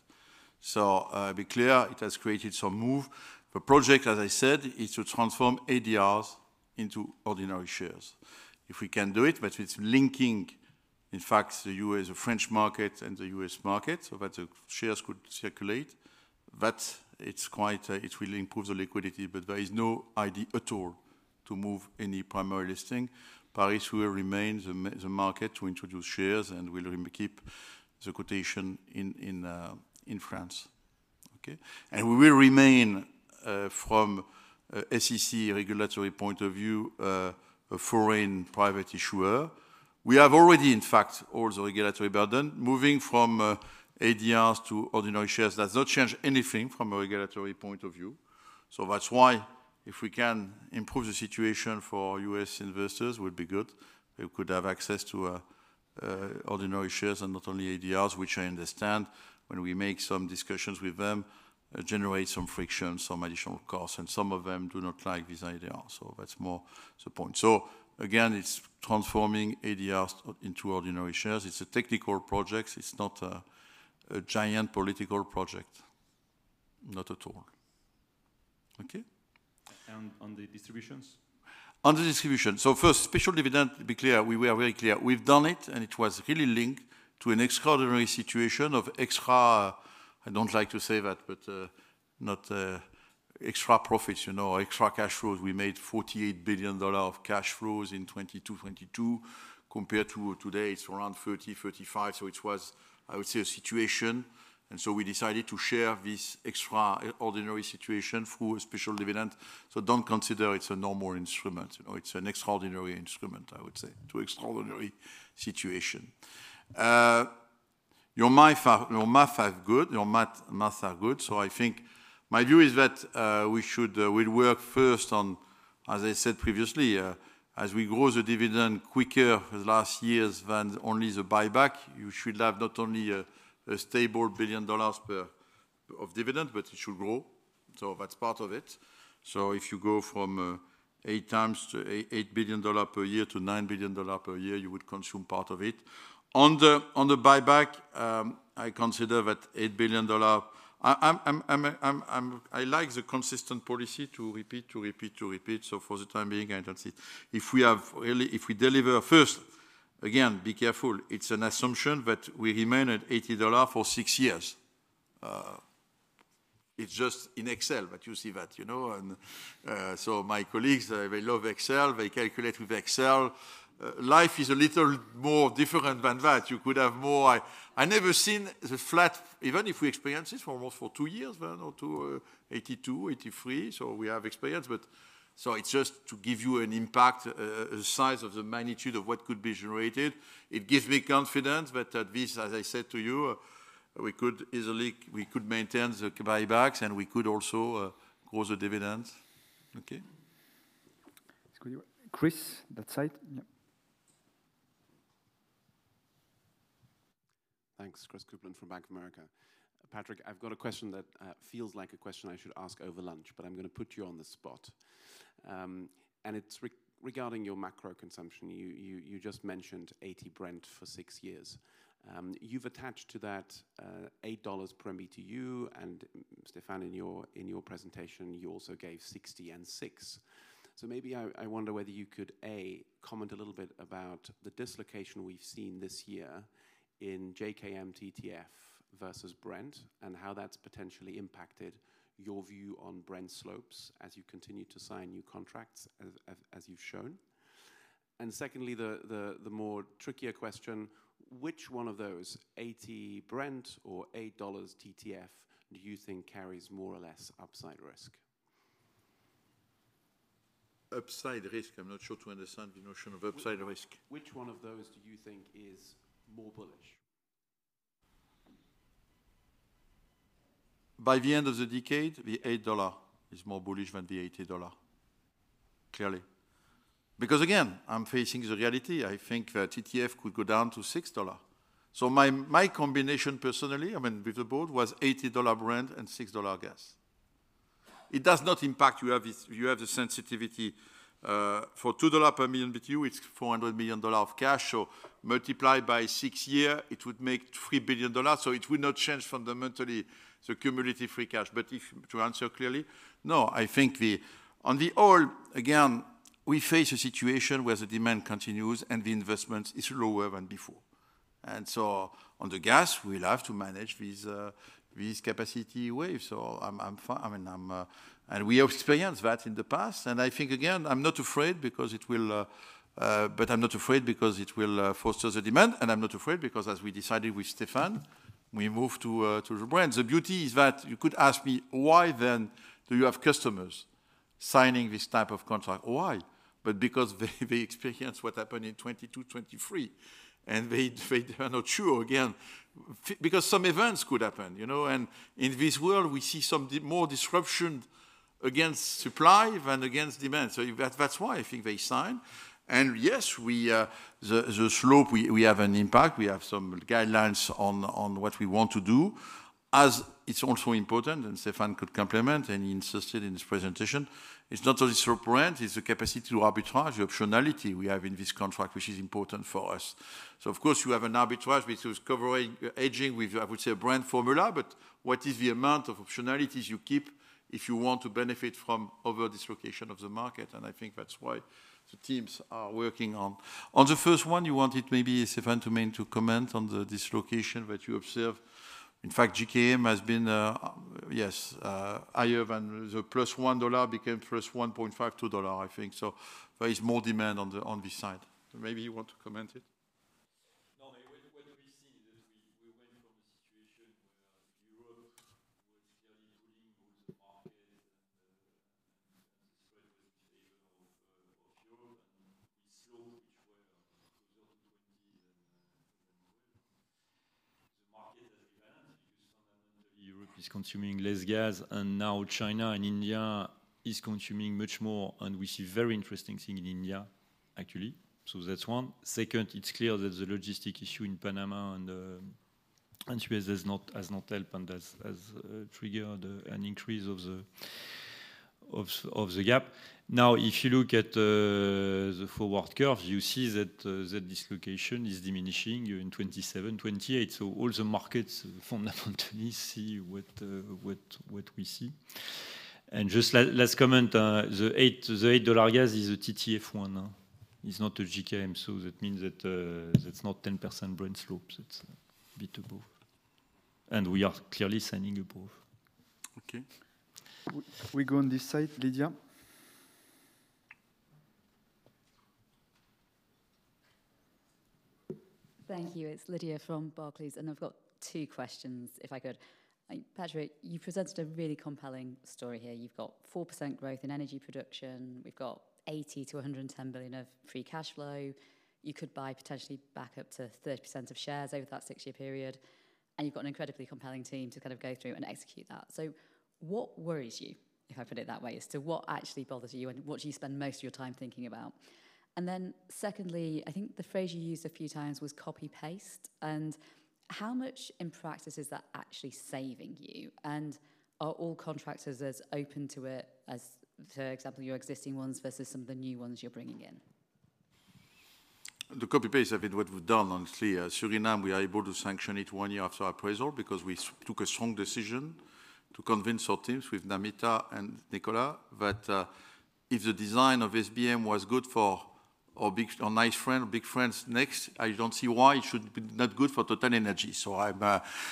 So, be clear, it has created some move. The project, as I said, is to transform ADRs into ordinary shares. If we can do it, but it's linking, in fact, the U.S., the French market and the U.S. market, so that the shares could circulate, that it's quite, it will improve the liquidity, but there is no idea at all to move any primary listing. Paris will remain the market to introduce shares, and we'll keep the quotation in, in, France. Okay? And we will remain, from, SEC regulatory point of view, a foreign private issuer. We have already, in fact, all the regulatory burden. Moving from, ADRs to ordinary shares does not change anything from a regulatory point of view. So that's why if we can improve the situation for US investors, it would be good. They could have access to ordinary shares and not only ADRs, which I understand when we make some discussions with them generate some friction, some additional costs, and some of them do not like this idea. So that's more the point. So again, it's transforming ADRs into ordinary shares. It's a technical project. It's not a giant political project. Not at all. Okay? On the distributions? On the distribution. First, special dividend, to be clear, we are very clear. We've done it, and it was really linked to an extraordinary situation of extra. I don't like to say that, but not extra profits, you know, extra cash flows. We made $48 billion of cash flows in 2022. Compared to today, it's around 30-35. It was, I would say, a situation, and so we decided to share this extraordinary situation through a special dividend. Don't consider it a normal instrument. You know, it's an extraordinary instrument, I would say, to extraordinary situation. Your math are good. I think my view is that we should work first on, as I said previously, as we grow the dividend quicker the last years than only the buyback. You should have not only a stable $1 billion per year of dividend, but it should grow. That's part of it. So if you go from 8x to $8 billion per year to $9 billion per year, you would consume part of it. On the buyback, I consider that $8 billion. I like the consistent policy to repeat, so for the time being, I don't see. If we really deliver first, again, be careful, it's an assumption that we remain at $80 for six years. It's just in Excel, but you see that, you know, and so my colleagues, they love Excel. They calculate with Excel. Life is a little more different than that. You could have more. I never seen the flat, even if we experience this for almost two years, one or two, eighty-two, eighty-three. So we have experience, but so it's just to give you an impact, size of the magnitude of what could be generated. It gives me confidence, but at this, as I said to you, we could easily, we could maintain the buybacks, and we could also grow the dividends. Okay? Let's go to you, Chris, that side. Yep. Thanks. Christopher Kuplent from Bank of America.... Patrick, I've got a question that feels like a question I should ask over lunch, but I'm gonna put you on the spot. And it's regarding your macro consumption. You just mentioned 80 Brent for six years. You've attached to that $8 per BTU, and Stéphane, in your presentation, you also gave 60 and six. So maybe I wonder whether you could, A, comment a little bit about the dislocation we've seen this year in JKM TTF versus Brent, and how that's potentially impacted your view on Brent slopes as you continue to sign new contracts, as you've shown. And secondly, the more trickier question: Which one of those, 80 Brent or $8 TTF, do you think carries more or less upside risk? Upside risk? I'm not sure to understand the notion of upside risk. Which one of those do you think is more bullish? By the end of the decade, the $8 is more bullish than the $80, clearly. Because again, I'm facing the reality. I think that TTF could go down to $6. So my combination personally, I mean, with the board, was $80 Brent and $6 gas. It does not impact. You have this sensitivity for $2 per million BTU, it's $400 million of cash, so multiply by six year, it would make $3 billion. So it would not change fundamentally the cumulative free cash. But if to answer clearly, no, I think the. On the whole, again, we face a situation where the demand continues, and the investment is lower than before. And so on the gas, we'll have to manage these capacity waves. So I mean, I'm. And we experienced that in the past, and I think again, I'm not afraid because it will foster the demand, and I'm not afraid because as we decided with Stéphane, we move to the brand. The beauty is that you could ask me, "Why then do you have customers signing this type of contract? Why?" But because they experience what happened in 2022, 2023, and they are not sure again because some events could happen, you know? And in this world, we see some more disruption against supply than against demand. So that's why I think they sign. And yes, the slope, we have an impact. We have some guidelines on what we want to do, as it's also important, and Stéphane could complement, and he insisted in his presentation, it's not only for Brent, it's the capacity to arbitrage the optionality we have in this contract, which is important for us. So of course, you have an arbitrage, which is covering Asian with, I would say, a Brent formula, but what is the amount of optionalities you keep if you want to benefit from overall dislocation of the market? And I think that's why the teams are working on. On the first one, you wanted maybe Stéphane to comment on the dislocation that you observed. In fact, JKM has been higher than the +$1 became +$1.5-$2, I think. So there is more demand on this side. Maybe you want to comment it? No, what we see is that we went from a situation where Europe was clearly pulling all the market and the spread was in favor of Europe, and we saw which were closer to twenties and the market has rebalanced because fundamentally Europe is consuming less gas, and now China and India is consuming much more, and we see very interesting thing in India, actually. So that's one. Second, it's clear that the logistic issue in Panama and U.S. has not helped and has triggered an increase of the gap. Now, if you look at the forward curve, you see that the dislocation is diminishing in 2027, 2028. So all the markets fundamentally see what we see. And just last comment, the $8 gas is a TTF one, is not a JKM. So that means that, that's not 10% Brent slope, so it's a bit above. And we are clearly signing above. Okay. We go on this side, Lydia. Thank you. It's Lydia from Barclays, and I've got two questions, if I could. Patrick, you presented a really compelling story here. You've got 4% growth in energy production. We've got $80-110 billion of free cash flow. You could buy potentially back up to 30% of shares over that six-year period, and you've got an incredibly compelling team to kind of go through and execute that. So what worries you, if I put it that way, as to what actually bothers you and what do you spend most of your time thinking about? And then secondly, I think the phrase you used a few times was copy-paste, and how much in practice is that actually saving you? And are all contractors as open to it as, for example, your existing ones versus some of the new ones you're bringing in? The copy-paste has been what we've done, honestly. Suriname, we are able to sanction it one year after appraisal because we took a strong decision to convince our teams with Namita and Nicolas that if the design of SBM was good for our big, our nice friend, big friends next, I don't see why it should be not good for TotalEnergies. So I'm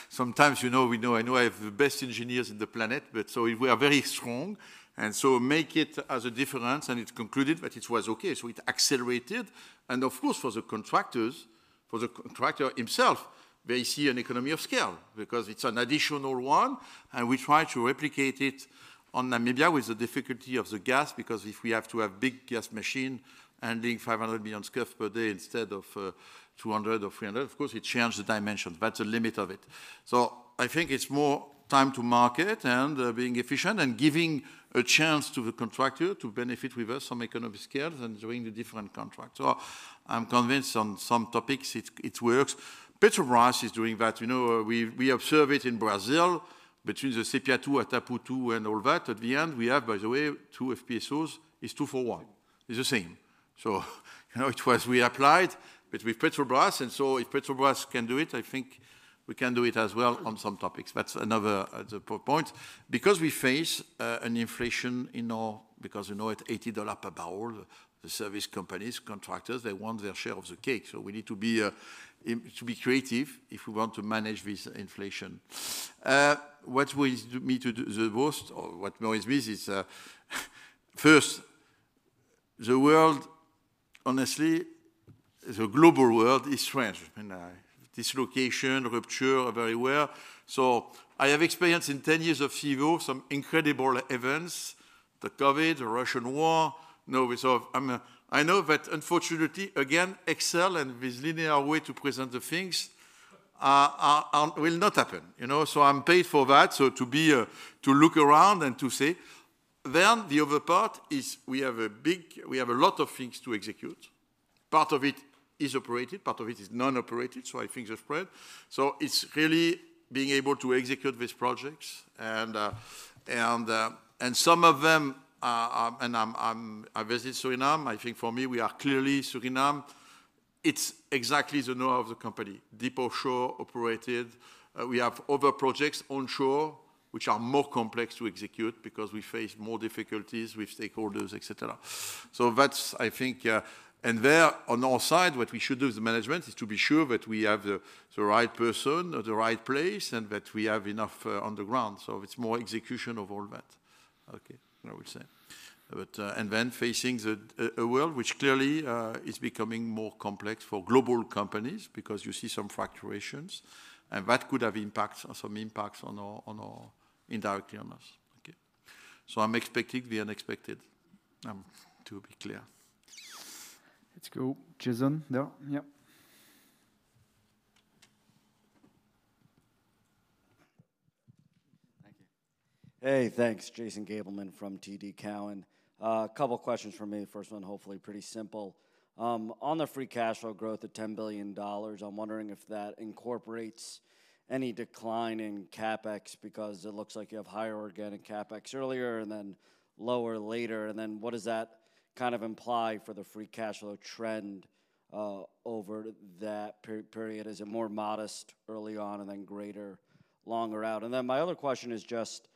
sometimes, you know, we know, I know I have the best engineers in the planet, but so we are very strong, and so make it as a difference, and it concluded that it was okay, so it accelerated. Of course, for the contractors, for the contractor himself, they see an economy of scale because it's an additional one, and we try to replicate it on Namibia with the difficulty of the gas, because if we have to have big gas machine handling 500 million scf per day instead of 200 or 300, of course, it changed the dimension. That's the limit of it. I think it's more time to market and being efficient and giving a chance to the contractor to benefit with us some economy scales than doing the different contracts. So I'm convinced on some topics it works. Petrobras is doing that. You know, we observe it in Brazil between the Sépia-2, Atapu-2, and all that. At the end, we have, by the way, two FPSOs. It's two for one. It's the same.... You know, it was we applied with Petrobras, and so if Petrobras can do it, I think we can do it as well on some topics. That's another point. Because we face an inflation in our, because, you know, at $80 per barrel, the service companies, contractors, they want their share of the cake. So we need to be to be creative if we want to manage this inflation. What worries me to do the most, or what worries me is, first, the world, honestly, the global world is strange. I mean, dislocation, rupture, very well. So I have experienced in 10 years of CEO some incredible events: the COVID, the Russian war. Now, we sort of. I know that unfortunately, again, Excel and this linear way to present the things will not happen, you know? I'm paid for that, so to be to look around and to say. The other part is we have a lot of things to execute. Part of it is operated, part of it is non-operated, so I think the spread. It's really being able to execute these projects and some of them are and I visit Suriname. I think for me, we are clearly Suriname. It's exactly the core of the company, deep offshore, operated. We have other projects onshore, which are more complex to execute because we face more difficulties with stakeholders, et cetera. That's, I think... And there, on our side, what we should do as the management is to be sure that we have the right person at the right place and that we have enough on the ground. So it's more execution of all that. Okay, I would say. But and then facing a world which clearly is becoming more complex for global companies because you see some fractures, and that could have impacts or some impacts on our indirectly on us. Okay. So I'm expecting the unexpected to be clear. Let's go, Jason, there. Yep. Thank you. Hey, thanks. Jason Gabelman from TD Cowen. A couple questions for me. First one, hopefully pretty simple. On the free cash flow growth of $10 billion, I'm wondering if that incorporates any decline in CapEx, because it looks like you have higher organic CapEx earlier and then lower later. And then what does that kind of imply for the free cash flow trend, over that period? Is it more modest early on and then greater longer out? And then my other question is just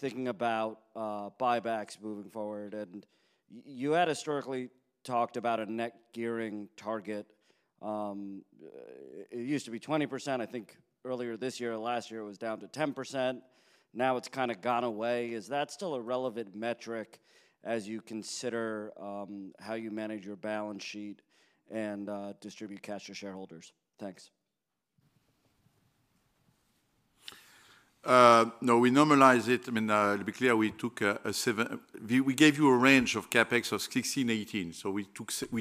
thinking about buybacks moving forward, and you had historically talked about a net gearing target. It used to be 20%, I think earlier this year or last year, it was down to 10%. Now it's kind of gone away. Is that still a relevant metric as you consider how you manage your balance sheet and distribute cash to shareholders? Thanks. No, we normalize it. I mean, to be clear, we gave you a range of CapEx of 16-18. So we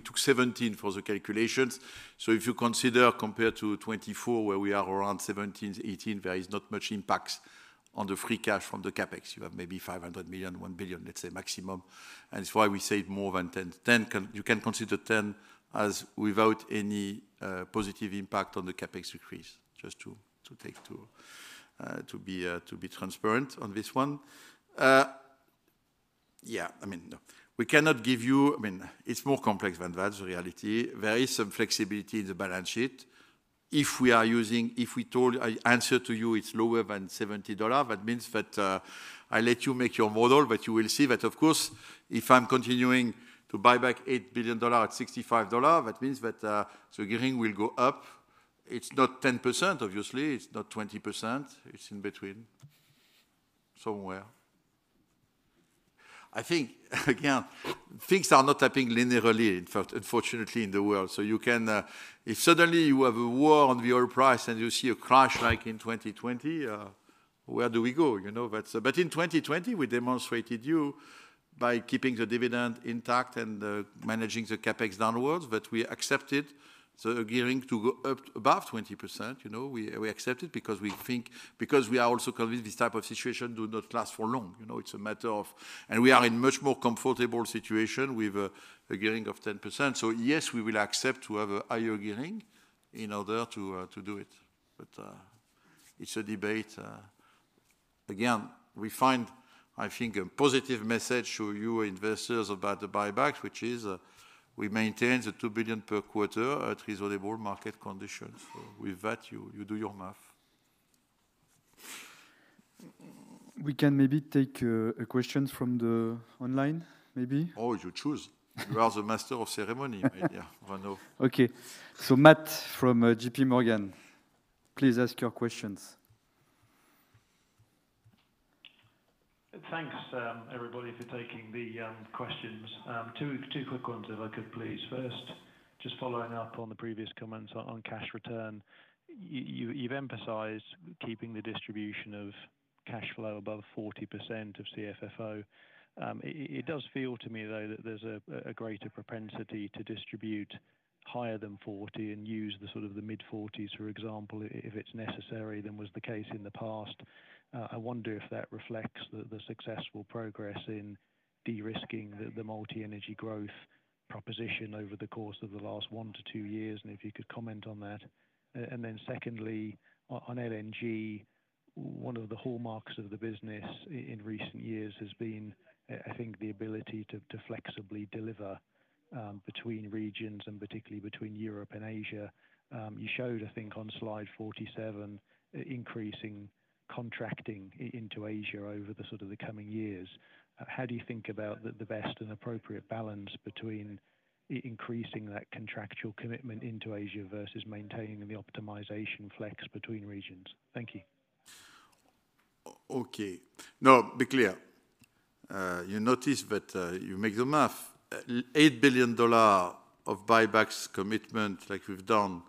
took 17 for the calculations. So if you consider compared to 2024, where we are around 17-18, there is not much impacts on the free cash from the CapEx. You have maybe 500 million, 1 billion, let's say, maximum. And it's why we say more than 10. Ten you can consider ten as without any positive impact on the CapEx decrease, just to be transparent on this one. Yeah, I mean, no, we cannot give you. I mean, it's more complex than that, the reality. There is some flexibility in the balance sheet. If we are using. If we told, I answer to you it's lower than $70, that means that, I let you make your model, but you will see that, of course, if I'm continuing to buy back $8 billion at $65, that means that, the gearing will go up. It's not 10%, obviously, it's not 20%. It's in between, somewhere. I think, again, things are not happening linearly, unfortunately, in the world. So you can, if suddenly you have a war on the oil price and you see a crash like in 2020, where do we go? You know, that's. But in 2020, we demonstrated you by keeping the dividend intact and, managing the CapEx downwards, but we accepted the gearing to go up above 20%. You know, we accept it because we think, because we are also convinced this type of situation do not last for long. You know, it's a matter of. And we are in much more comfortable situation with a gearing of 10%. So yes, we will accept to have a higher gearing in order to do it, but it's a debate. Again, we find, I think, a positive message to you investors about the buyback, which is we maintain the $2 billion per quarter at reasonable market conditions. So with that, you do your math. We can maybe take questions from the online, maybe? Oh, you choose. You are the master of ceremony, media, Mano. Okay. So Matt from JP Morgan, please ask your questions. Thanks, everybody, for taking the questions. Two quick ones, if I could please. First, just following up on the previous comments on cash return. You've emphasized keeping the distribution of cash flow above 40% of CFFO. It does feel to me, though, that there's a greater propensity to distribute higher than 40% and use the sort of mid-forties, for example, if it's necessary, than was the case in the past. I wonder if that reflects the successful progress in de-risking the multi-energy growth proposition over the course of the last one to two years, and if you could comment on that. And then secondly, on LNG... One of the hallmarks of the business in recent years has been, I think, the ability to flexibly deliver between regions, and particularly between Europe and Asia. You showed, I think, on slide 47, increasing contracting into Asia over the coming years. How do you think about the best and appropriate balance between increasing that contractual commitment into Asia versus maintaining the optimization flex between regions? Thank you. Okay. No, be clear. You notice that you make the math $8 billion of buybacks commitment like we've done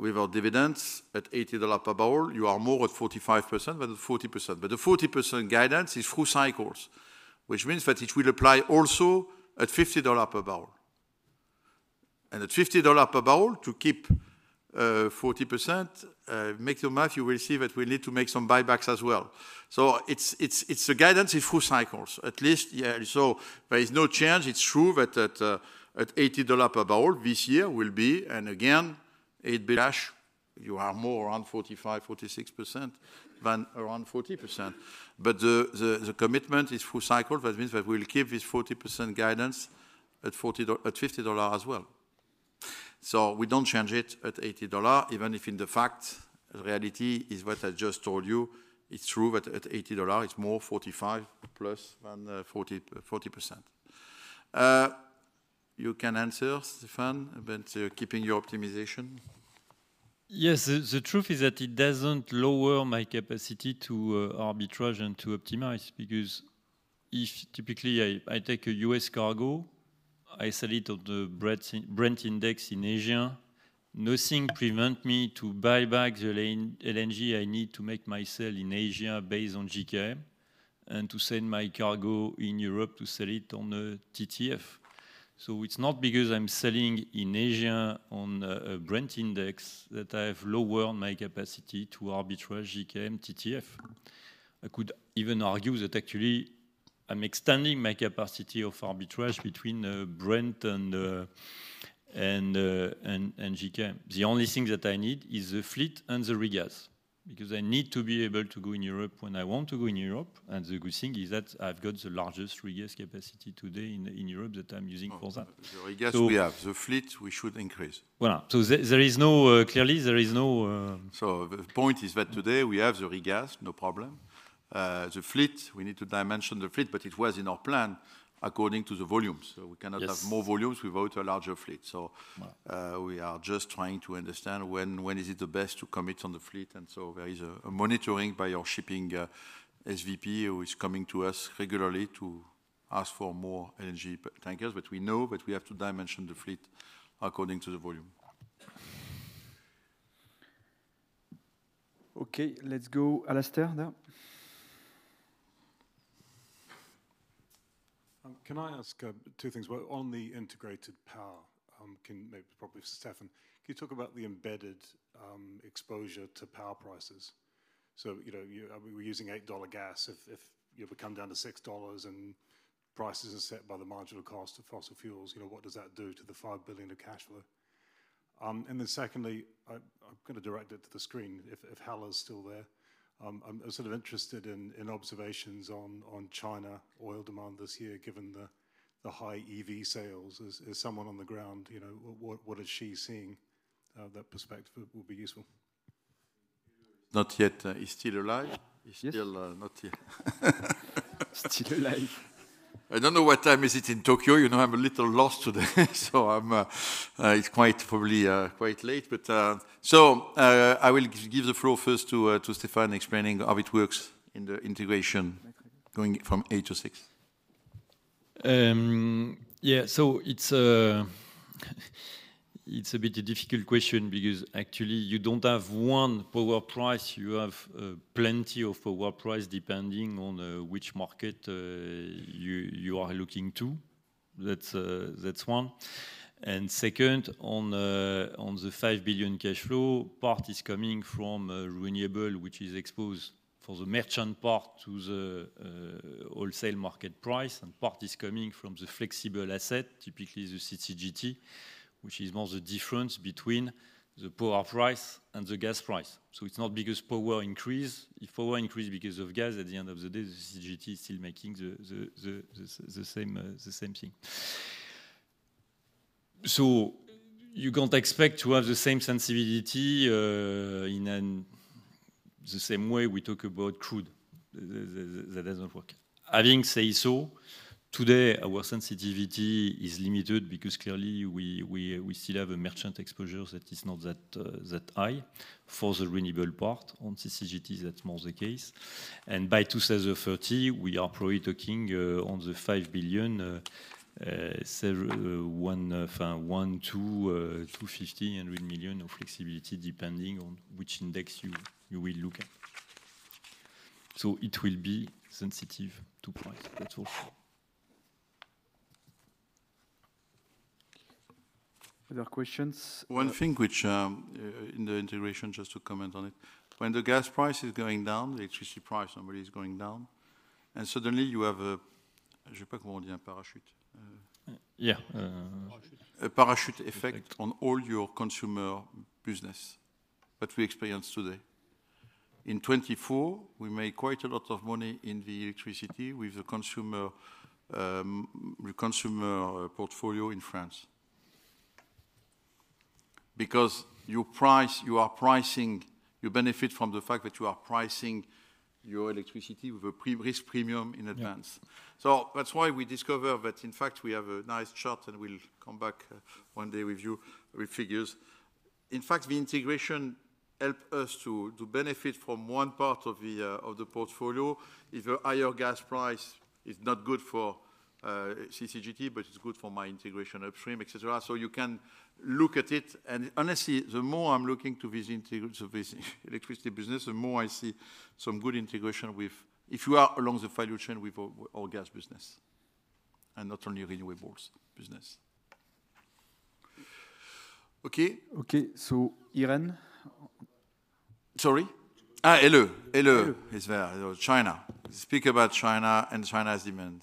with our dividends at $80 per barrel, you are more at 45% than 40%. But the 40% guidance is through cycles, which means that it will apply also at $50 per barrel. And at $50 per barrel, to keep 40%, make the math, you will see that we need to make some buybacks as well. So it's the guidance is through cycles, at least, yeah. So there is no change. It's true that at $80 per barrel, this year will be, and again, it'll be, you're more around 45-46% than around 40%. The commitment is full cycle, that means that we will keep this 40% guidance at $40 at $50 as well. So we don't change it at $80, even if in the fact, the reality is what I just told you, it's true that at $80, it's more 45% plus than 40%. You can answer, Stéphane, about keeping your optimization. Yes, the truth is that it doesn't lower my capacity to arbitrage and to optimize, because typically I take a US cargo, I sell it on the Brent index in Asia, nothing prevent me to buy back the LNG I need to make my sale in Asia based on JKM, and to send my cargo in Europe to sell it on the TTF. So it's not because I'm selling in Asia on a Brent index, that I have lowered my capacity to arbitrage JKM, TTF. I could even argue that actually I'm extending my capacity of arbitrage between Brent and JKM. The only thing that I need is the fleet and the regas, because I need to be able to go in Europe when I want to go in Europe, and the good thing is that I've got the largest regas capacity today in Europe that I'm using for that. The regas we have, the fleet we should increase. Clearly, there is no So the point is that today we have the regas, no problem. The fleet, we need to dimension the fleet, but it was in our plan according to the volumes. Yes. So we cannot have more volumes without a larger fleet. Well. So, we are just trying to understand when is it the best to commit on the fleet, and so there is a monitoring by our shipping SVP, who is coming to us regularly to ask for more LNG tankers. But we know that we have to dimension the fleet according to the volume. Okay, let's go Alastair now. Can I ask two things? Well, on the integrated power, can maybe probably Stéphane, can you talk about the embedded exposure to power prices? So, you know, you, we're using $8 gas. If you know, if we come down to $6 and prices are set by the marginal cost of fossil fuels, you know, what does that do to the $5 billion of cash flow? And then secondly, I'm gonna direct it to the screen, if Helle's still there. I'm sort of interested in observations on China oil demand this year, given the high EV sales. As someone on the ground, you know, what is she seeing? That perspective will be useful. Not yet. He's still alive? Yes. He's still not yet. Still alive. I don't know what time is it in Tokyo. You know, I'm a little lost today, so it's quite probably quite late. But, so, I will give the floor first to Stéphane, explaining how it works in the integration going from eight to six. Yeah, so it's a bit difficult question because actually you don't have one power price. You have plenty of power prices depending on which market you are looking to. That's one. And second, on the 5 billion cash flow, part is coming from renewable, which is exposed for the merchant part to the wholesale market price, and part is coming from the flexible asset, typically the CCGT, which is more the difference between the power price and the gas price. So it's not because power increase. If power increase because of gas, at the end of the day, the CCGT is still making the same thing. So you can't expect to have the same sensibility in the same way we talk about crude. That doesn't work. Having said so, today, our sensitivity is limited because clearly we still have a merchant exposure that is not that high for the renewable part. On CCGT, that's more the case, and by 2030, we are probably talking on the $5 billion, $1-$2.5 billion of flexibility, depending on which index you will look at. So it will be sensitive to price, that's all. Other questions? One thing which, in the integration, just to comment on it, when the gas price is going down, the electricity price normally is going down, and suddenly you have a...... Yeah, A parachute effect on all your consumer business that we experience today. In 2024, we make quite a lot of money in the electricity with the consumer, consumer portfolio in France. Because you price, you are pricing, you benefit from the fact that you are pricing your electricity with a price risk premium in advance. Yeah. So that's why we discover that in fact, we have a nice chart, and we'll come back one day with you with figures. In fact, the integration helps us to benefit from one part of the portfolio. If a higher gas price is not good for CCGT, but it's good for my integration upstream, et cetera. So you can look at it, and honestly, the more I'm looking to this integrated, this electricity business, the more I see some good integration with if you are along the value chain with our gas business and not only renewables business. Okay. Okay, so Irene. Hello. Hello, is there? China. Speak about China and China's demand.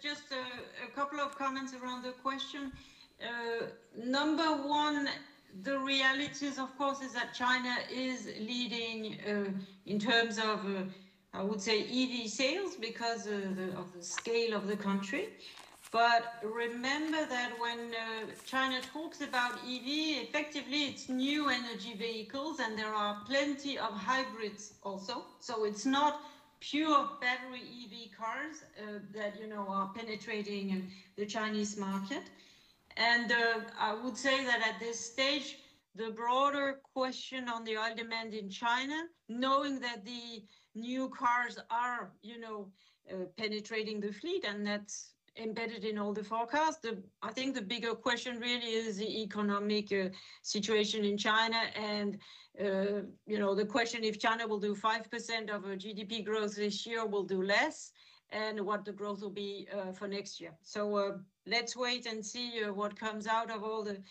Just a couple of comments around the question. Number one, the realities, of course, is that China is leading in terms of, I would say, EV sales because of the scale of the country. But remember that when China talks about EV, effectively, it's new energy vehicles, and there are plenty of hybrids also. So it's not pure battery EV cars that, you know, are penetrating in the Chinese market. And I would say that at this stage, the broader question on the oil demand in China, knowing that the new cars are, you know, penetrating the fleet, and that's embedded in all the forecasts. I think the bigger question really is the economic situation in China, and you know, the question if China will do 5% of our GDP growth this year, will do less, and what the growth will be for next year. So, let's wait and see what comes out of all the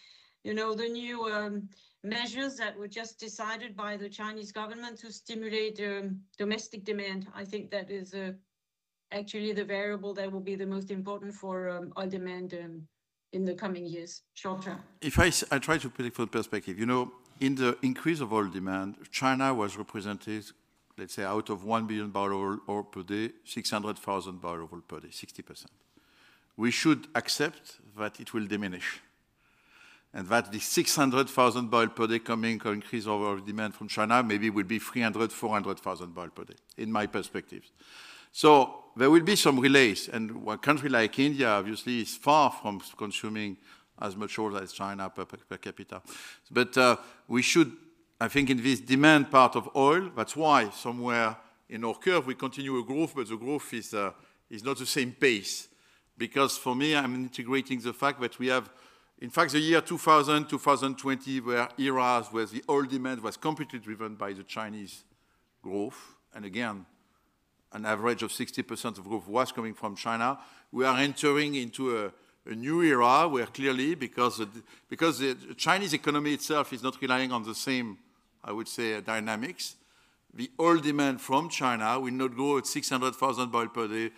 you know, the new measures that were just decided by the Chinese government to stimulate domestic demand. I think that is actually the variable that will be the most important for oil demand in the coming years, short term. If I try to put it in perspective. You know, in the increase of oil demand, China was represented, let's say, out of one billion barrels of oil per day, 600,000 barrels of oil per day, 60%. We should accept that it will diminish, and that the 600,000 barrels per day coming increase in demand from China maybe will be 300, 400 thousand barrels per day, in my perspective. So there will be some relays, and a country like India obviously is far from consuming as much oil as China per capita. But we should, I think, in this demand part of oil, that's why somewhere in our curve, we continue a growth, but the growth is not the same pace. Because for me, I'm integrating the fact that we have, in fact, the year two thousand, two thousand and twenty were eras where the oil demand was completely driven by the Chinese growth. And again, an average of 60% of growth was coming from China. We are entering into a new era where clearly, because the Chinese economy itself is not relying on the same, I would say, dynamics, the oil demand from China will not grow at 600,000 barrels per day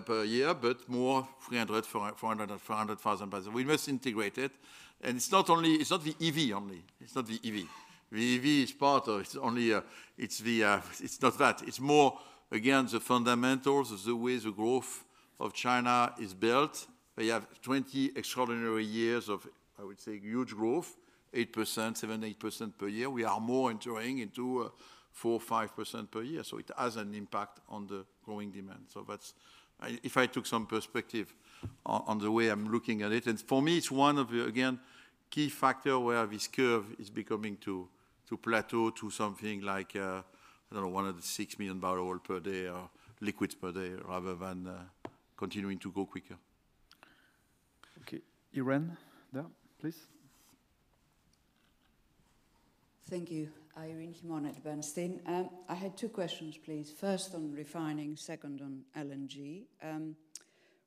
per year, but more 300,000-400,000 barrels. We must integrate it, and it's not only, it's not the EV only. It's not the EV. The EV is part of it. It's not that. It's more, again, the fundamentals, the way the growth of China is built. They have twenty extraordinary years of, I would say, huge growth, 8%, 7-8% per year. We are more entering into 4-5% per year, so it has an impact on the growing demand. That's... If I took some perspective on the way I'm looking at it, and for me, it's one of the, again, key factors where this curve is beginning to plateau to something like, I don't know, six million barrels of oil per day or liquids per day, rather than continuing to go quicker. Okay, Irene, there, please. Thank you. Irene Himona at Bernstein. I had two questions, please. First on refining, second on LNG.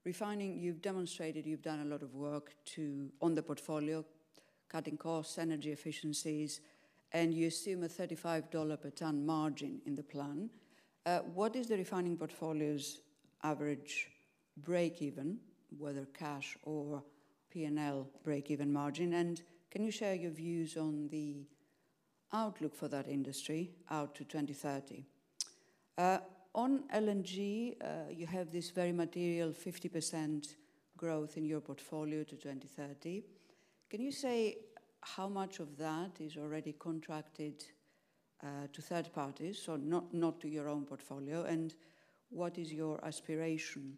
Refining, you've demonstrated you've done a lot of work to on the portfolio, cutting costs, energy efficiencies, and you assume a $35 per ton margin in the plan. What is the refining portfolio's average break even, whether cash or PNL break even margin? And can you share your views on the outlook for that industry out to 2030? On LNG, you have this very material, 50% growth in your portfolio to 2030. Can you say how much of that is already contracted, to third parties, so not, not to your own portfolio, and what is your aspiration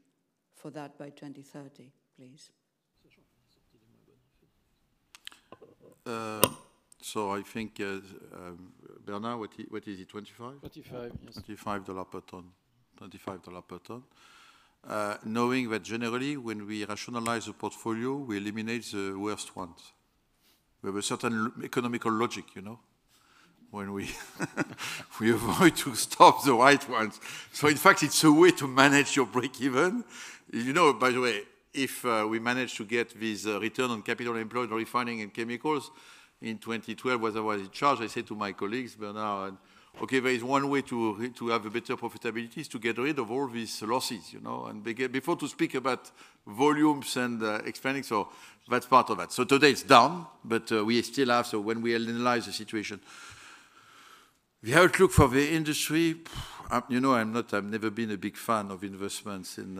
for that by 2030, please? So I think, Bernard, what is it, 25? Twenty-five, yes. $25 per ton. $25 per ton. Knowing that generally, when we rationalize the portfolio, we eliminate the worst ones. We have a certain economic logic, you know? When we avoid to stop the right ones. So in fact, it's a way to manage your break-even. You know, by the way, if we manage to get this return on capital employed in refining and chemicals in 2012, whether was it charged, I said to my colleagues, Bernard, "Okay, there is one way to have a better profitability is to get rid of all these losses," you know? And they get before to speak about volumes and expanding, so that's part of that. So today it's down, but we still have, so when we analyze the situation. The outlook for the industry, you know, I've never been a big fan of investments in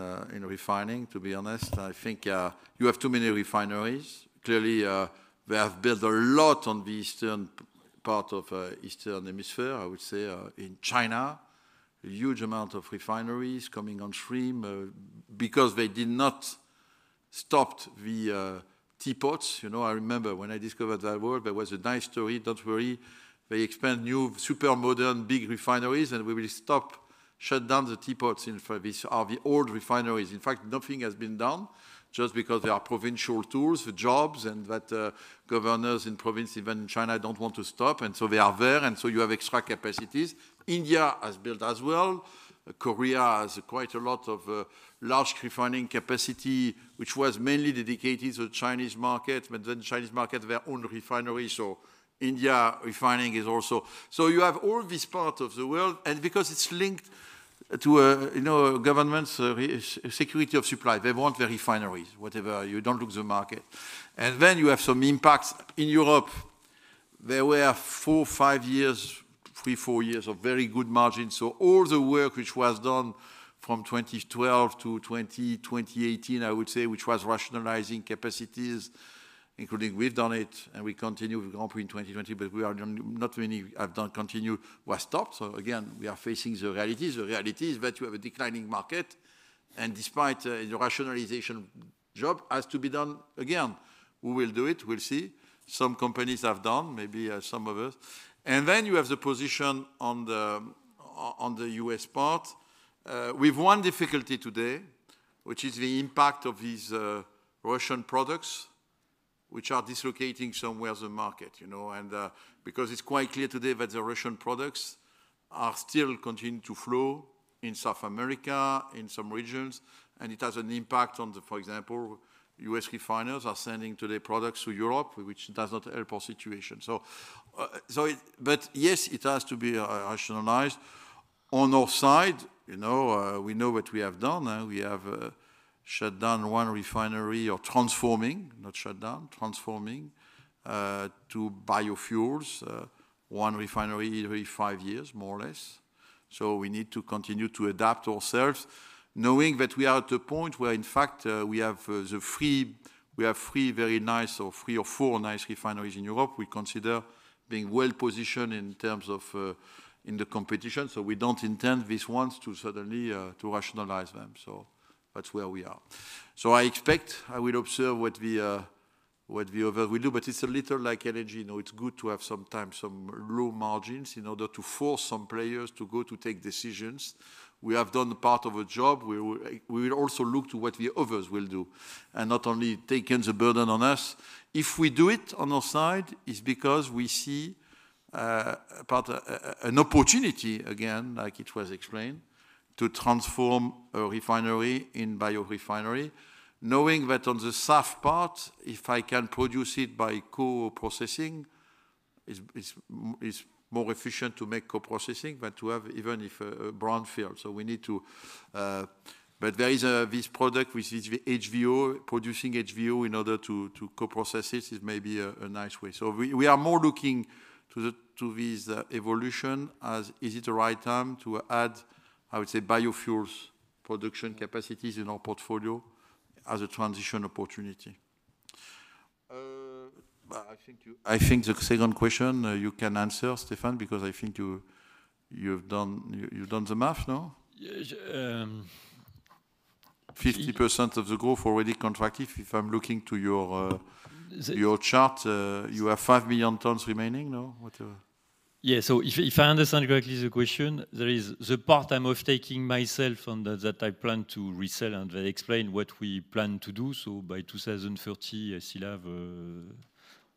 refining, to be honest. I think you have too many refineries. Clearly, they have built a lot on the eastern part of Eastern Hemisphere. I would say in China, a huge amount of refineries coming on stream, because they did not stopped the teapots. You know, I remember when I discovered that word, there was a nice story. Don't worry, they expand new super modern, big refineries, and we will stop, shut down the teapots in for this, are the old refineries. In fact, nothing has been done just because they are provincial tools, the jobs and that, governors in province, even in China, don't want to stop, and so they are there, and so you have extra capacities. India has built as well. Korea has quite a lot of large refining capacity, which was mainly dedicated to the Chinese market, but then Chinese market, their own refineries, so India refining is also. You have all this part of the world, and because it's linked to, you know, governments, security of supply, they want the refineries, whatever, you don't look the market. Then you have some impacts. In Europe, there were four, five years, three, four years of very good margins, so all the work which was done from 2012 to 2018, I would say, which was rationalizing capacities, including we've done it and we continue with Grandpuits in 2020, but we are done. Not many have done continue, was stopped. Again, we are facing the reality. The reality is that you have a declining market, and despite the rationalization, job has to be done again. Who will do it? We'll see. Some companies have done, maybe, some others. And then you have the position on the US part. We've one difficulty today, which is the impact of these Russian products, which are dislocating somewhere the market, you know? And because it's quite clear today that the Russian products are still continuing to flow in South America, in some regions, and it has an impact on the. For example, US refiners are sending today products to Europe, which does not help our situation. So, so it but yes, it has to be rationalized. On our side, you know, we know what we have done. We have shut down one refinery or transforming, not shut down, transforming to biofuels, one refinery every five years, more or less. So we need to continue to adapt ourselves, knowing that we are at a point where, in fact, we have three or four nice refineries in Europe. We consider being well positioned in terms of in the competition, so we don't intend these ones to suddenly to rationalize them. So that's where we are. So I expect, I will observe what the other will do, but it's a little like energy. You know, it's good to have sometimes some low margins in order to force some players to go to take decisions. We have done part of a job. We will also look to what the others will do and not only taking the burden on us. If we do it on our side, it's because we see part an opportunity again, like it was explained, to transform a refinery in biorefinery, knowing that on the soft part, if I can produce it by co-processing, is more efficient to make co-processing than to have even if a brownfield. So we need to. But there is this product, which is the HVO, producing HVO in order to co-process this is maybe a nice way. So we are more looking to this evolution as is it the right time to add, I would say, biofuels production capacities in our portfolio as a transition opportunity. But I think the second question you can answer, Stéphane, because I think you've done the math, no? Yes, um- 50% of the growth already contracted. If I'm looking to your, - Z-... your chart, you have five million tons remaining, no? What, Yeah, so if I understand correctly the question, there is the part I'm offtaking myself on that I plan to resell and then explain what we plan to do. So by 2030, I still have,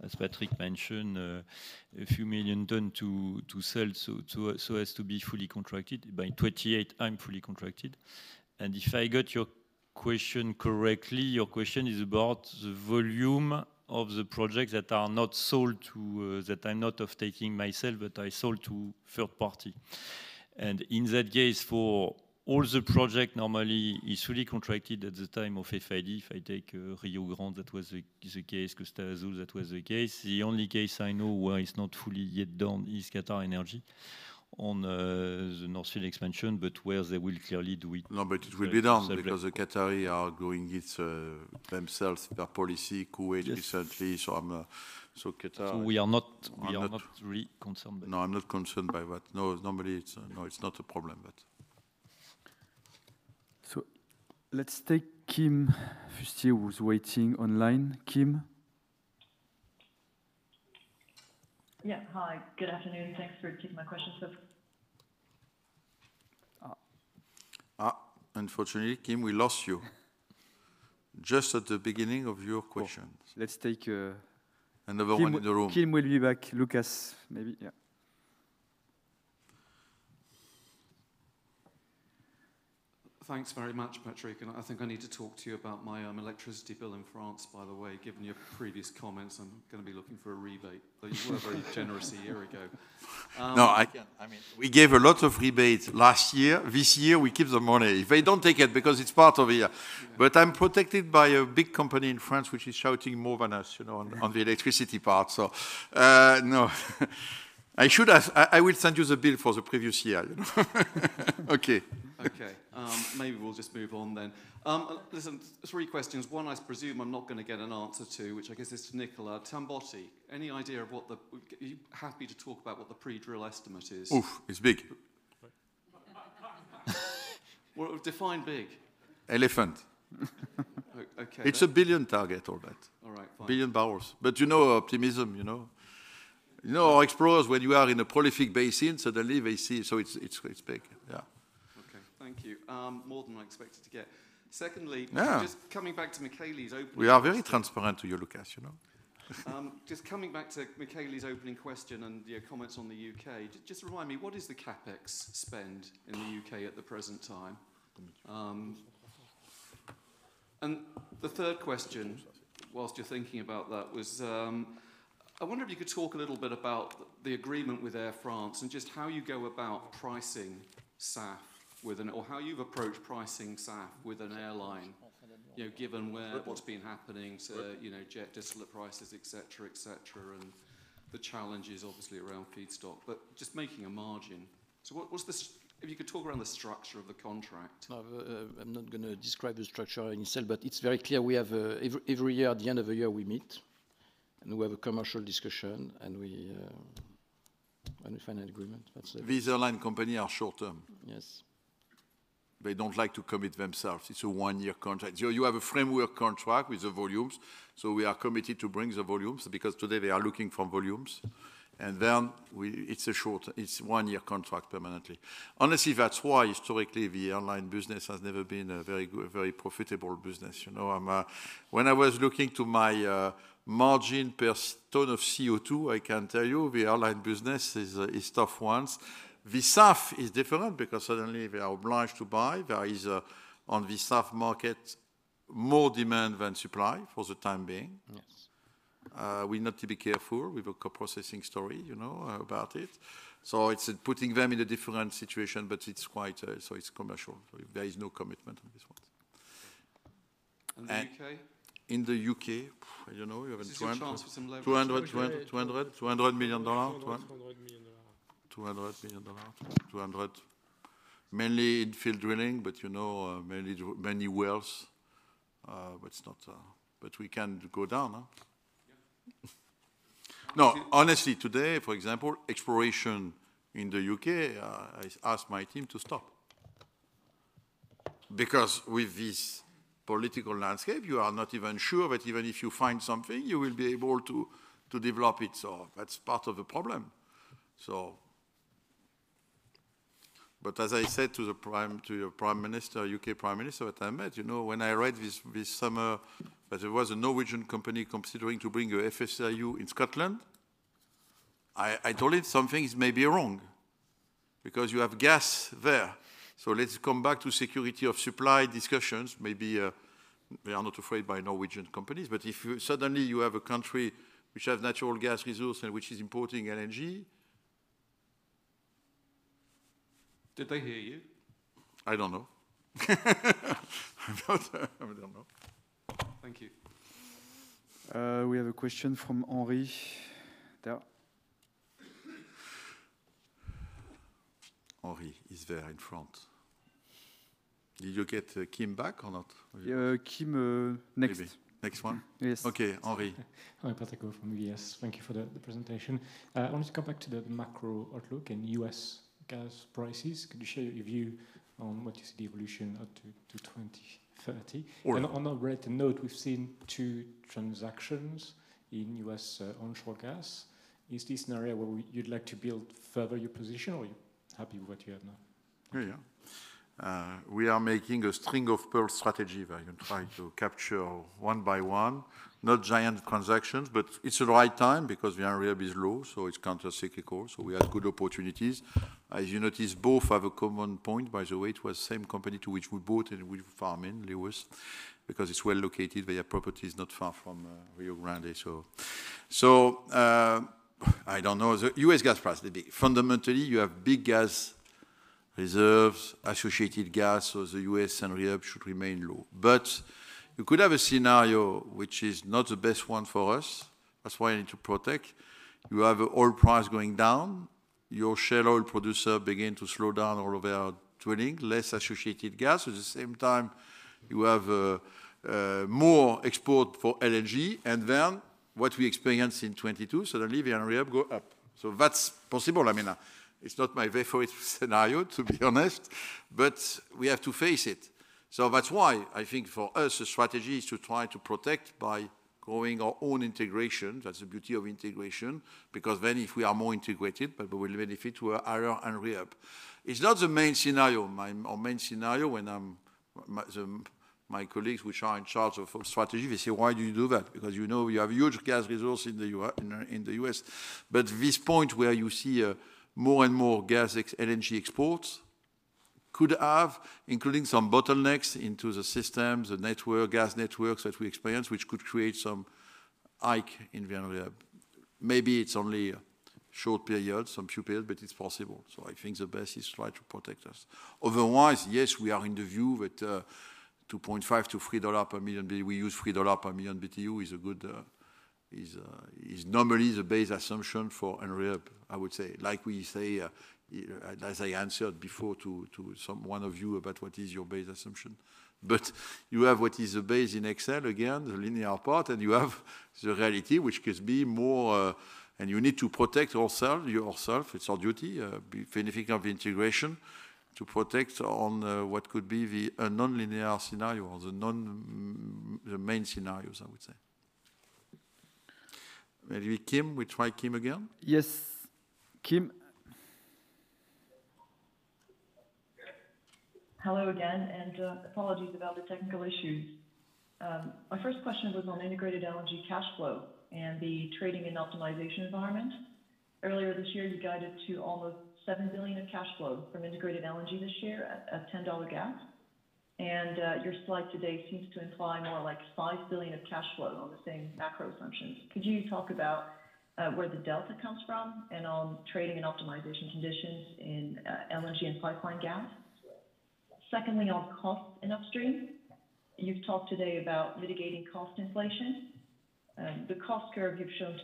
as Patrick mentioned, a few million ton to sell, so as to be fully contracted. By 2028, I'm fully contracted. And if I got your question correctly, your question is about the volume of the projects that are not sold to that I'm not offtaking myself, but I sold to third party. And in that case, for all the project normally is fully contracted at the time of FID. If I take Rio Grande, that was the case. Costa Azul, that was the case. The only case I know where it's not fully yet done is QatarEnergy on, the North Field expansion, but where they will clearly do it- No, but it will be done. So- - because the Qatari are doing it, themselves, their policy, Kuwait- Yes... recently. So Qatar- So we are not- We are not- We are not really concerned by that. No, I'm not concerned by that. No, normally, it's not a problem, but... So let's take Kim Fustier, who's waiting online. Kim? Yeah. Hi, good afternoon. Thanks for taking my questions. So-... Unfortunately, Kim, we lost you just at the beginning of your question. Let's take. Another one in the room. Kim will be back. Lucas, maybe. Yeah. Thanks very much, Patrick, and I think I need to talk to you about my electricity bill in France, by the way, given your previous comments, I'm gonna be looking for a rebate. You were very generous a year ago. No, I- I mean... We gave a lot of rebates last year. This year, we keep the money. They don't take it because it's part of here. Yeah. But I'm protected by a big company in France, which is shouting more than us, you know, on the electricity part. So, no, I should have. I will send you the bill for the previous year, you know. Okay. Okay. Maybe we'll just move on then. Listen, three questions. One, I presume I'm not gonna get an answer to, which I guess is to Nicolas. Tamboti, any idea of what the... Are you happy to talk about what the pre-drill estimate is? Oof! It's big. Well, define big. Elephant. Oh, okay. It's a $1 billion target, all that. All right, fine. Billion barrels. But you know optimism, you know. You know, explorers, when you are in a prolific basin, suddenly they see, so it's, it's, it's big. Yeah. Okay, thank you. More than I expected to get. Secondly- Yeah... just coming back to Michele's opening- We are very transparent to you, Lucas, you know. Just coming back to Michele's opening question and your comments on the U.K., just remind me, what is the CapEx spend in the U.K. at the present time? And the third question, while you're thinking about that, was, I wonder if you could talk a little bit about the agreement with Air France and just how you go about pricing SAF with an... Or how you've approached pricing SAF with an airline, you know, given what's been happening to, you know, jet diesel prices, et cetera, et cetera, and the challenges obviously around feedstock, but just making a margin. If you could talk around the structure of the contract? No, I'm not gonna describe the structure itself, but it's very clear we have every year, at the end of the year, we meet, and we find an agreement. That's it. These airline companies are short term. Yes. They don't like to commit themselves. It's a one-year contract. You have a framework contract with the volumes, so we are committed to bring the volumes, because today they are looking for volumes. And then we... It's a short, it's one-year contract permanently. Honestly, that's why historically, the airline business has never been a very good, very profitable business, you know. When I was looking to my margin per tonne of CO2, I can tell you the airline business is tough ones. The SAF is different because suddenly they are obliged to buy. There is, on the SAF market, more demand than supply for the time being. Yes. We need to be careful with the co-processing story, you know, about it. So it's putting them in a different situation, but it's quite, so it's commercial. There is no commitment on this one. And the U.K.? In the U.K., I don't know. You have two hundred- This is your chance for some leverage. $200 million? What? $200 million. $200 million. $200. Mainly in field drilling, but you know, many wells, but it's not... But we can go down, huh? Yeah. No, honestly, today, for example, exploration in the UK, I asked my team to stop. Because with this political landscape, you are not even sure that even if you find something, you will be able to develop it, so that's part of the problem. So... But as I said to the Prime, to your Prime Minister, UK Prime Minister, at that meeting, you know, when I read this, this summer that there was a Norwegian company considering to bring a FSRU in Scotland, I told him some things may be wrong because you have gas there. So let's come back to security of supply discussions. Maybe, they are not afraid by Norwegian companies, but if suddenly you have a country which has natural gas resource and which is importing LNG... Did they hear you? I don't know. I don't know. Thank you. We have a question from Henri there. Henri is there in front. Did you get, Kim back or not? Kim, next. Next one? Yes. Okay, Henri. Henri Patricot from UBS. Thank you for the presentation. I want to come back to the macro outlook and US gas prices. Could you share your view on what is the evolution up to 2030? Sure. And on a related note, we've seen two transactions in U.S. onshore gas. Is this an area where you'd like to build further your position, or are you happy with what you have now? Yeah, yeah. We are making a string of pearls strategy where you try to capture one by one, not giant transactions, but it's the right time because the area is low, so it's countercyclical, so we have good opportunities. As you notice, both have a common point. By the way, it was the same company to which we bought and we farm into leases, because it's well located, our properties not far from Rio Grande. I don't know. The U.S. gas price, fundamentally, you have big gas reserves, associated gas, so the U.S. and Europe should remain low. But you could have a scenario which is not the best one for us. That's why you need to protect. You have oil price going down, your shale oil producer begin to slow down all of their drilling, less associated gas. At the same time, you have more export for LNG, and then what we experience in 2022, suddenly the prices go up. So that's possible. I mean, it's not my favorite scenario, to be honest, but we have to face it... So that's why I think for us, the strategy is to try to protect by growing our own integration. That's the beauty of integration, because then if we are more integrated, but we will benefit to our higher Henry Hub. It's not the main scenario. Our main scenario when my colleagues which are in charge of strategy, they say, "Why do you do that?" Because you know, you have huge gas resource in the U.S. But this point where you see more and more gas LNG exports could have, including some bottlenecks into the system, the network, gas networks that we experience, which could create some hike in the Henry Hub. Maybe it's only a short period, some few period, but it's possible. So I think the best is try to protect us. Otherwise, yes, we are in the view that $2.5-$3 per million BTU. We use $3 per million BTU is a good, is normally the base assumption for Henry Hub, I would say. Like we say, as I answered before to someone of you about what is your base assumption. But you have what is the base in Excel, again, the linear part, and you have the reality, which gives me more. And you need to protect yourself, yourself. It's our duty, benefit of integration, to protect on what could be a nonlinear scenario or the main scenarios, I would say. Maybe Kim, we try Kim again? Yes, Kim? Hello again, and apologies about the technical issues. My first question was on integrated LNG cash flow and the trading and optimization environment. Earlier this year, you guided to almost $7 billion of cash flow from integrated LNG this year at $10 gas. And your slide today seems to imply more like $5 billion of cash flow on the same macro assumptions. Could you talk about where the delta comes from and on trading and optimization conditions in LNG and pipeline gas? Secondly, on costs in upstream, you've talked today about mitigating cost inflation. The cost curve you've shown-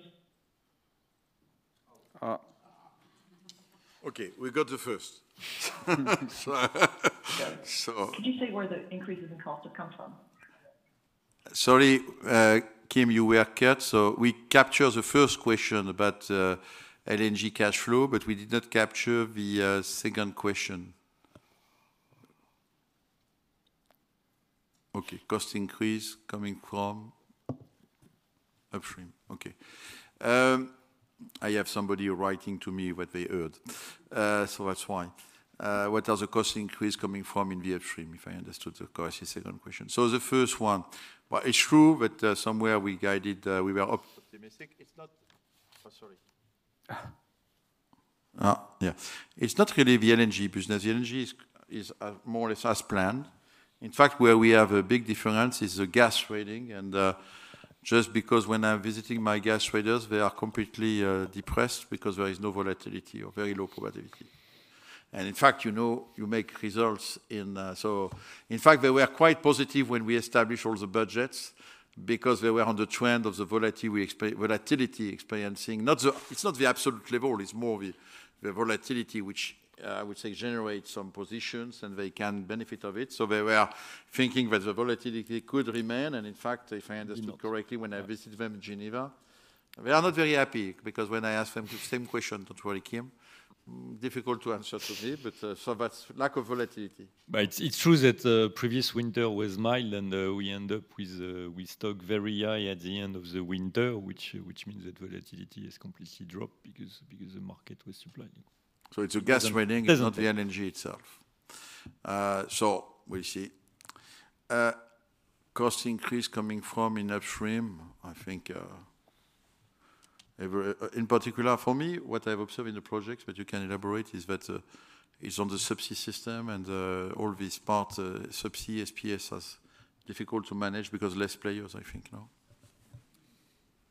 Okay, we got the first. So, Could you say where the increases in costs have come from? Sorry, Kim, you were cut. So we captured the first question about LNG cash flow, but we did not capture the second question. Okay, cost increase coming from upstream. Okay. I have somebody writing to me what they heard, so that's why. What are the cost increase coming from in the upstream, if I understood correctly, the second question. So the first one, well, it's true that somewhere we guided we were optimistic. It's not really the LNG business. The LNG is more or less as planned. In fact, where we have a big difference is the gas trading, and just because when I'm visiting my gas traders, they are completely depressed because there is no volatility or very low volatility. And in fact, you know, you make results in. So in fact, they were quite positive when we established all the budgets because they were on the trend of the volatility we are experiencing. Not the absolute level, it's not the absolute level, it's more the volatility, which I would say generates some positions, and they can benefit of it. So they were thinking that the volatility could remain, and in fact, if I understand correctly, when I visited them in Geneva, they are not very happy because when I ask them the same question, don't worry, Kim, difficult to answer to me, but so that's lack of volatility. But it's true that previous winter was mild, and we end up with stock very high at the end of the winter, which means that volatility is completely dropped because the market was supplied. So it's a gas trading, it's not the LNG itself. So we'll see. Cost increase coming from in upstream, I think, every... In particular, for me, what I observe in the projects, but you can elaborate, is that, is on the subsea system and, all these parts, subsea SPS is difficult to manage because less players, I think, no?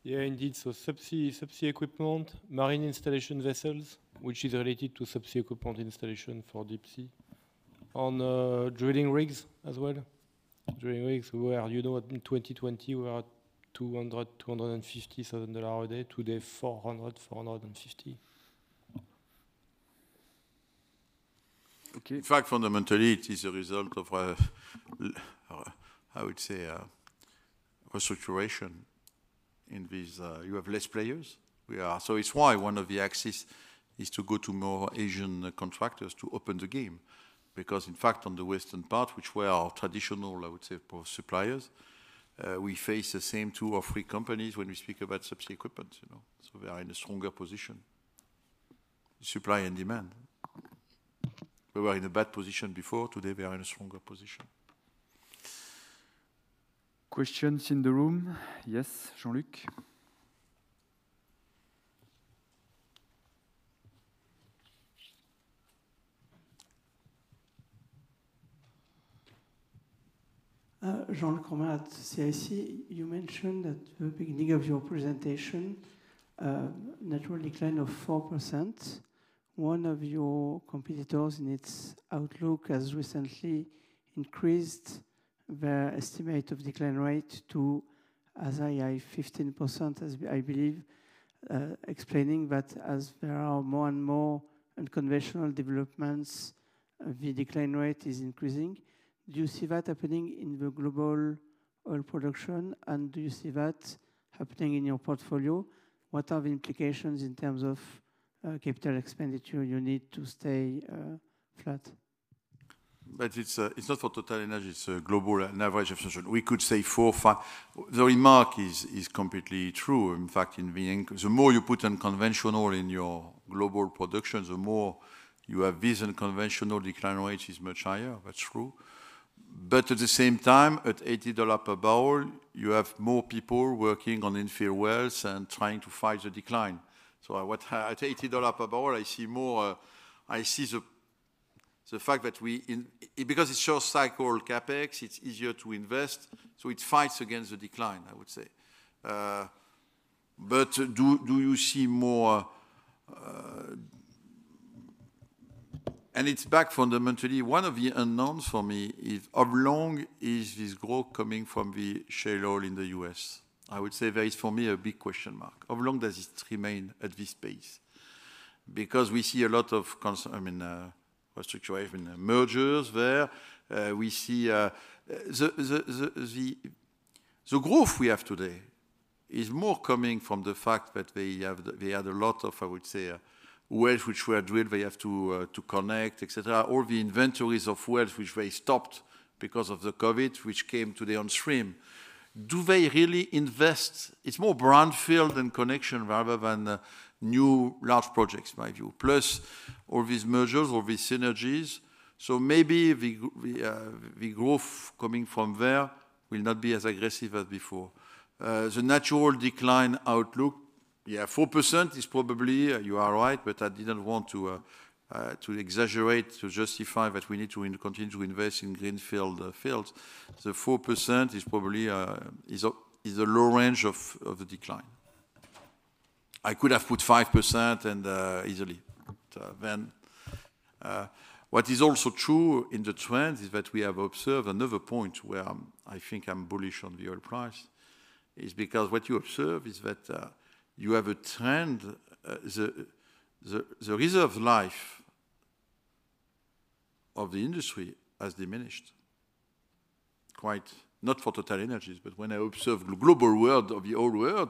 Yeah, indeed. So subsea, subsea equipment, marine installation vessels, which is related to subsea equipment installation for deep sea. On drilling rigs as well. Drilling rigs, you know, in 2020, we are $200-$250 a day. Today, $400-$450. Okay. In fact, fundamentally, it is a result of, I would say, a situation in which you have less players. So it's why one of the axes is to go to more Asian contractors to open the game, because in fact, on the western part, which were our traditional, I would say, suppliers, we face the same two or three companies when we speak about subsea equipment, you know, so they are in a stronger position. Supply and demand. They were in a bad position before, today they are in a stronger position. Questions in the room? Yes, Jean-Luc. Jean Cromer at CIC. You mentioned at the beginning of your presentation, natural decline of 4%. One of your competitors in its outlook has recently increased their estimate of decline rate to as high as 15%, as I believe, explaining that as there are more and more unconventional developments, the decline rate is increasing. Do you see that happening in the global oil production, and do you see that happening in your portfolio? What are the implications in terms of-... capital expenditure you need to stay flat. But it's not for TotalEnergies, it's a global average assumption. We could say four. The remark is completely true. In fact, the more you put unconventional in your global production, the more you have this unconventional decline rate is much higher. That's true. But at the same time, at $80 per barrel, you have more people working on inferior wells and trying to fight the decline. So at $80 per barrel, I see more. I see the fact that we, because it's short cycle CapEx, it's easier to invest, so it fights against the decline, I would say. But do you see more? And it's back fundamentally, one of the unknowns for me is how long is this growth coming from the shale oil in the U.S.? I would say there is, for me, a big question mark. How long does this remain at this pace? Because we see a lot of cons-- I mean, restructuring, even mergers there. We see, the growth we have today is more coming from the fact that they have, they had a lot of, I would say, wells which were drilled, they have to, to connect, etcetera. All the inventories of wells, which they stopped because of the COVID, which came today on stream. Do they really invest? It's more brownfield than connection rather than, new large projects, in my view. Plus, all these mergers, all these synergies. So maybe the growth coming from there will not be as aggressive as before. The natural decline outlook, yeah, 4% is probably, you are right, but I didn't want to exaggerate, to justify that we need to continue to invest in greenfield fields. The 4% is probably a low range of the decline. I could have put 5% and easily. But then what is also true in the trends is that we have observed another point where I think I'm bullish on the oil price, is because what you observe is that you have a trend, the reserve life of the industry has diminished. Not for TotalEnergies, but when I observe the global world or the old world,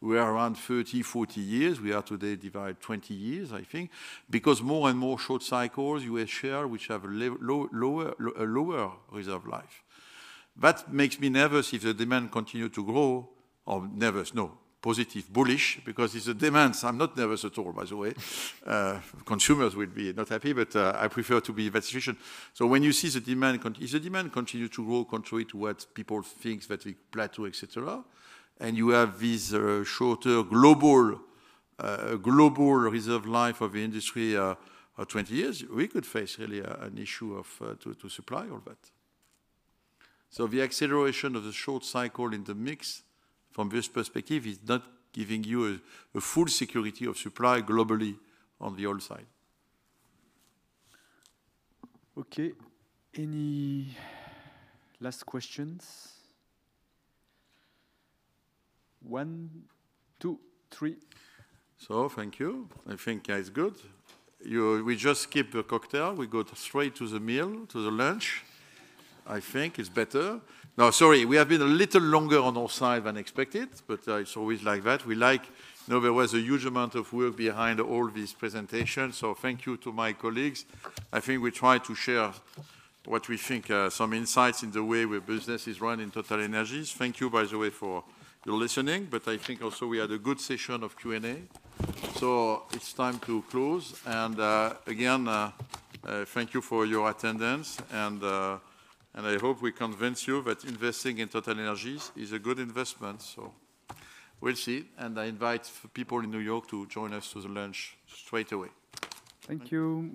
we are around thirty, forty years. We are today divided 20 years, I think, because more and more short cycles, US share, which have a low, lower, a lower reserve life. That makes me nervous if the demand continue to grow, or nervous, no, positive, bullish, because it's a demand. So I'm not nervous at all, by the way. Consumers will be not happy, but I prefer to be that efficient. So when you see the demand continue to grow contrary to what people think that we plateau, etcetera, and you have this shorter global, global reserve life of the industry, 20 years, we could face really an issue of to supply all that. So the acceleration of the short cycle in the mix from this perspective is not giving you a full security of supply globally on the oil side. Okay, any last questions? One, two, three. So thank you. I think that is good. We just skip the cocktail, we go straight to the meal, to the lunch. I think it's better. No, sorry, we have been a little longer on our side than expected, but it's always like that. We like. You know, there was a huge amount of work behind all these presentations, so thank you to my colleagues. I think we tried to share what we think are some insights in the way where business is run in TotalEnergies. Thank you, by the way, for your listening, but I think also we had a good session of Q&A. So it's time to close, and again thank you for your attendance, and I hope we convince you that investing in TotalEnergies is a good investment. So we'll see, and I invite people in New York to join us to the lunch straight away. Thank you!